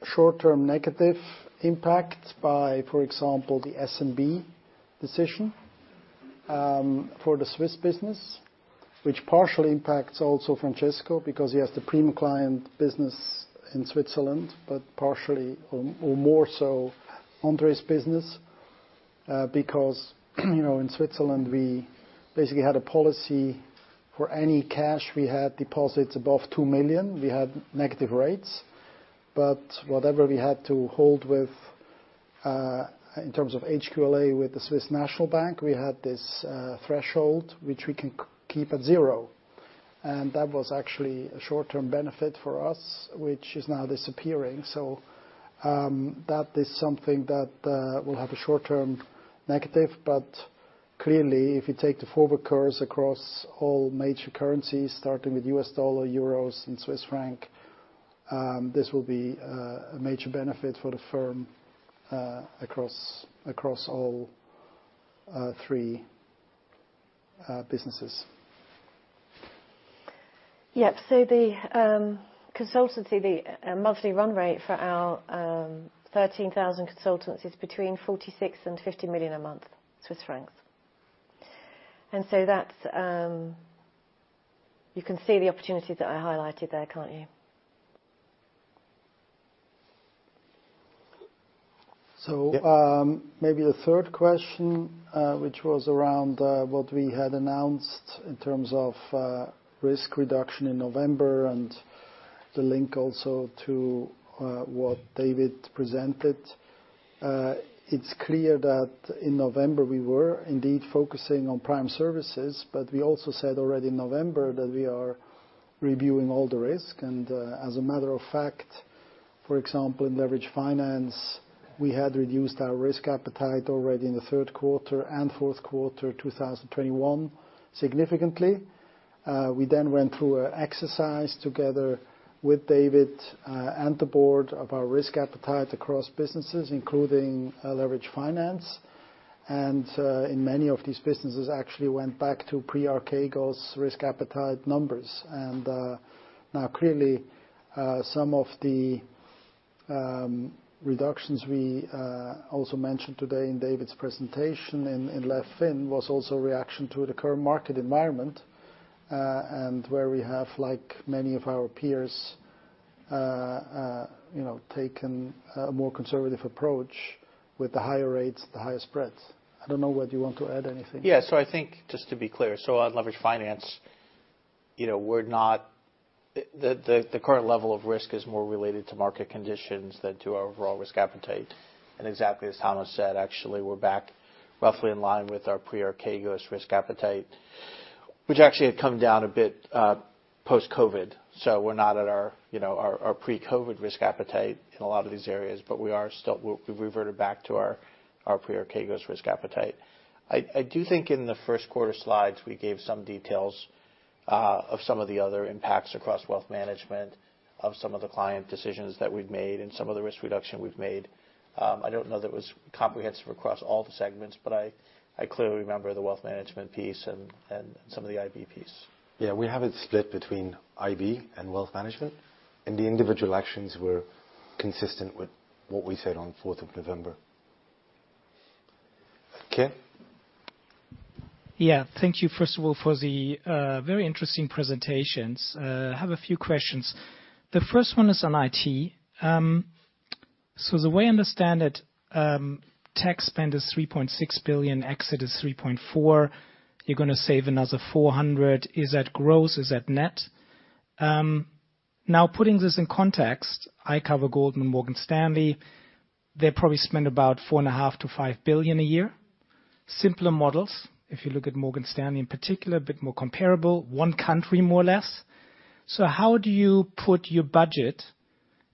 S5: short-term negative impact by, for example, the SNB decision, for the Swiss business, which partially impacts also Francesco because he has the prime client business in Switzerland, but partially or more so André's business.
S2: Because, you know, in Switzerland we basically had a policy for any cash we had deposits above 2 million, we had negative rates. Whatever we had to hold with, in terms of HQLA with the Swiss National Bank, we had this threshold which we can keep at zero, and that was actually a short-term benefit for us, which is now disappearing. That is something that will have a short-term negative. Clearly, if you take the forward curves across all major currencies, starting with U.S. dollar, euros and Swiss franc, this will be a major benefit for the firm, across all three businesses.
S5: Yep. The consultancy monthly run rate for our 13,000 consultants is between 46 million and 50 million a month. You can see the opportunities that I highlighted there, can't you?
S2: Maybe the third question, which was around what we had announced in terms of risk reduction in November and the link also to what David presented. It's clear that in November we were indeed focusing on prime services, but we also said already in November that we are reviewing all the risk. As a matter of fact, for example, in leverage finance, we had reduced our risk appetite already in the third quarter and fourth quarter 2021 significantly. We then went through an exercise together with David and the board of our risk appetite across businesses, including leverage finance. In many of these businesses actually went back to pre-Archegos risk appetite numbers. Now clearly, some of the reductions we also mentioned today in David's presentation in lev fin was also a reaction to the current market environment, and where we have, like many of our peers, you know, taken a more conservative approach with the higher rates, the higher spreads. I don't know whether you want to add anything.
S3: Yeah. I think just to be clear, so on leveraged finance, you know, we're not. The current level of risk is more related to market conditions than to our overall risk appetite. Exactly as Thomas said, actually, we're back roughly in line with our pre-Archegos risk appetite, which actually had come down a bit post-COVID. We're not at our, you know, our pre-COVID risk appetite in a lot of these areas, but we are still. We've reverted back to our pre-Archegos risk appetite. I do think in the Q1 slides, we gave some details of some of the other impacts across wealth management, of some of the client decisions that we've made and some of the risk reduction we've made. I don't know that it was comprehensive across all the segments, but I clearly remember the wealth management piece and some of the IB piece.
S2: Yeah. We have it split between IB and wealth management, and the individual actions were consistent with what we said on fourth of November. Kinner?
S10: Yeah. Thank you first of all for the very interesting presentations. I have a few questions. The first one is on IT. The way I understand it, tech spend is 3.6 billion, exit is 3.4 billion. You are going to save another 400 million. Is that gross? Is that net? Now putting this in context, I cover Goldman Sachs and Morgan Stanley. They probably spend about 4.5 billion-5 billion a year. Simpler models. If you look at Morgan Stanley in particular, a bit more comparable, one country, more or less. How do you put your budget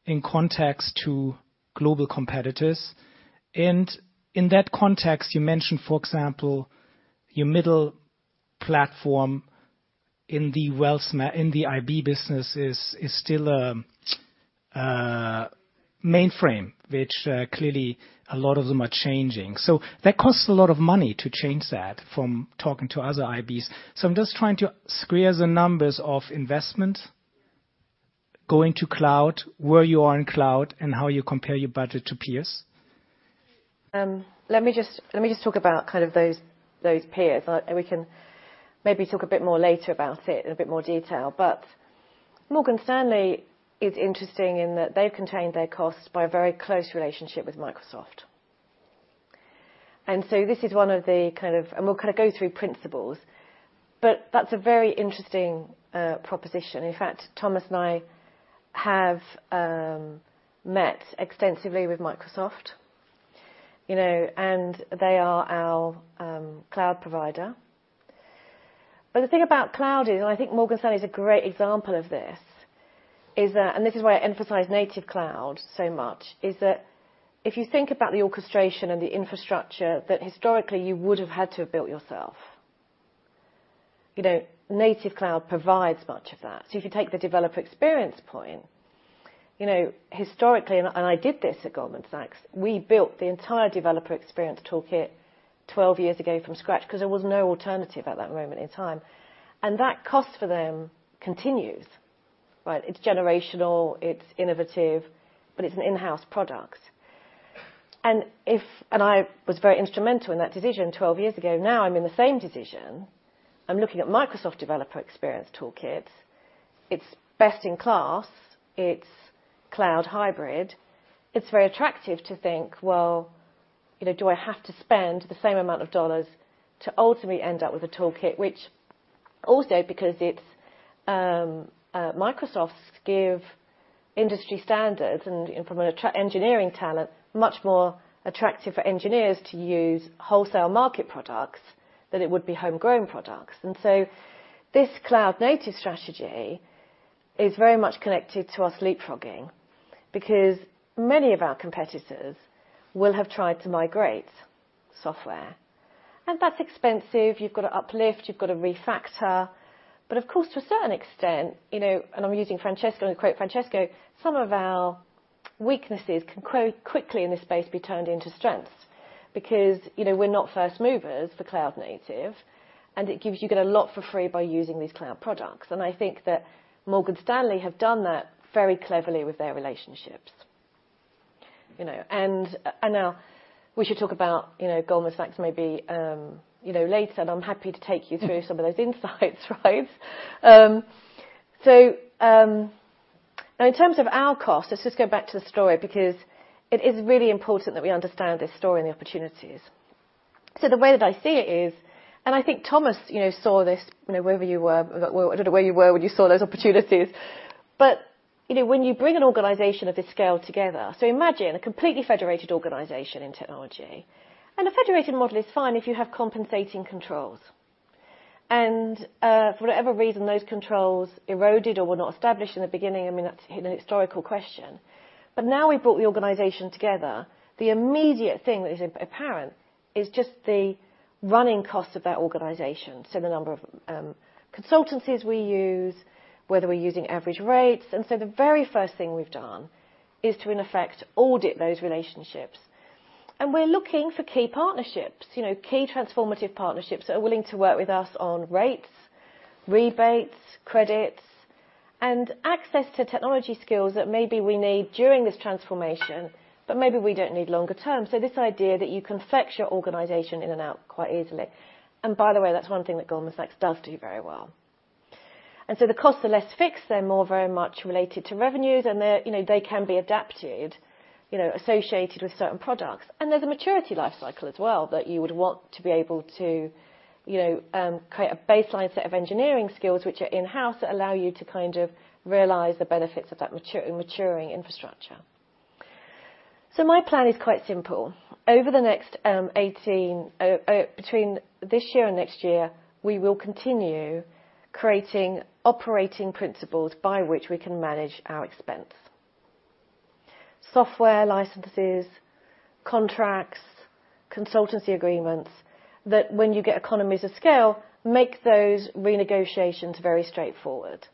S10: in context to global competitors? In that context, you mentioned, for example, your middle platform in the IB business is still mainframe, which clearly a lot of them are changing. That costs a lot of money to change that from talking to other IBs. I'm just trying to square the numbers of investment going to cloud, where you are in cloud, and how you compare your budget to peers.
S5: Let me just talk about those peers. We can maybe talk a bit more later about it in a bit more detail. Morgan Stanley is interesting in that they've contained their costs by a very close relationship with Microsoft. This is one of the kind of. We'll kinda go through principles, but that's a very interesting proposition. In fact, Thomas and I have met extensively with Microsoft, you know, and they are our cloud provider. The thing about cloud is, and I think Morgan Stanley is a great example of this, is that, and this is why I emphasize native cloud so much, is that if you think about the orchestration and the infrastructure that historically you would have had to have built yourself. You know, native cloud provides much of that. If you take the developer experience point, you know, historically, and I did this at Goldman Sachs, we built the entire developer experience toolkit 12 years ago from scratch because there was no alternative at that moment in time. And that cost for them continues, right? It's generational, it's innovative, but it's an in-house product. And I was very instrumental in that decision 12 years ago. Now I'm in the same decision. I'm looking at Microsoft developer experience toolkit. It's best in class. It's cloud hybrid, it's very attractive to think, well, you know, do I have to spend the same amount of dollars to ultimately end up with a toolkit, which also because it's Microsoft-given industry standards and from an engineering talent, much more attractive for engineers to use wholesale market products than it would be homegrown products. This cloud-native strategy is very much connected to our leapfrogging because many of our competitors will have tried to migrate software. That's expensive. You've got to uplift, you've got to refactor. Of course, to a certain extent, you know, and I'm using Francesco and to quote Francesco, some of our weaknesses can quickly in this space be turned into strengths. Because, you know, we're not first movers for cloud native, and it gives you a lot for free by using these cloud products. I think that Morgan Stanley have done that very cleverly with their relationships, you know. Now we should talk about, you know, Goldman Sachs maybe, you know, later, and I'm happy to take you through some of those insights, right? Now in terms of our cost, let's just go back to the story because it is really important that we understand this story and the opportunities. The way that I see it is, and I think Thomas, you know, saw this, you know, wherever you were, I don't know where you were when you saw those opportunities. You know, when you bring an organization of this scale together, imagine a completely federated organization in technology. A federated model is fine if you have compensating controls. For whatever reason, those controls eroded or were not established in the beginning. I mean, that's a historical question. Now we've brought the organization together, the immediate thing that is apparent is just the running cost of that organization. The number of consultancies we use, whether we're using average rates. The very first thing we've done is to in effect, audit those relationships. We're looking for key partnerships, you know, key transformative partnerships that are willing to work with us on rates, rebates, credits, and access to technology skills that maybe we need during this transformation, but maybe we don't need longer term. This idea that you can flex your organization in and out quite easily. By the way, that's one thing that Goldman Sachs does do very well. The costs are less fixed. They're more very much related to revenues, and they're, you know, they can be adapted, you know, associated with certain products. There's a maturity life cycle as well that you would want to be able to create a baseline set of engineering skills which are in-house that allow you to kind of realize the benefits of that mature, maturing infrastructure. My plan is quite simple. Over the next 18 between this year and next year, we will continue creating operating principles by which we can manage our expense. Software licenses, contracts, consultancy agreements, that when you get economies of scale, make those renegotiations very straightforward.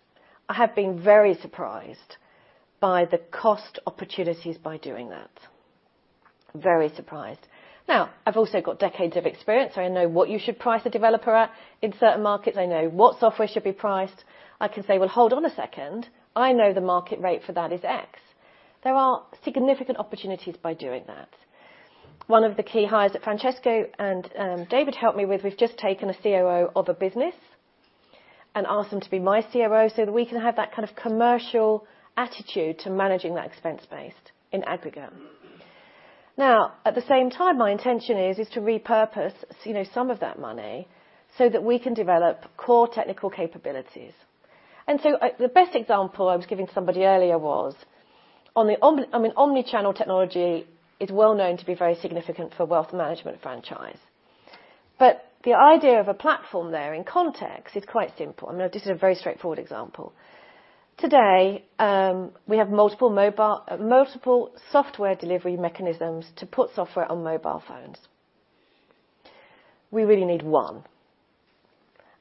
S5: I have been very surprised by the cost opportunities by doing that. Very surprised. Now, I've also got decades of experience, so I know what you should price a developer at in certain markets. I know what software should be priced. I can say, "Well, hold on a second. I know the market rate for that is X." There are significant opportunities by doing that. One of the key hires that Francesco and David helped me with, we've just taken a COO of a business and asked them to be my COO so that we can have that kind of commercial attitude to managing that expense base in aggregate. Now, at the same time, my intention is to repurpose, you know, some of that money so that we can develop core technical capabilities. The best example I was giving somebody earlier was on the I mean, omni-channel technology is well known to be very significant for wealth management franchise. The idea of a platform there in context is quite simple. I mean, obviously this is a very straightforward example. Today, we have multiple software delivery mechanisms to put software on mobile phones. We really need one.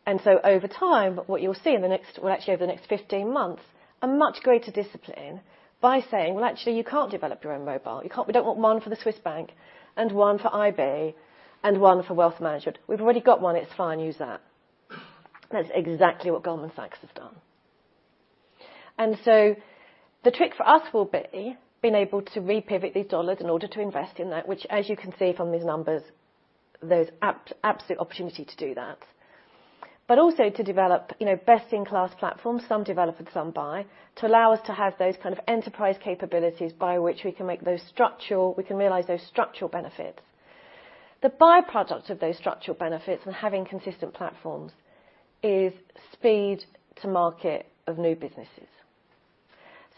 S5: Over time, what you'll see in the next, well, actually over the next 15 months, a much greater discipline by saying, "Well, actually, you can't develop your own mobile. You can't. We don't want one for the Swiss bank and one for IB and one for wealth management. We've already got one, it's fine. Use that." That's exactly what Goldman Sachs have done. The trick for us will be being able to repivot these dollars in order to invest in that, which as you can see from these numbers, there's absolute opportunity to do that. also to develop, you know, best-in-class platforms, some developed, some buy, to allow us to have those kind of enterprise capabilities by which we can realize those structural benefits. The by-product of those structural benefits and having consistent platforms is speed to market of new businesses.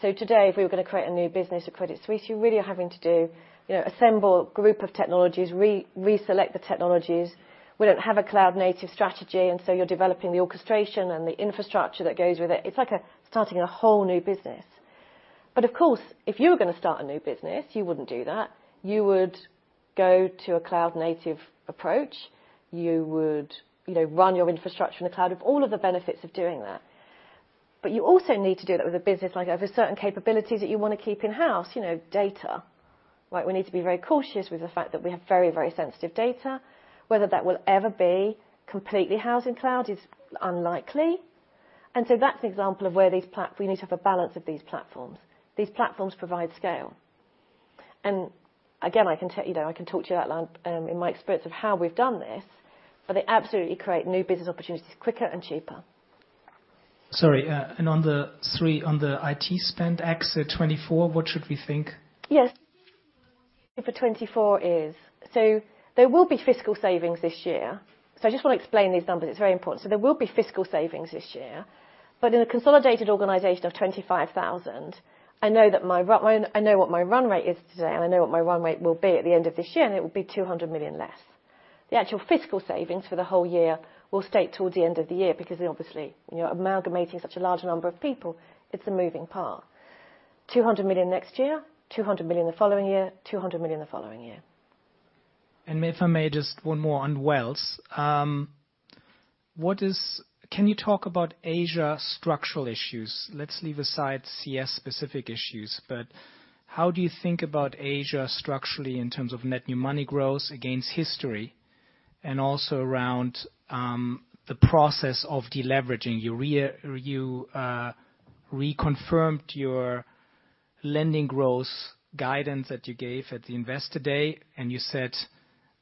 S5: Today, if we were going to create a new business at Credit Suisse, you really are having to do, you know, assemble group of technologies, reselect the technologies. We don't have a cloud-native strategy, and so you're developing the orchestration and the infrastructure that goes with it. It's like starting a whole new business. Of course, if you were gonna start a new business, you wouldn't do that. You would go to a cloud-native approach. You would, you know, run your infrastructure in the cloud with all of the benefits of doing that. You also need to do that with a business, like there's certain capabilities that you want to keep in-house, you know, data. Right, we need to be very cautious with the fact that we have very, very sensitive data. Whether that will ever be completely housed in cloud is unlikely. That's an example of where we need to have a balance of these platforms. These platforms provide scale. Again, I can talk to you about, in my experience of how we've done this, but they absolutely create new business opportunities quicker and cheaper.
S10: Sorry, on the three, on the IT spend, ex the 24, what should we think?
S5: Yes. There will be fiscal savings this year. I just wanna explain these numbers, it's very important. There will be fiscal savings this year. In a consolidated organization of 25,000, I know what my run rate is today, and I know what my run rate will be at the end of this year, and it will be 200 million less. The actual fiscal savings for the whole year will start toward the end of the year, because obviously, you know, amalgamating such a large number of people, it's a moving part. 200 million next year, 200 million the following year, 200 million the following year.
S10: If I may, just one more on Wells. Can you talk about Asia structural issues? Let's leave aside CS specific issues, but how do you think about Asia structurally in terms of net new money growth against history, and also around the process of deleveraging? You reconfirmed your lending growth guidance that you gave at the Investor Day, and you said,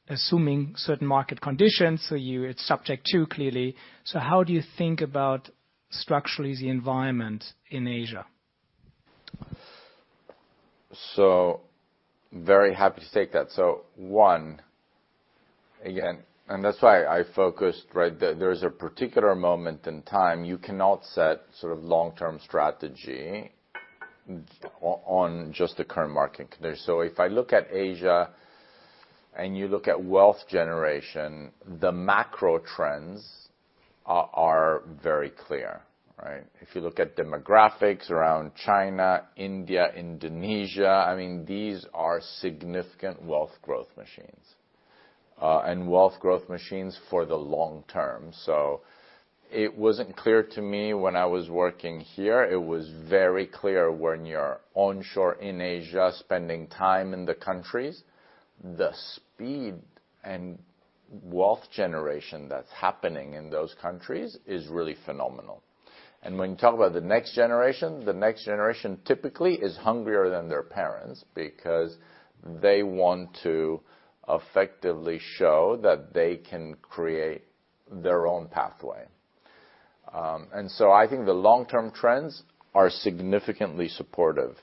S10: assuming certain market conditions, so it's subject to, clearly. How do you think about structurally the environment in Asia?
S6: Very happy to take that. One, again, and that's why I focused right there. There's a particular moment in time, you cannot set sort of long-term strategy on just the current market conditions. If I look at Asia, and you look at wealth generation, the macro trends are very clear, right? If you look at demographics around China, India, Indonesia, I mean, these are significant wealth growth machines. And wealth growth machines for the long term. It wasn't clear to me when I was working here. It was very clear when you're onshore in Asia, spending time in the countries, the speed and wealth generation that's happening in those countries is really phenomenal. When you talk about the next generation, the next generation typically is hungrier than their parents because they want to effectively show that they can create their own pathway. I think the long-term trends are significantly supportive.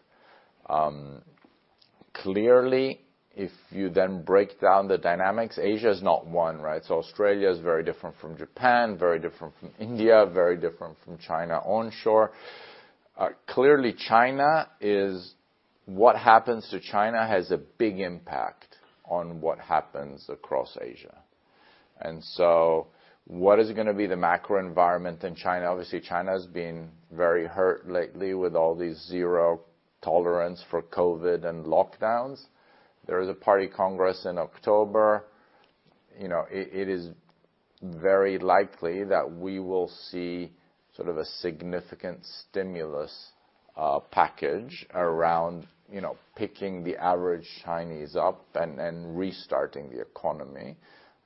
S6: Clearly, if you then break down the dynamics, Asia is not one, right? Australia is very different from Japan, very different from India, very different from China onshore. Clearly, what happens to China has a big impact on what happens across Asia. What is gonna be the macro environment in China? Obviously, China has been very hurt lately with all these zero tolerance for COVID and lockdowns. There is a Party Congress in October. It is very likely that we will see sort of a significant stimulus package around picking the average Chinese up and restarting the economy.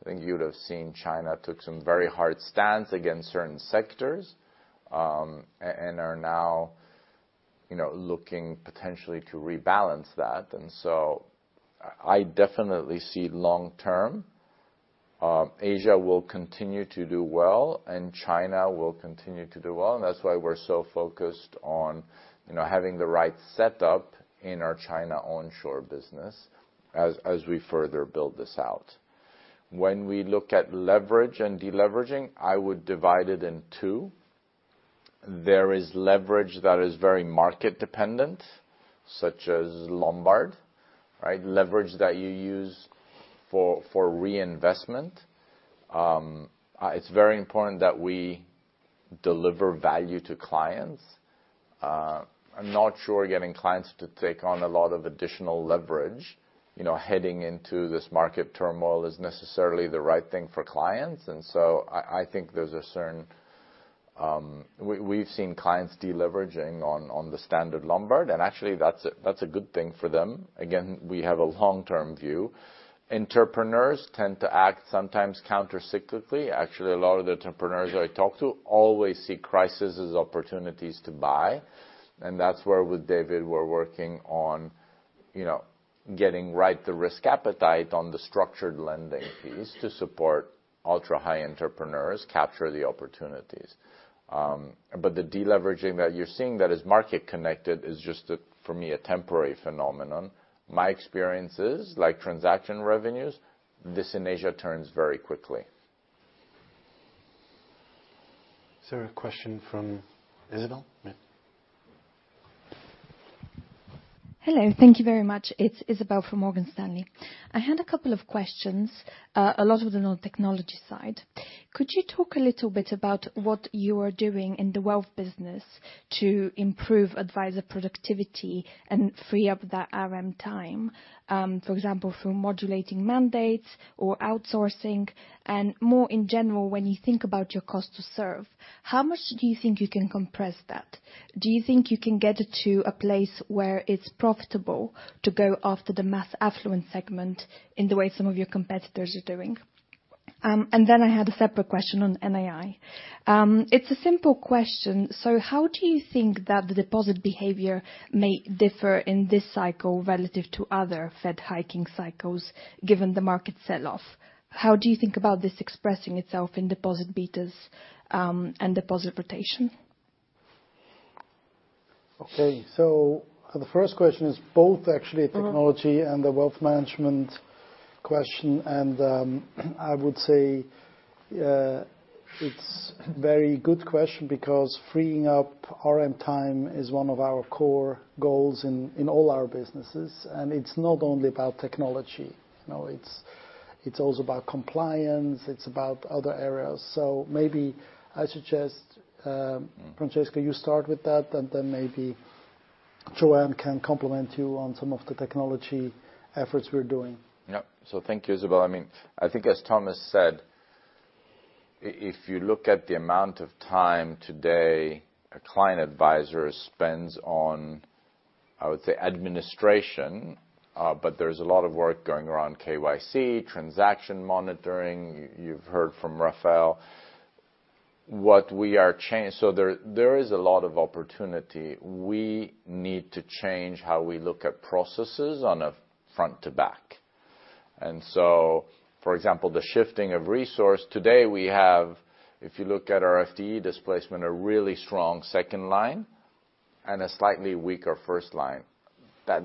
S6: I think you'd have seen China took some very hard stance against certain sectors and are now looking potentially to rebalance that. I definitely see long-term, Asia will continue to do well and China will continue to do well. That's why we're so focused on, you know, having the right setup in our China onshore business as we further build this out. When we look at leverage and deleveraging, I would divide it in two. There is leverage that is very market dependent, such as Lombard, right? Leverage that you use for reinvestment. It's very important that we deliver value to clients. I'm not sure getting clients to take on a lot of additional leverage, you know, heading into this market turmoil is necessarily the right thing for clients. I think there's a certain. We've seen clients deleveraging on the standard Lombard, and actually that's a good thing for them. Again, we have a long-term view. Entrepreneurs tend to act sometimes countercyclically. Actually, a lot of the entrepreneurs I talk to always see crisis as opportunities to buy. That's where with David, we're working on, you know, getting right the risk appetite on the structured lending fees to support ultra-high entrepreneurs capture the opportunities. But the deleveraging that you're seeing that is market connected is just, for me, a temporary phenomenon. My experience is, like transaction revenues, this in Asia turns very quickly.
S10: Is there a question from Isabelle? Yeah.
S11: Hello. Thank you very much. It's Isabelle from Morgan Stanley. I had a couple of questions, a lot of them on technology side. Could you talk a little bit about what you are doing in the wealth business to improve advisor productivity and free up that RM time, for example, through modulating mandates or outsourcing? More in general, when you think about your cost to serve, how much do you think you can compress that? Do you think you can get it to a place where it's profitable to go after the mass affluent segment in the way some of your competitors are doing? And then I had a separate question on NII. It's a simple question. How do you think that the deposit behavior may differ in this cycle relative to other Fed hiking cycles, given the market sell-off? How do you think about this expressing itself in deposit betas, and deposit rotation?
S2: Okay. The first question is both actually technology and the wealth management question. I would say, it's very good question because freeing up RM time is one of our core goals in all our businesses. It's not only about technology. No, it's also about compliance. It's about other areas. Maybe I suggest, Francesco, you start with that, and then maybe Joanne can complement you on some of the technology efforts we're doing.
S6: Thank you, Isabelle. I mean, I think as Thomas said, if you look at the amount of time today a client advisor spends on, I would say administration, but there's a lot of work going on around KYC, transaction monitoring. You've heard from Rafael. There is a lot of opportunity. We need to change how we look at processes on a front to back. For example, the shifting of resource, today we have, if you look at our FTE displacement, a really strong second line and a slightly weaker first line.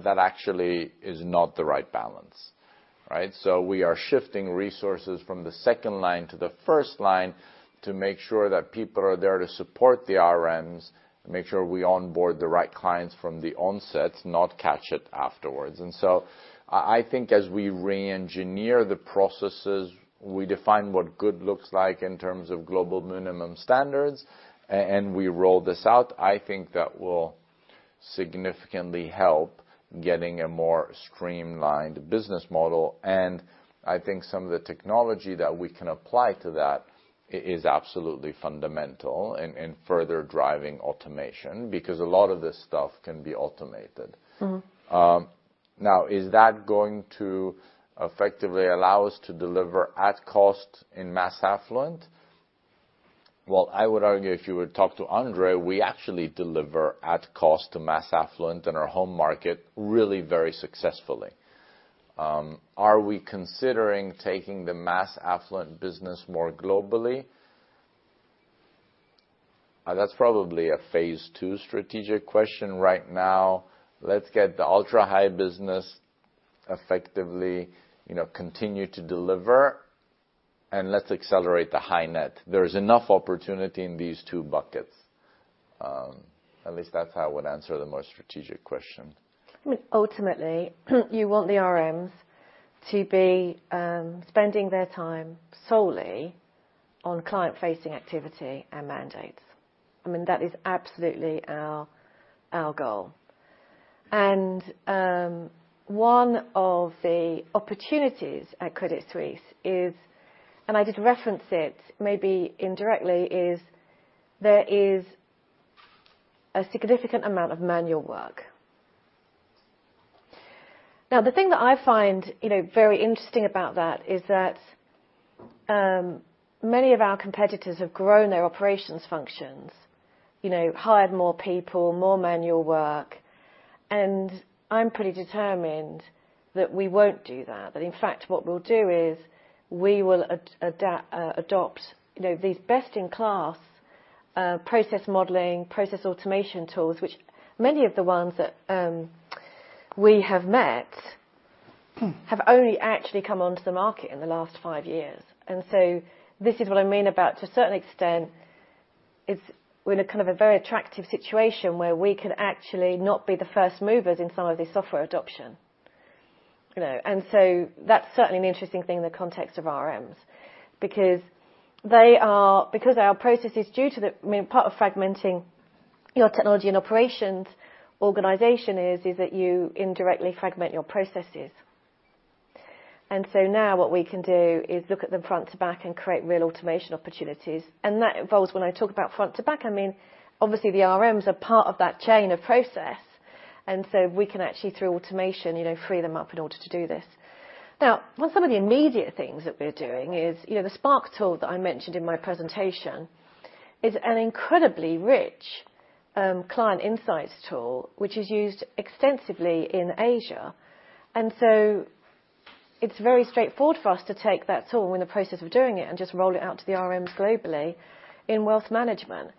S6: That actually is not the right balance, right? We are shifting resources from the second line to the first line to make sure that people are there to support the RMs, make sure we onboard the right clients from the onset, not catch it afterwards. I think as we reengineer the processes, we define what good looks like in terms of global minimum standards, and we roll this out. I think that will significantly help getting a more streamlined business model. I think some of the technology that we can apply to that is absolutely fundamental in further driving automation, because a lot of this stuff can be automated.
S11: Mm-hmm.
S6: Now, is that going to effectively allow us to deliver at cost in mass affluent? Well, I would argue, if you would talk to André, we actually deliver at cost to mass affluent in our home market really very successfully. Are we considering taking the mass affluent business more globally? That's probably a phase two strategic question right now. Let's get the ultra-high business effectively, you know, continue to deliver, and let's accelerate the high net. There is enough opportunity in these two buckets. At least that's how I would answer the more strategic question.
S5: I mean, ultimately, you want the RMs to be spending their time solely on client-facing activity and mandates. I mean, that is absolutely our goal. One of the opportunities at Credit Suisse is, and I did reference it maybe indirectly, is there is a significant amount of manual work. Now, the thing that I find, you know, very interesting about that is that many of our competitors have grown their operations functions. You know, hired more people, more manual work, and I'm pretty determined that we won't do that. That in fact, what we'll do is we will adopt, you know, these best-in-class process modeling, process automation tools, which many of the ones that we have met have only actually come onto the market in the last five years. This is what I mean about, to a certain extent, it's we're in a kind of a very attractive situation where we can actually not be the first movers in some of the software adoption. You know, that's certainly an interesting thing in the context of RMs, because our processes, I mean, part of fragmenting your technology and operations organization is that you indirectly fragment your processes. Now what we can do is look at them front to back and create real automation opportunities. That involves, when I talk about front to back, I mean, obviously the RMs are part of that chain of process. We can actually, through automation, you know, free them up in order to do this. Now, one of the immediate things that we're doing is, you know, the Spark tool that I mentioned in my presentation is an incredibly rich, client insights tool, which is used extensively in Asia. It's very straightforward for us to take that tool, we're in the process of doing it, and just roll it out to the RMs globally in wealth management.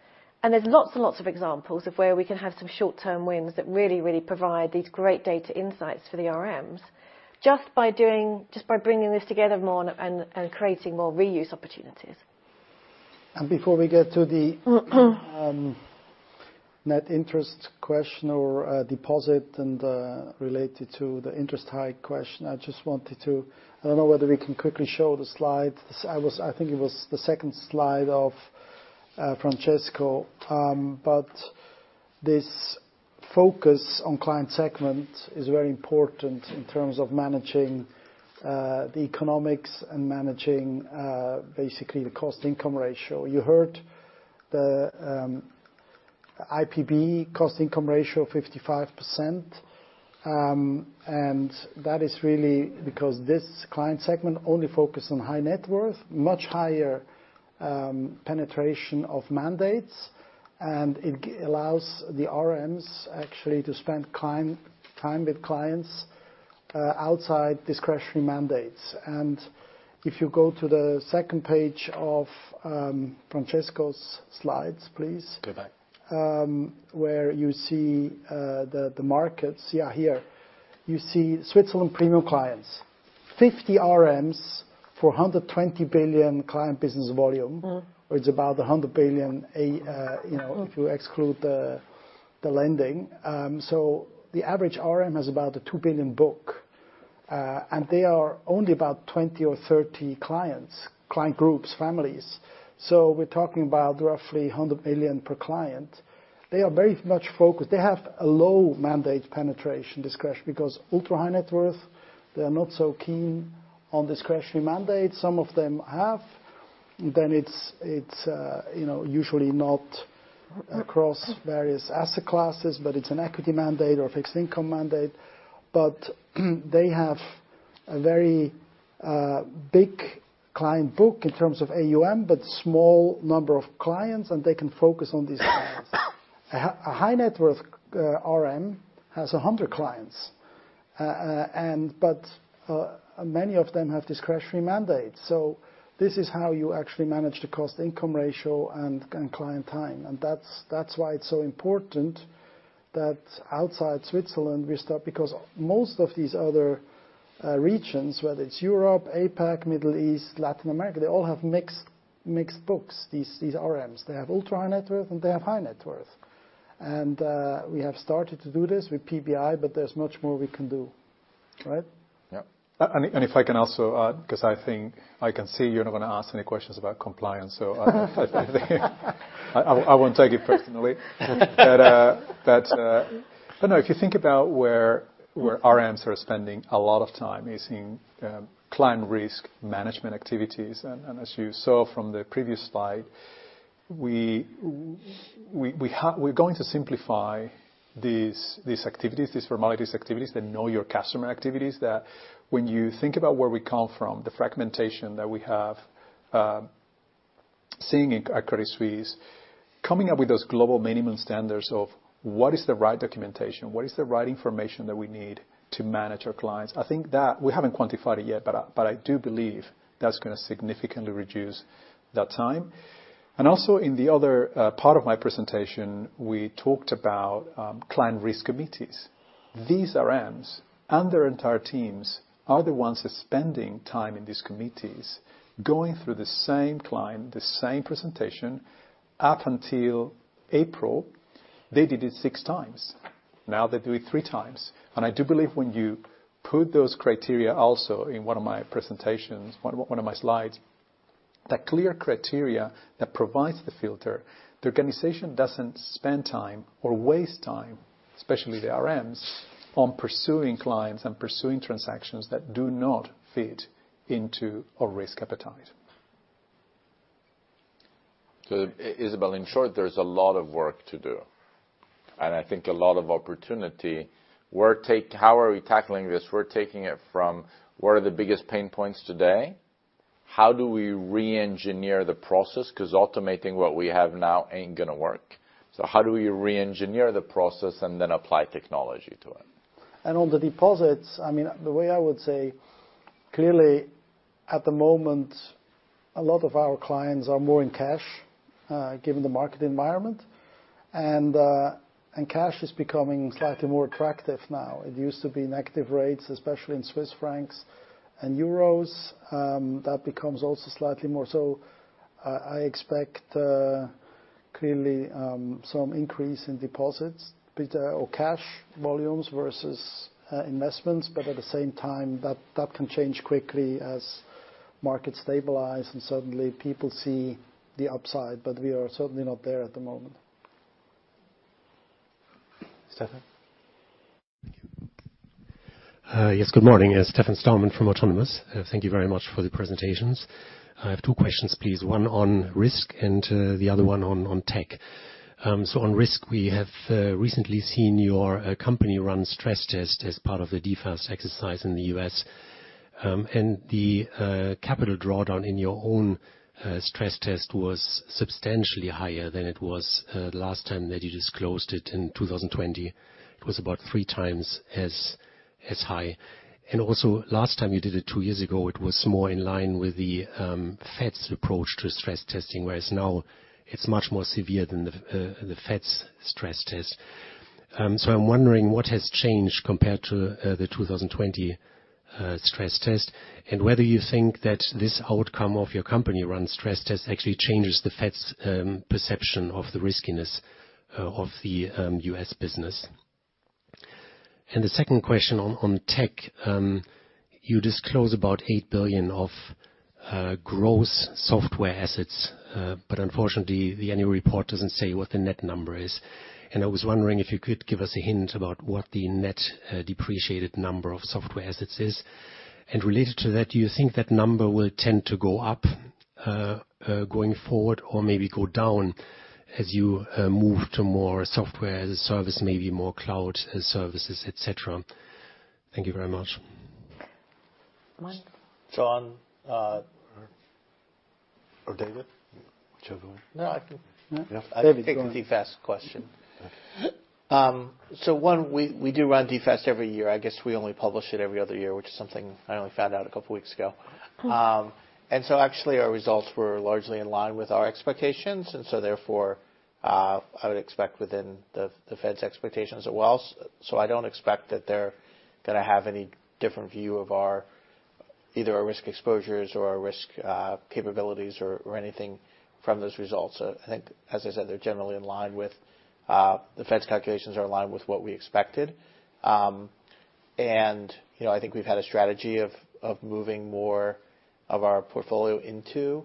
S5: There's lots and lots of examples of where we can have some short-term wins that really provide these great data insights for the RMs, just by bringing this together more and creating more reuse opportunities.
S2: Before we get to the net interest question or deposit and related to the interest hike question, I just wanted to. I don't know whether we can quickly show the slide. I was, I think it was the second slide of Francesco. But this focus on client segment is very important in terms of managing the economics and managing basically the cost-income ratio. You heard the IPB cost income ratio 55%. That is really because this client segment only focus on high net worth, much higher penetration of mandates. It allows the RMs, actually, to spend client-time with clients outside discretionary mandates. If you go to the second page of Francesco's slides, please.
S4: Goodbye.
S2: Where you see the markets. Yeah, here. You see Switzerland premium clients, 50 RMs, 420 billion client business volume.
S12: Mm-hmm.
S2: It's about 100 billion, you know, if you exclude the lending. The average RM has about a 2 billion book. They are only about 20 or 30 clients, client groups, families. We're talking about roughly 100 million per client. They are very much focused. They have a low mandate penetration discretion because ultra-high net worth, they're not so keen on discretionary mandate. Some of them have, you know, usually not across various asset classes, but it's an equity mandate or a fixed income mandate. They have a very big client book in terms of AUM, but small number of clients, and they can focus on these clients. A high net worth RM has 100 clients. But many of them have discretionary mandates. This is how you actually manage the cost-income ratio and client time. That's why it's so important that outside Switzerland, we start because most of these other regions, whether it's Europe, APAC, Middle East, Latin America, they all have mixed books, these RMs. They have ultra-high net worth, and they have high net worth. We have started to do this with PBI, but there's much more we can do. Right?
S4: Yeah. If I can also add, 'cause I think I can see you're not gonna ask any questions about compliance. I won't take it personally. No, if you think about where RMs are spending a lot of time is in client risk management activities. As you saw from the previous slide, we're going to simplify these activities, these formalities activities, the know your customer activities. That, when you think about where we come from, the fragmentation that we have seen at Credit Suisse, coming up with those global minimum standards of what is the right documentation, what is the right information that we need to manage our clients? I think that we haven't quantified it yet, but I do believe that's gonna significantly reduce that time. Also in the other part of my presentation, we talked about client risk committees. These RMs and their entire teams are the ones that's spending time in these committees, going through the same client, the same presentation. Up until April, they did it six times. Now they do it three times. I do believe when you put those criteria also in one of my presentations, one of my slides, that clear criteria that provides the filter, the organization doesn't spend time or waste time, especially the RMs, on pursuing clients and pursuing transactions that do not fit into our risk appetite.
S6: Isabelle, in short, there's a lot of work to do, and I think a lot of opportunity. How are we tackling this? We're taking it from what are the biggest pain points today? How do we re-engineer the process? 'Cause automating what we have now ain't gonna work. How do we re-engineer the process and then apply technology to it?
S2: On the deposits, I mean, the way I would say, clearly, at the moment, a lot of our clients are more in cash, given the market environment. Cash is becoming slightly more attractive now. It used to be negative rates, especially in Swiss francs and euros, that becomes also slightly more so. I expect, clearly, some increase in deposits or cash volumes versus investments. At the same time, that can change quickly as markets stabilize and suddenly people see the upside, but we are certainly not there at the moment.
S6: Stefan?
S12: Thank you. Yes. Good morning. It's Stefan Stalmann from Autonomous Research. Thank you very much for the presentations. I have two questions, please. One on risk and the other one on tech. On risk, we have recently seen your company run stress test as part of the DFAST exercise in the U.S. The capital drawdown in your own stress test was substantially higher than it was last time that you disclosed it in 2020. It was about three times as high. Also last time you did it two years ago, it was more in line with the Fed's approach to stress testing, whereas now it's much more severe than the Fed's stress test. I'm wondering what has changed compared to 2020 stress test, and whether you think that this outcome of your company-run stress test actually changes the Fed's perception of the riskiness of the U.S. business. The second question on tech. You disclose about $8 billion of gross software assets. But unfortunately, the annual report doesn't say what the net number is. I was wondering if you could give us a hint about what the net depreciated number of software assets is. Related to that, do you think that number will tend to go up?
S2: Going forward or maybe go down as you move to more software as a service, maybe more cloud services, et cetera. Thank you very much.
S5: Mike?
S3: John...
S2: David, whichever one.
S3: No, I can.
S5: No?
S3: I can take the DFAST question. One, we do run DFAST every year. I guess we only publish it every other year, which is something I only found out a couple weeks ago. Actually, our results were largely in line with our expectations, and therefore I would expect within the Fed's expectations as well. I don't expect that they're gonna have any different view of either our risk exposures or our risk capabilities or anything from those results. I think, as I said, they're generally in line with the Fed's calculations. The Fed's calculations are in line with what we expected. You know, I think we've had a strategy of moving more of our portfolio into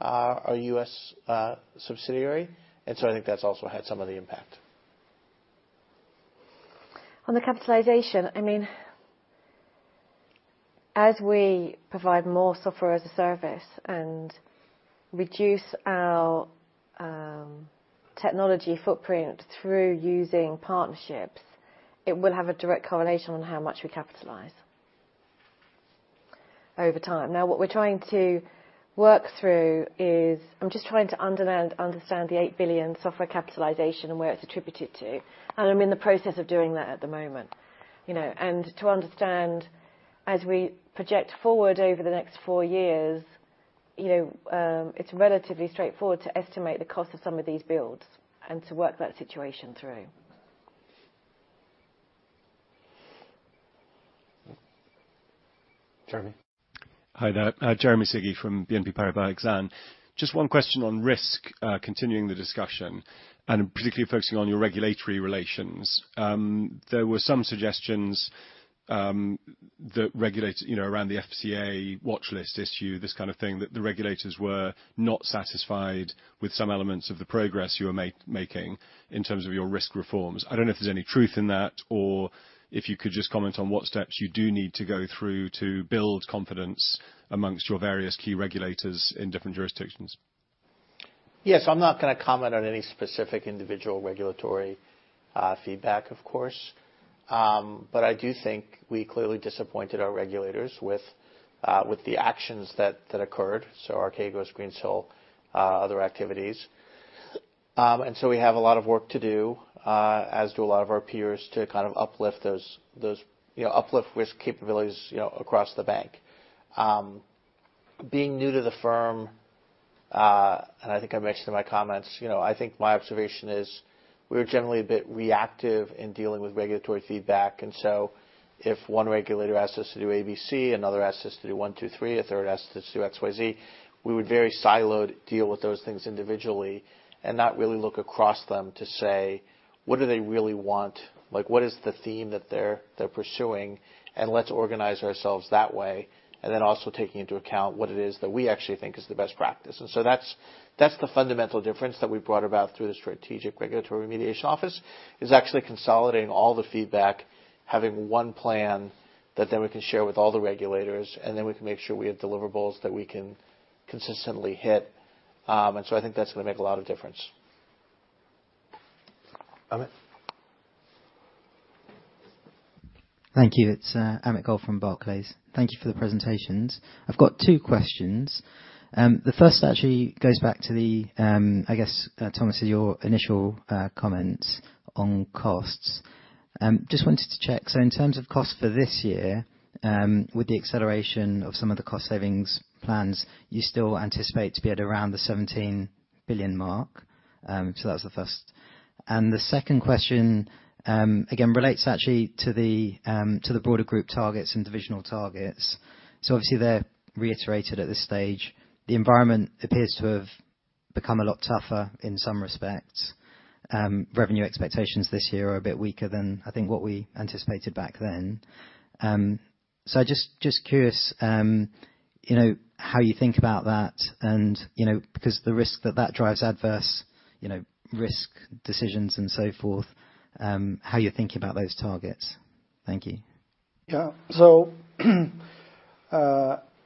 S3: our U.S. subsidiary, and so I think that's also had some of the impact.
S5: On the capitalization, I mean, as we provide more software as a service and reduce our technology footprint through using partnerships, it will have a direct correlation on how much we capitalize over time. Now, what we're trying to work through is I'm just trying to understand the 8 billion software capitalization and where it's attributed to, and I'm in the process of doing that at the moment, you know. To understand as we project forward over the next four years, you know, it's relatively straightforward to estimate the cost of some of these builds and to work that situation through.
S2: Jeremy.
S13: Hi there, Jeremy Sigee from BNP Paribas Exane. Just one question on risk, continuing the discussion, and particularly focusing on your regulatory relations. There were some suggestions, you know, around the FCA watchlist issue, this kind of thing, that the regulators were not satisfied with some elements of the progress you were making in terms of your risk reforms. I don't know if there's any truth in that, or if you could just comment on what steps you do need to go through to build confidence amongst your various key regulators in different jurisdictions.
S3: Yes. I'm not gonna comment on any specific individual regulatory feedback, of course. But I do think we clearly disappointed our regulators with the actions that occurred. Archegos, Greensill, other activities. We have a lot of work to do, as do a lot of our peers, to kind of uplift those risk capabilities, you know, across the bank. Being new to the firm, and I think I mentioned in my comments, you know, I think my observation is we were generally a bit reactive in dealing with regulatory feedback. If one regulator asked us to do A, B, C, another asked us to do one, two, three, a third asked us to do X, Y, Z, we would very siloed deal with those things individually and not really look across them to say, "What do they really want?" Like, what is the theme that they're pursuing, and let's organize ourselves that way, and then also taking into account what it is that we actually think is the best practice. That's the fundamental difference that we brought about through the Strategic Regulatory Remediation office, is actually consolidating all the feedback, having one plan that then we can share with all the regulators, and then we can make sure we have deliverables that we can consistently hit. I think that's gonna make a lot of difference.
S2: Amit.
S14: Thank you. It's Amit Goel from Barclays. Thank you for the presentations. I've got two questions. The first actually goes back to the, I guess, Thomas, your initial comments on costs. Just wanted to check, so in terms of cost for this year, with the acceleration of some of the cost savings plans, you still anticipate to be at around 17 billion? That's the first. The second question again relates actually to the broader group targets and divisional targets. Obviously they're reiterated at this stage. The environment appears to have become a lot tougher in some respects. Revenue expectations this year are a bit weaker than I think what we anticipated back then. Just curious, you know, how you think about that and, you know, because the risk that drives adverse, you know, risk decisions and so forth, how you're thinking about those targets. Thank you.
S2: Yeah.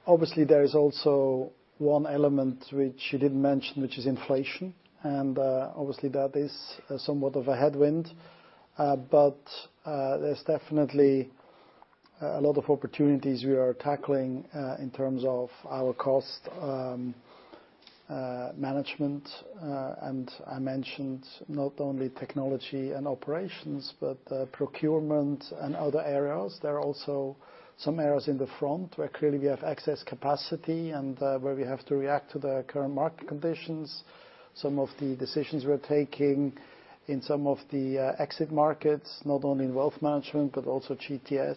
S2: Obviously there is also one element which you didn't mention, which is inflation. Obviously that is somewhat of a headwind. There's definitely a lot of opportunities we are tackling in terms of our cost management. I mentioned not only technology and operations, but procurement and other areas. There are also some areas in the front where clearly we have excess capacity and where we have to react to the current market conditions. Some of the decisions we're taking in some of the exit markets, not only in wealth management, but also GTS.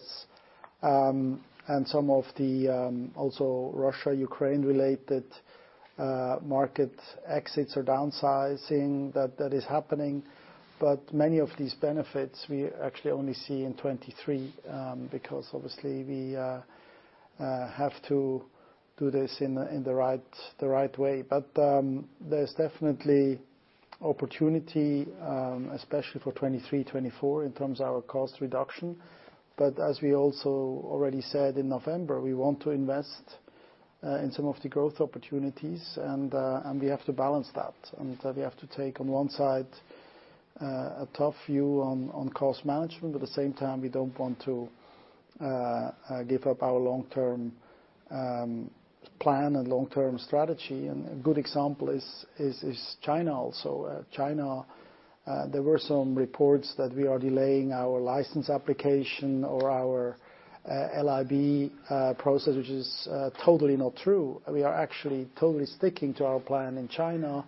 S2: Some of the also Russia, Ukraine-related market exits or downsizing that is happening. Many of these benefits we actually only see in 2023, because obviously we have to do this in the right way. There's definitely opportunity, especially for 2023, 2024 in terms of our cost reduction. As we also already said in November, we want to invest in some of the growth opportunities, and we have to balance that. We have to take on one side a tough view on cost management, at the same time, we don't want to give up our long-term plan and long-term strategy. A good example is also China. China, there were some reports that we are delaying our license application or our LIBOR process, which is totally not true. We are actually totally sticking to our plan in China.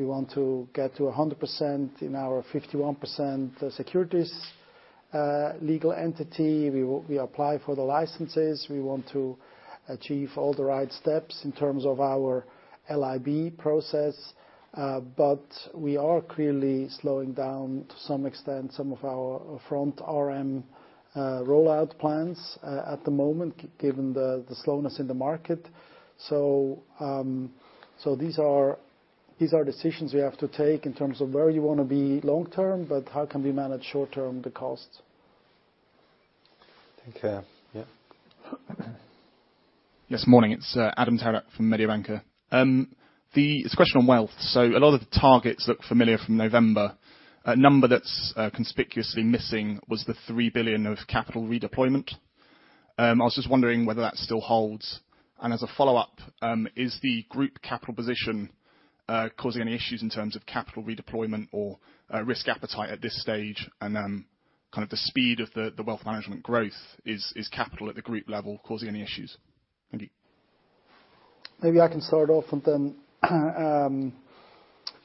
S2: We want to get to 100% in our 51% securities legal entity. We apply for the licenses, we want to achieve all the right steps in terms of our LIBOR process, but we are clearly slowing down to some extent some of our front RM rollout plans at the moment given the slowness in the market. These are decisions we have to take in terms of where you wanna be long-term, but how can we manage short-term the costs.
S6: Take care. Yeah.
S15: Yes. Morning. It's Adam Sherck from Mediobanca. It's a question on wealth. A lot of the targets look familiar from November. A number that's conspicuously missing was the 3 billion of capital redeployment. I was just wondering whether that still holds. As a follow-up, is the group capital position causing any issues in terms of capital redeployment or risk appetite at this stage? Then kind of the speed of the wealth management growth. Is capital at the group level causing any issues? Thank you.
S2: Maybe I can start off and then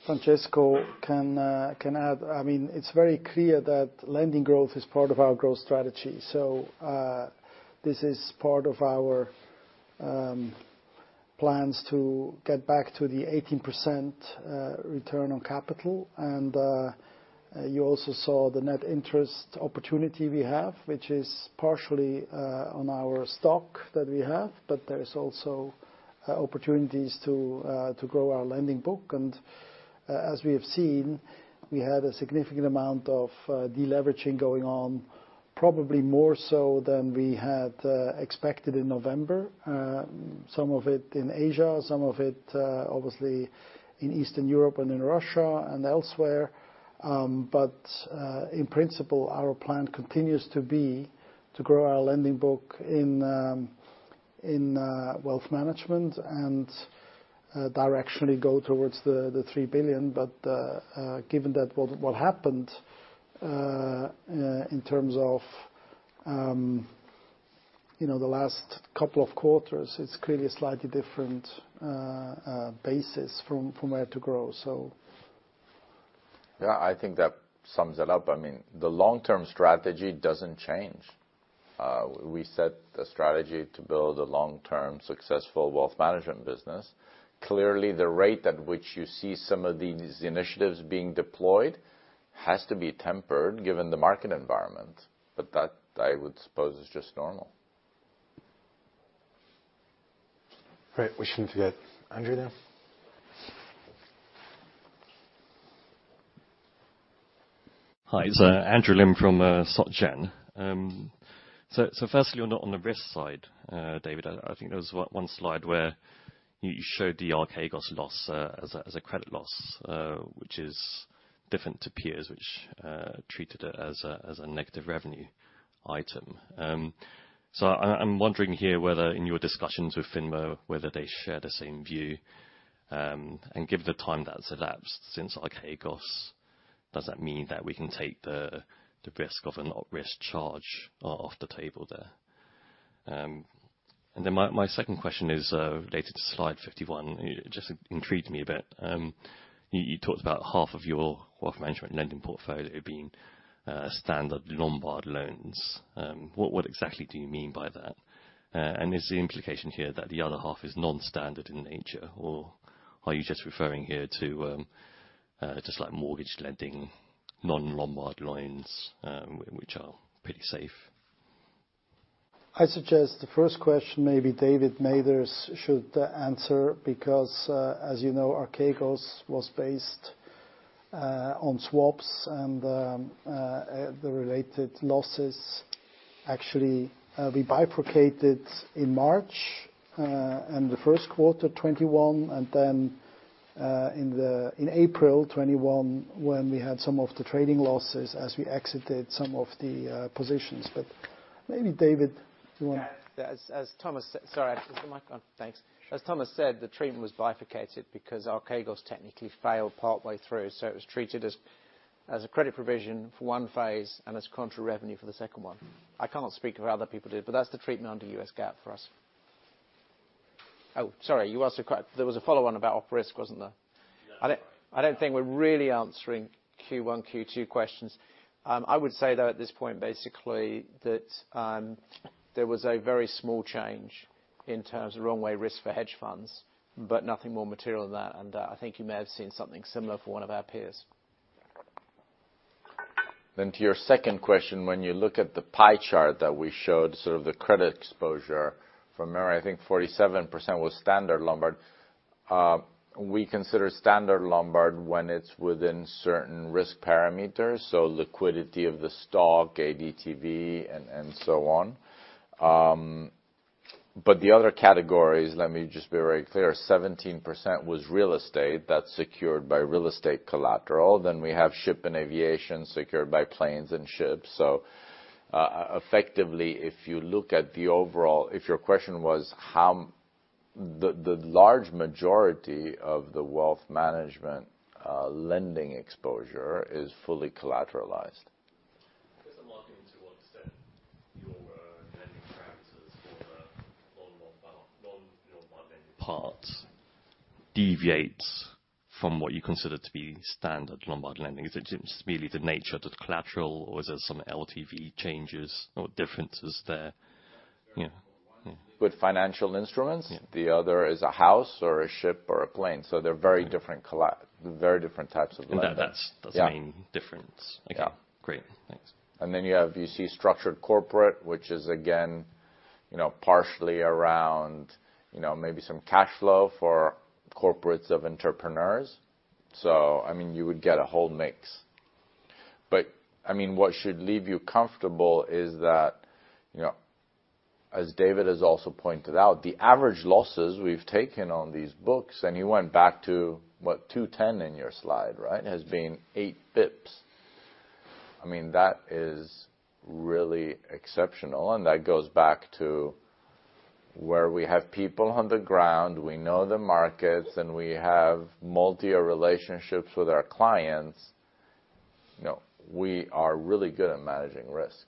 S2: Francesco can add. I mean, it's very clear that lending growth is part of our growth strategy. This is part of our plans to get back to the 18% return on capital. You also saw the net interest opportunity we have, which is partially on our stock that we have, but there is also opportunities to grow our lending book. As we have seen, we had a significant amount of deleveraging going on, probably more so than we had expected in November. Some of it in Asia, some of it obviously in Eastern Europe and in Russia and elsewhere. In principle, our plan continues to be to grow our lending book in wealth management and directionally go towards 3 billion. Given what happened in terms of you know the last couple of quarters, it's clearly a slightly different basis from where to grow.
S6: Yeah, I think that sums it up. I mean, the long-term strategy doesn't change. We set a strategy to build a long-term successful wealth management business. Clearly, the rate at which you see some of these initiatives being deployed has to be tempered given the market environment. That, I would suppose, is just normal.
S2: Great. We shouldn't forget Andrew now.
S16: Hi. It's Andrew Lim from Société Générale. First, on the risk side, David, I think there was one slide where you showed the Archegos loss as a credit loss, which is different to peers, which treated it as a negative revenue item. I'm wondering here whether in your discussions with FINMA, whether they share the same view, and given the time that's elapsed since Archegos, does that mean that we can take the risk of an op risk charge off the table there? My second question is related to slide 51. It just intrigued me a bit. You talked about half of your wealth management lending portfolio being standard Lombard loans. What exactly do you mean by that? Is the implication here that the other half is non-standard in nature, or are you just referring here to just like mortgage lending, non-Lombard loans, which are pretty safe?
S2: I suggest the first question maybe David Mathers should answer because, as you know, Archegos was based on swaps and the related losses. Actually, we bifurcated in March in the Q1 2021, and then in April 2021 when we had some of the trading losses as we exited some of the positions. Maybe David, you want-
S17: Yeah. Sorry. Is the mic on? Thanks. As Thomas said, the treatment was bifurcated because Archegos technically failed partway through, so it was treated as a credit provision for one phase and as contra revenue for the second one. I can't speak for how other people did, but that's the treatment under U.S. GAAP for us. Oh, sorry. There was a follow-on about op risk, wasn't there?
S16: Yeah.
S17: I don't think we're really answering Q1, Q2 questions. I would say, though, at this point, basically, that there was a very small change in terms of runway risk for hedge funds, but nothing more material than that. I think you may have seen something similar for one of our peers.
S6: To your second question, when you look at the pie chart that we showed, sort of the credit exposure. From memory, I think 47% was standard Lombard. We consider standard Lombard when it's within certain risk parameters, so liquidity of the stock, ADTV, and so on. The other categories, let me just be very clear, 17% was real estate that's secured by real estate collateral. We have ship and aviation secured by planes and ships. Effectively, the large majority of the wealth management lending exposure is fully collateralized.
S16: Just marking to what extent your lending practices for the non-Lombard lending parts deviates from what you consider to be standard Lombard lending. Is it simply the nature of the collateral, or is there some LTV changes or differences there? You know. Yeah.
S6: With financial instruments.
S16: Yeah
S6: The other is a house or a ship or a plane. They're very different types of lending.
S16: And that's-
S6: Yeah
S16: those main differences.
S6: Yeah.
S16: Okay, great. Thanks.
S6: Then you have, you see structured corporate, which is again, you know, partially around, you know, maybe some cash flow for corporates of entrepreneurs. I mean, you would get a whole mix. I mean, what should leave you comfortable is that, you know, as David has also pointed out, the average losses we've taken on these books, and you went back to, what? 2010 in your slide, right? Has been eight basis points. I mean, that is really exceptional, and that goes back to where we have people on the ground, we know the markets, and we have multi-year relationships with our clients. You know, we are really good at managing risk.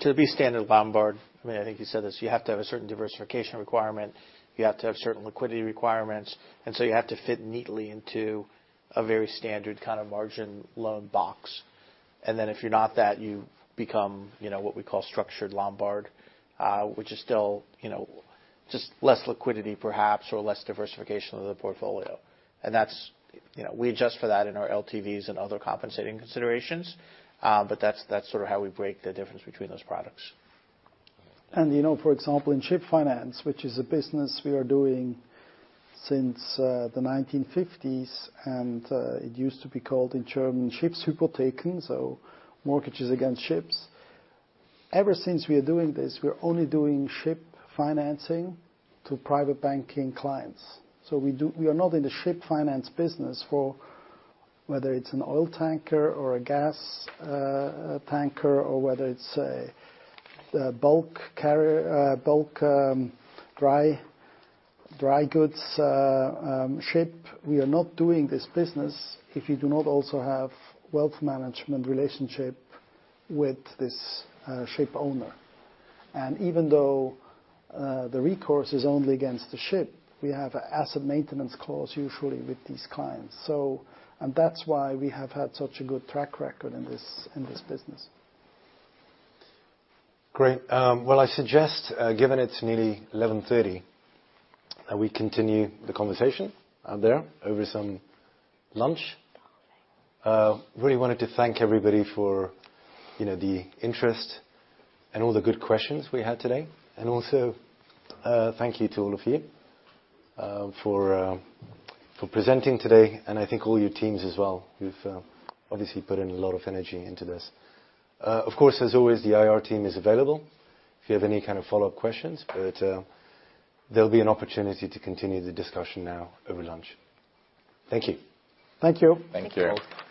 S3: To be standard Lombard, I mean, I think you said this, you have to have a certain diversification requirement, you have to have certain liquidity requirements, and so you have to fit neatly into a very standard kind of margin loan box. Then if you're not that, you become, you know, what we call structured Lombard, which is still, you know, just less liquidity perhaps or less diversification of the portfolio. That's, you know, we adjust for that in our LTVs and other compensating considerations, but that's sort of how we break the difference between those products.
S2: You know, for example, in ship finance, which is a business we are doing since the 1950s, it used to be called in German, Schiffshypotheken, so mortgages against ships. Ever since we are doing this, we are only doing ship financing to private banking clients. We are not in the ship finance business for whether it's an oil tanker or a gas tanker, or whether it's a bulk carrier, a bulk dry goods ship. We are not doing this business if you do not also have wealth management relationship with this ship owner. Even though the recourse is only against the ship, we have an asset maintenance clause usually with these clients. That's why we have had such a good track record in this business.
S6: Great. Well, I suggest, given it's nearly 11:30 A.M., that we continue the conversation out there over some lunch. Really wanted to thank everybody for, you know, the interest and all the good questions we had today. Also, thank you to all of you for presenting today, and I think all your teams as well, who've obviously put in a lot of energy into this. Of course, as always, the IR team is available if you have any kind of follow-up questions, but there'll be an opportunity to continue the discussion now over lunch. Thank you.
S2: Thank you.
S3: Thank you.
S16: Thank you.